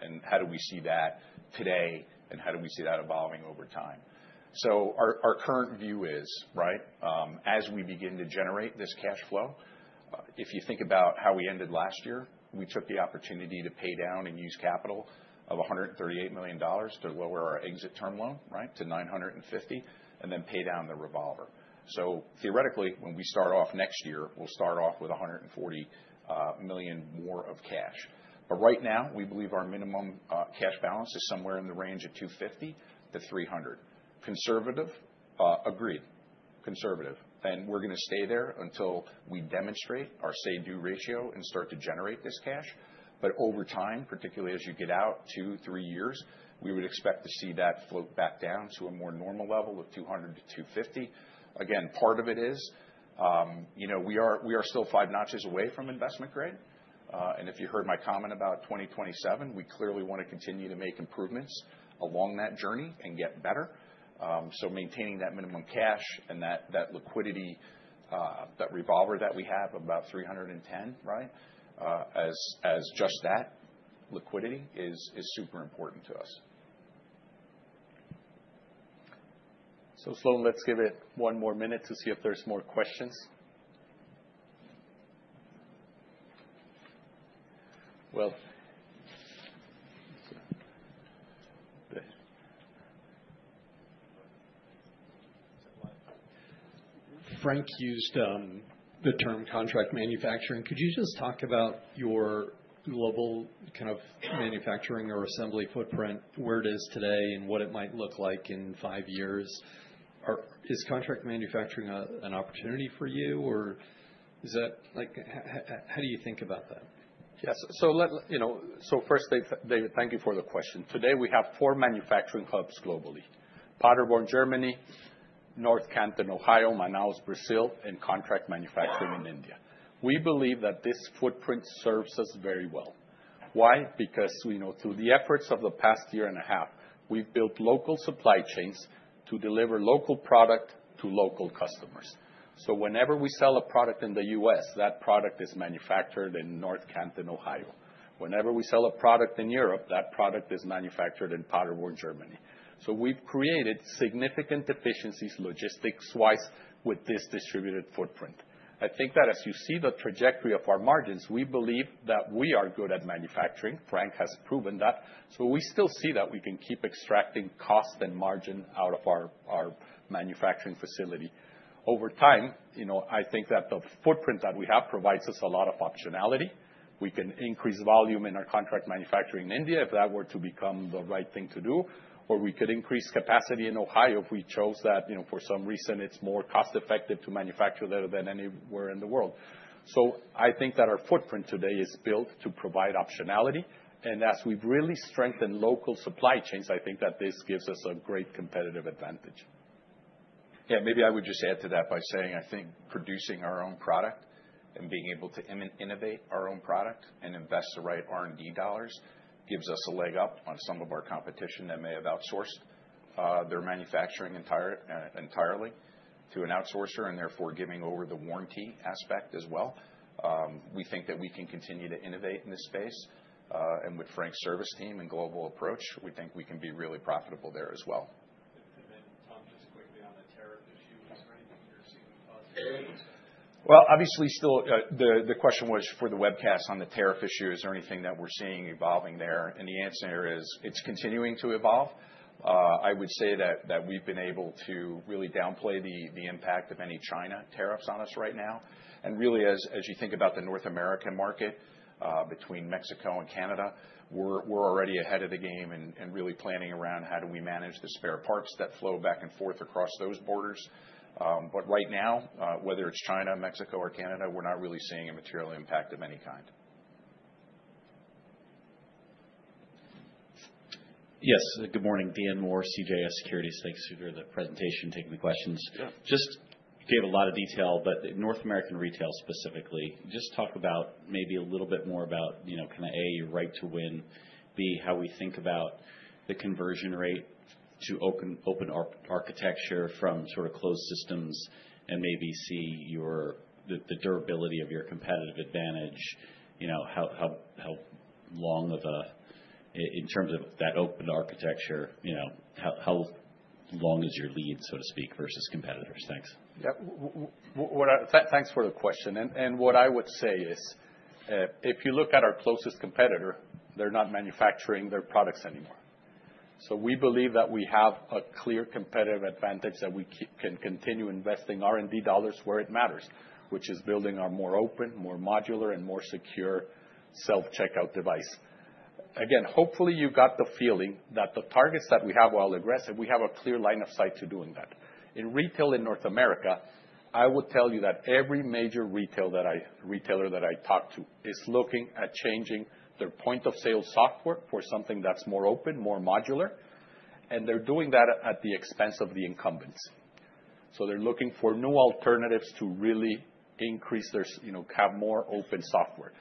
and how do we see that today and how do we see that evolving over time. Our current view is, as we begin to generate this cash flow, if you think about how we ended last year, we took the opportunity to pay down and use capital of $138 million to lower our exit term loan to $950 million and then pay down the revolver. Theoretically, when we start off next year, we'll start off with $140 million more of cash. But right now, we believe our minimum cash balance is somewhere in the range of $250 million-$300 million. Conservative, agreed, conservative. We're going to stay there until we demonstrate our say-do ratio and start to generate this cash. But over time, particularly as you get out two, three years, we would expect to see that float back down to a more normal level of $200 million-$250 million. Again, part of it is we are still five notches away from investment grade. And if you heard my comment about 2027, we clearly want to continue to make improvements along that journey and get better. So maintaining that minimum cash and that liquidity, that revolver that we have of about $310 millin, as just that liquidity is super important to us. So Sloan, let's give it one more minute to see if there's more questions. Well, Frank used the term contract manufacturing. Could you just talk about your global kind of manufacturing or assembly footprint, where it is today and what it might look like in five years? Is contract manufacturing an opportunity for you, or how do you think about that? Yes. So first, David, thank you for the question. Today, we have four manufacturing hubs globally: Paderborn, Germany; North Canton, Ohio; Manaus, Brazil; and contract manufacturing in India. We believe that this footprint serves us very well. Why? Because through the efforts of the past year and a half, we've built local supply chains to deliver local product to local customers. So whenever we sell a product in the U.S., that product is manufactured in North Canton, Ohio. Whenever we sell a product in Europe, that product is manufactured in Paderborn, Germany. So we've created significant efficiencies logistics-wise with this distributed footprint. I think that as you see the trajectory of our margins, we believe that we are good at manufacturing. Frank has proven that. So we still see that we can keep extracting cost and margin out of our manufacturing facility. Over time, I think that the footprint that we have provides us a lot of optionality. We can increase volume in our contract manufacturing in India if that were to become the right thing to do, or we could increase capacity in Ohio if we chose that for some reason it's more cost-effective to manufacture there than anywhere in the world. So I think that our footprint today is built to provide optionality. And as we've really strengthened local supply chains, I think that this gives us a great competitive advantage. Yeah. Maybe I would just add to that by saying I think producing our own product and being able to innovate our own product and invest the right R&D dollars gives us a leg up on some of our competition that may have outsourced their manufacturing entirely to an outsourcer and therefore giving over the warranty aspect as well. We think that we can continue to innovate in this space. And with Frank's service team and global approach, we think we can be really profitable there as well. And then Tom, just quickly on the tariff issue, is there anything you're seeing positively? Well, obviously, still the question was for the webcast on the tariff issue, is there anything that we're seeing evolving there? And the answer is it's continuing to evolve. I would say that we've been able to really downplay the impact of any China tariffs on us right now, and really, as you think about the North American market between Mexico and Canada, we're already ahead of the game and really planning around how do we manage the spare parts that flow back and forth across those borders, but right now, whether it's China, Mexico, or Canada, we're not really seeing a material impact of any kind. Yes. Good morning, Dan Moore, CJS Securities. Thanks for the presentation, taking the questions. Just gave a lot of detail, but North American retail specifically. Just talk about maybe a little bit more about kind of A, your right to win, B, how we think about the conversion rate to open architecture from sort of closed systems and maybe see the durability of your competitive advantage, how long of a in terms of that open architecture, how long is your lead, so to speak, versus competitors? Thanks. Thanks for the question. And what I would say is if you look at our closest competitor, they're not manufacturing their products anymore. So we believe that we have a clear competitive advantage that we can continue investing R&D dollars where it matters, which is building our more open, more modular, and more secure self-checkout device. Again, hopefully, you got the feeling that the targets that we have while aggressive, we have a clear line of sight to doing that. In retail in North America, I would tell you that every major retailer that I talk to is looking at changing their point of sale software for something that's more open, more modular, and they're doing that at the expense of the incumbents. So they're looking for new alternatives to really have more open software.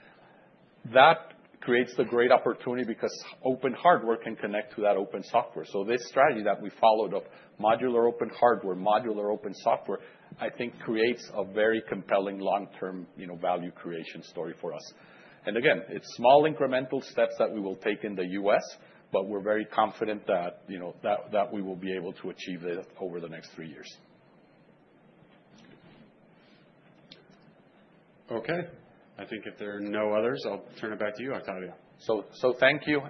That creates the great opportunity because open hardware can connect to that open software. So this strategy that we followed of modular open hardware, modular open software, I think creates a very compelling long-term value creation story for us. And again, it's small incremental steps that we will take in the U.S., but we're very confident that we will be able to achieve this over the next three years. Okay. I think if there are no others, I'll turn it back to you, Octavio. So thank you.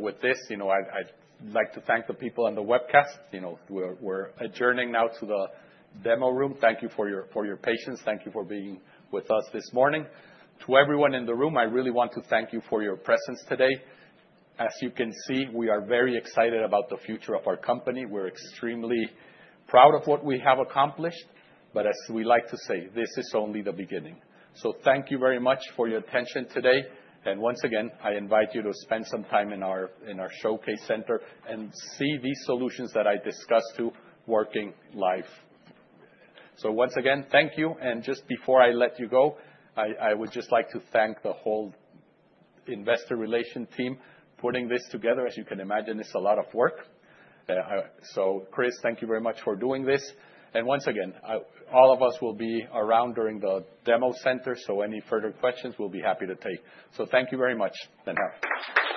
With this, I'd like to thank the people on the webcast. We're adjourning now to the demo room. Thank you for your patience. Thank you for being with us this morning. To everyone in the room, I really want to thank you for your presence today. As you can see, we are very excited about the future of our company. We're extremely proud of what we have accomplished, but as we like to say, this is only the beginning. Thank you very much for your attention today. Once again, I invite you to spend some time in our showcase center and see these solutions that I discussed too, working live. Once again, thank you. Just before I let you go, I would just like to thank the whole investor relations team putting this together. As you can imagine, it's a lot of work. Chris, thank you very much for doing this. Once again, all of us will be around during the demo center. Any further questions, we'll be happy to take. Thank you very much, and have.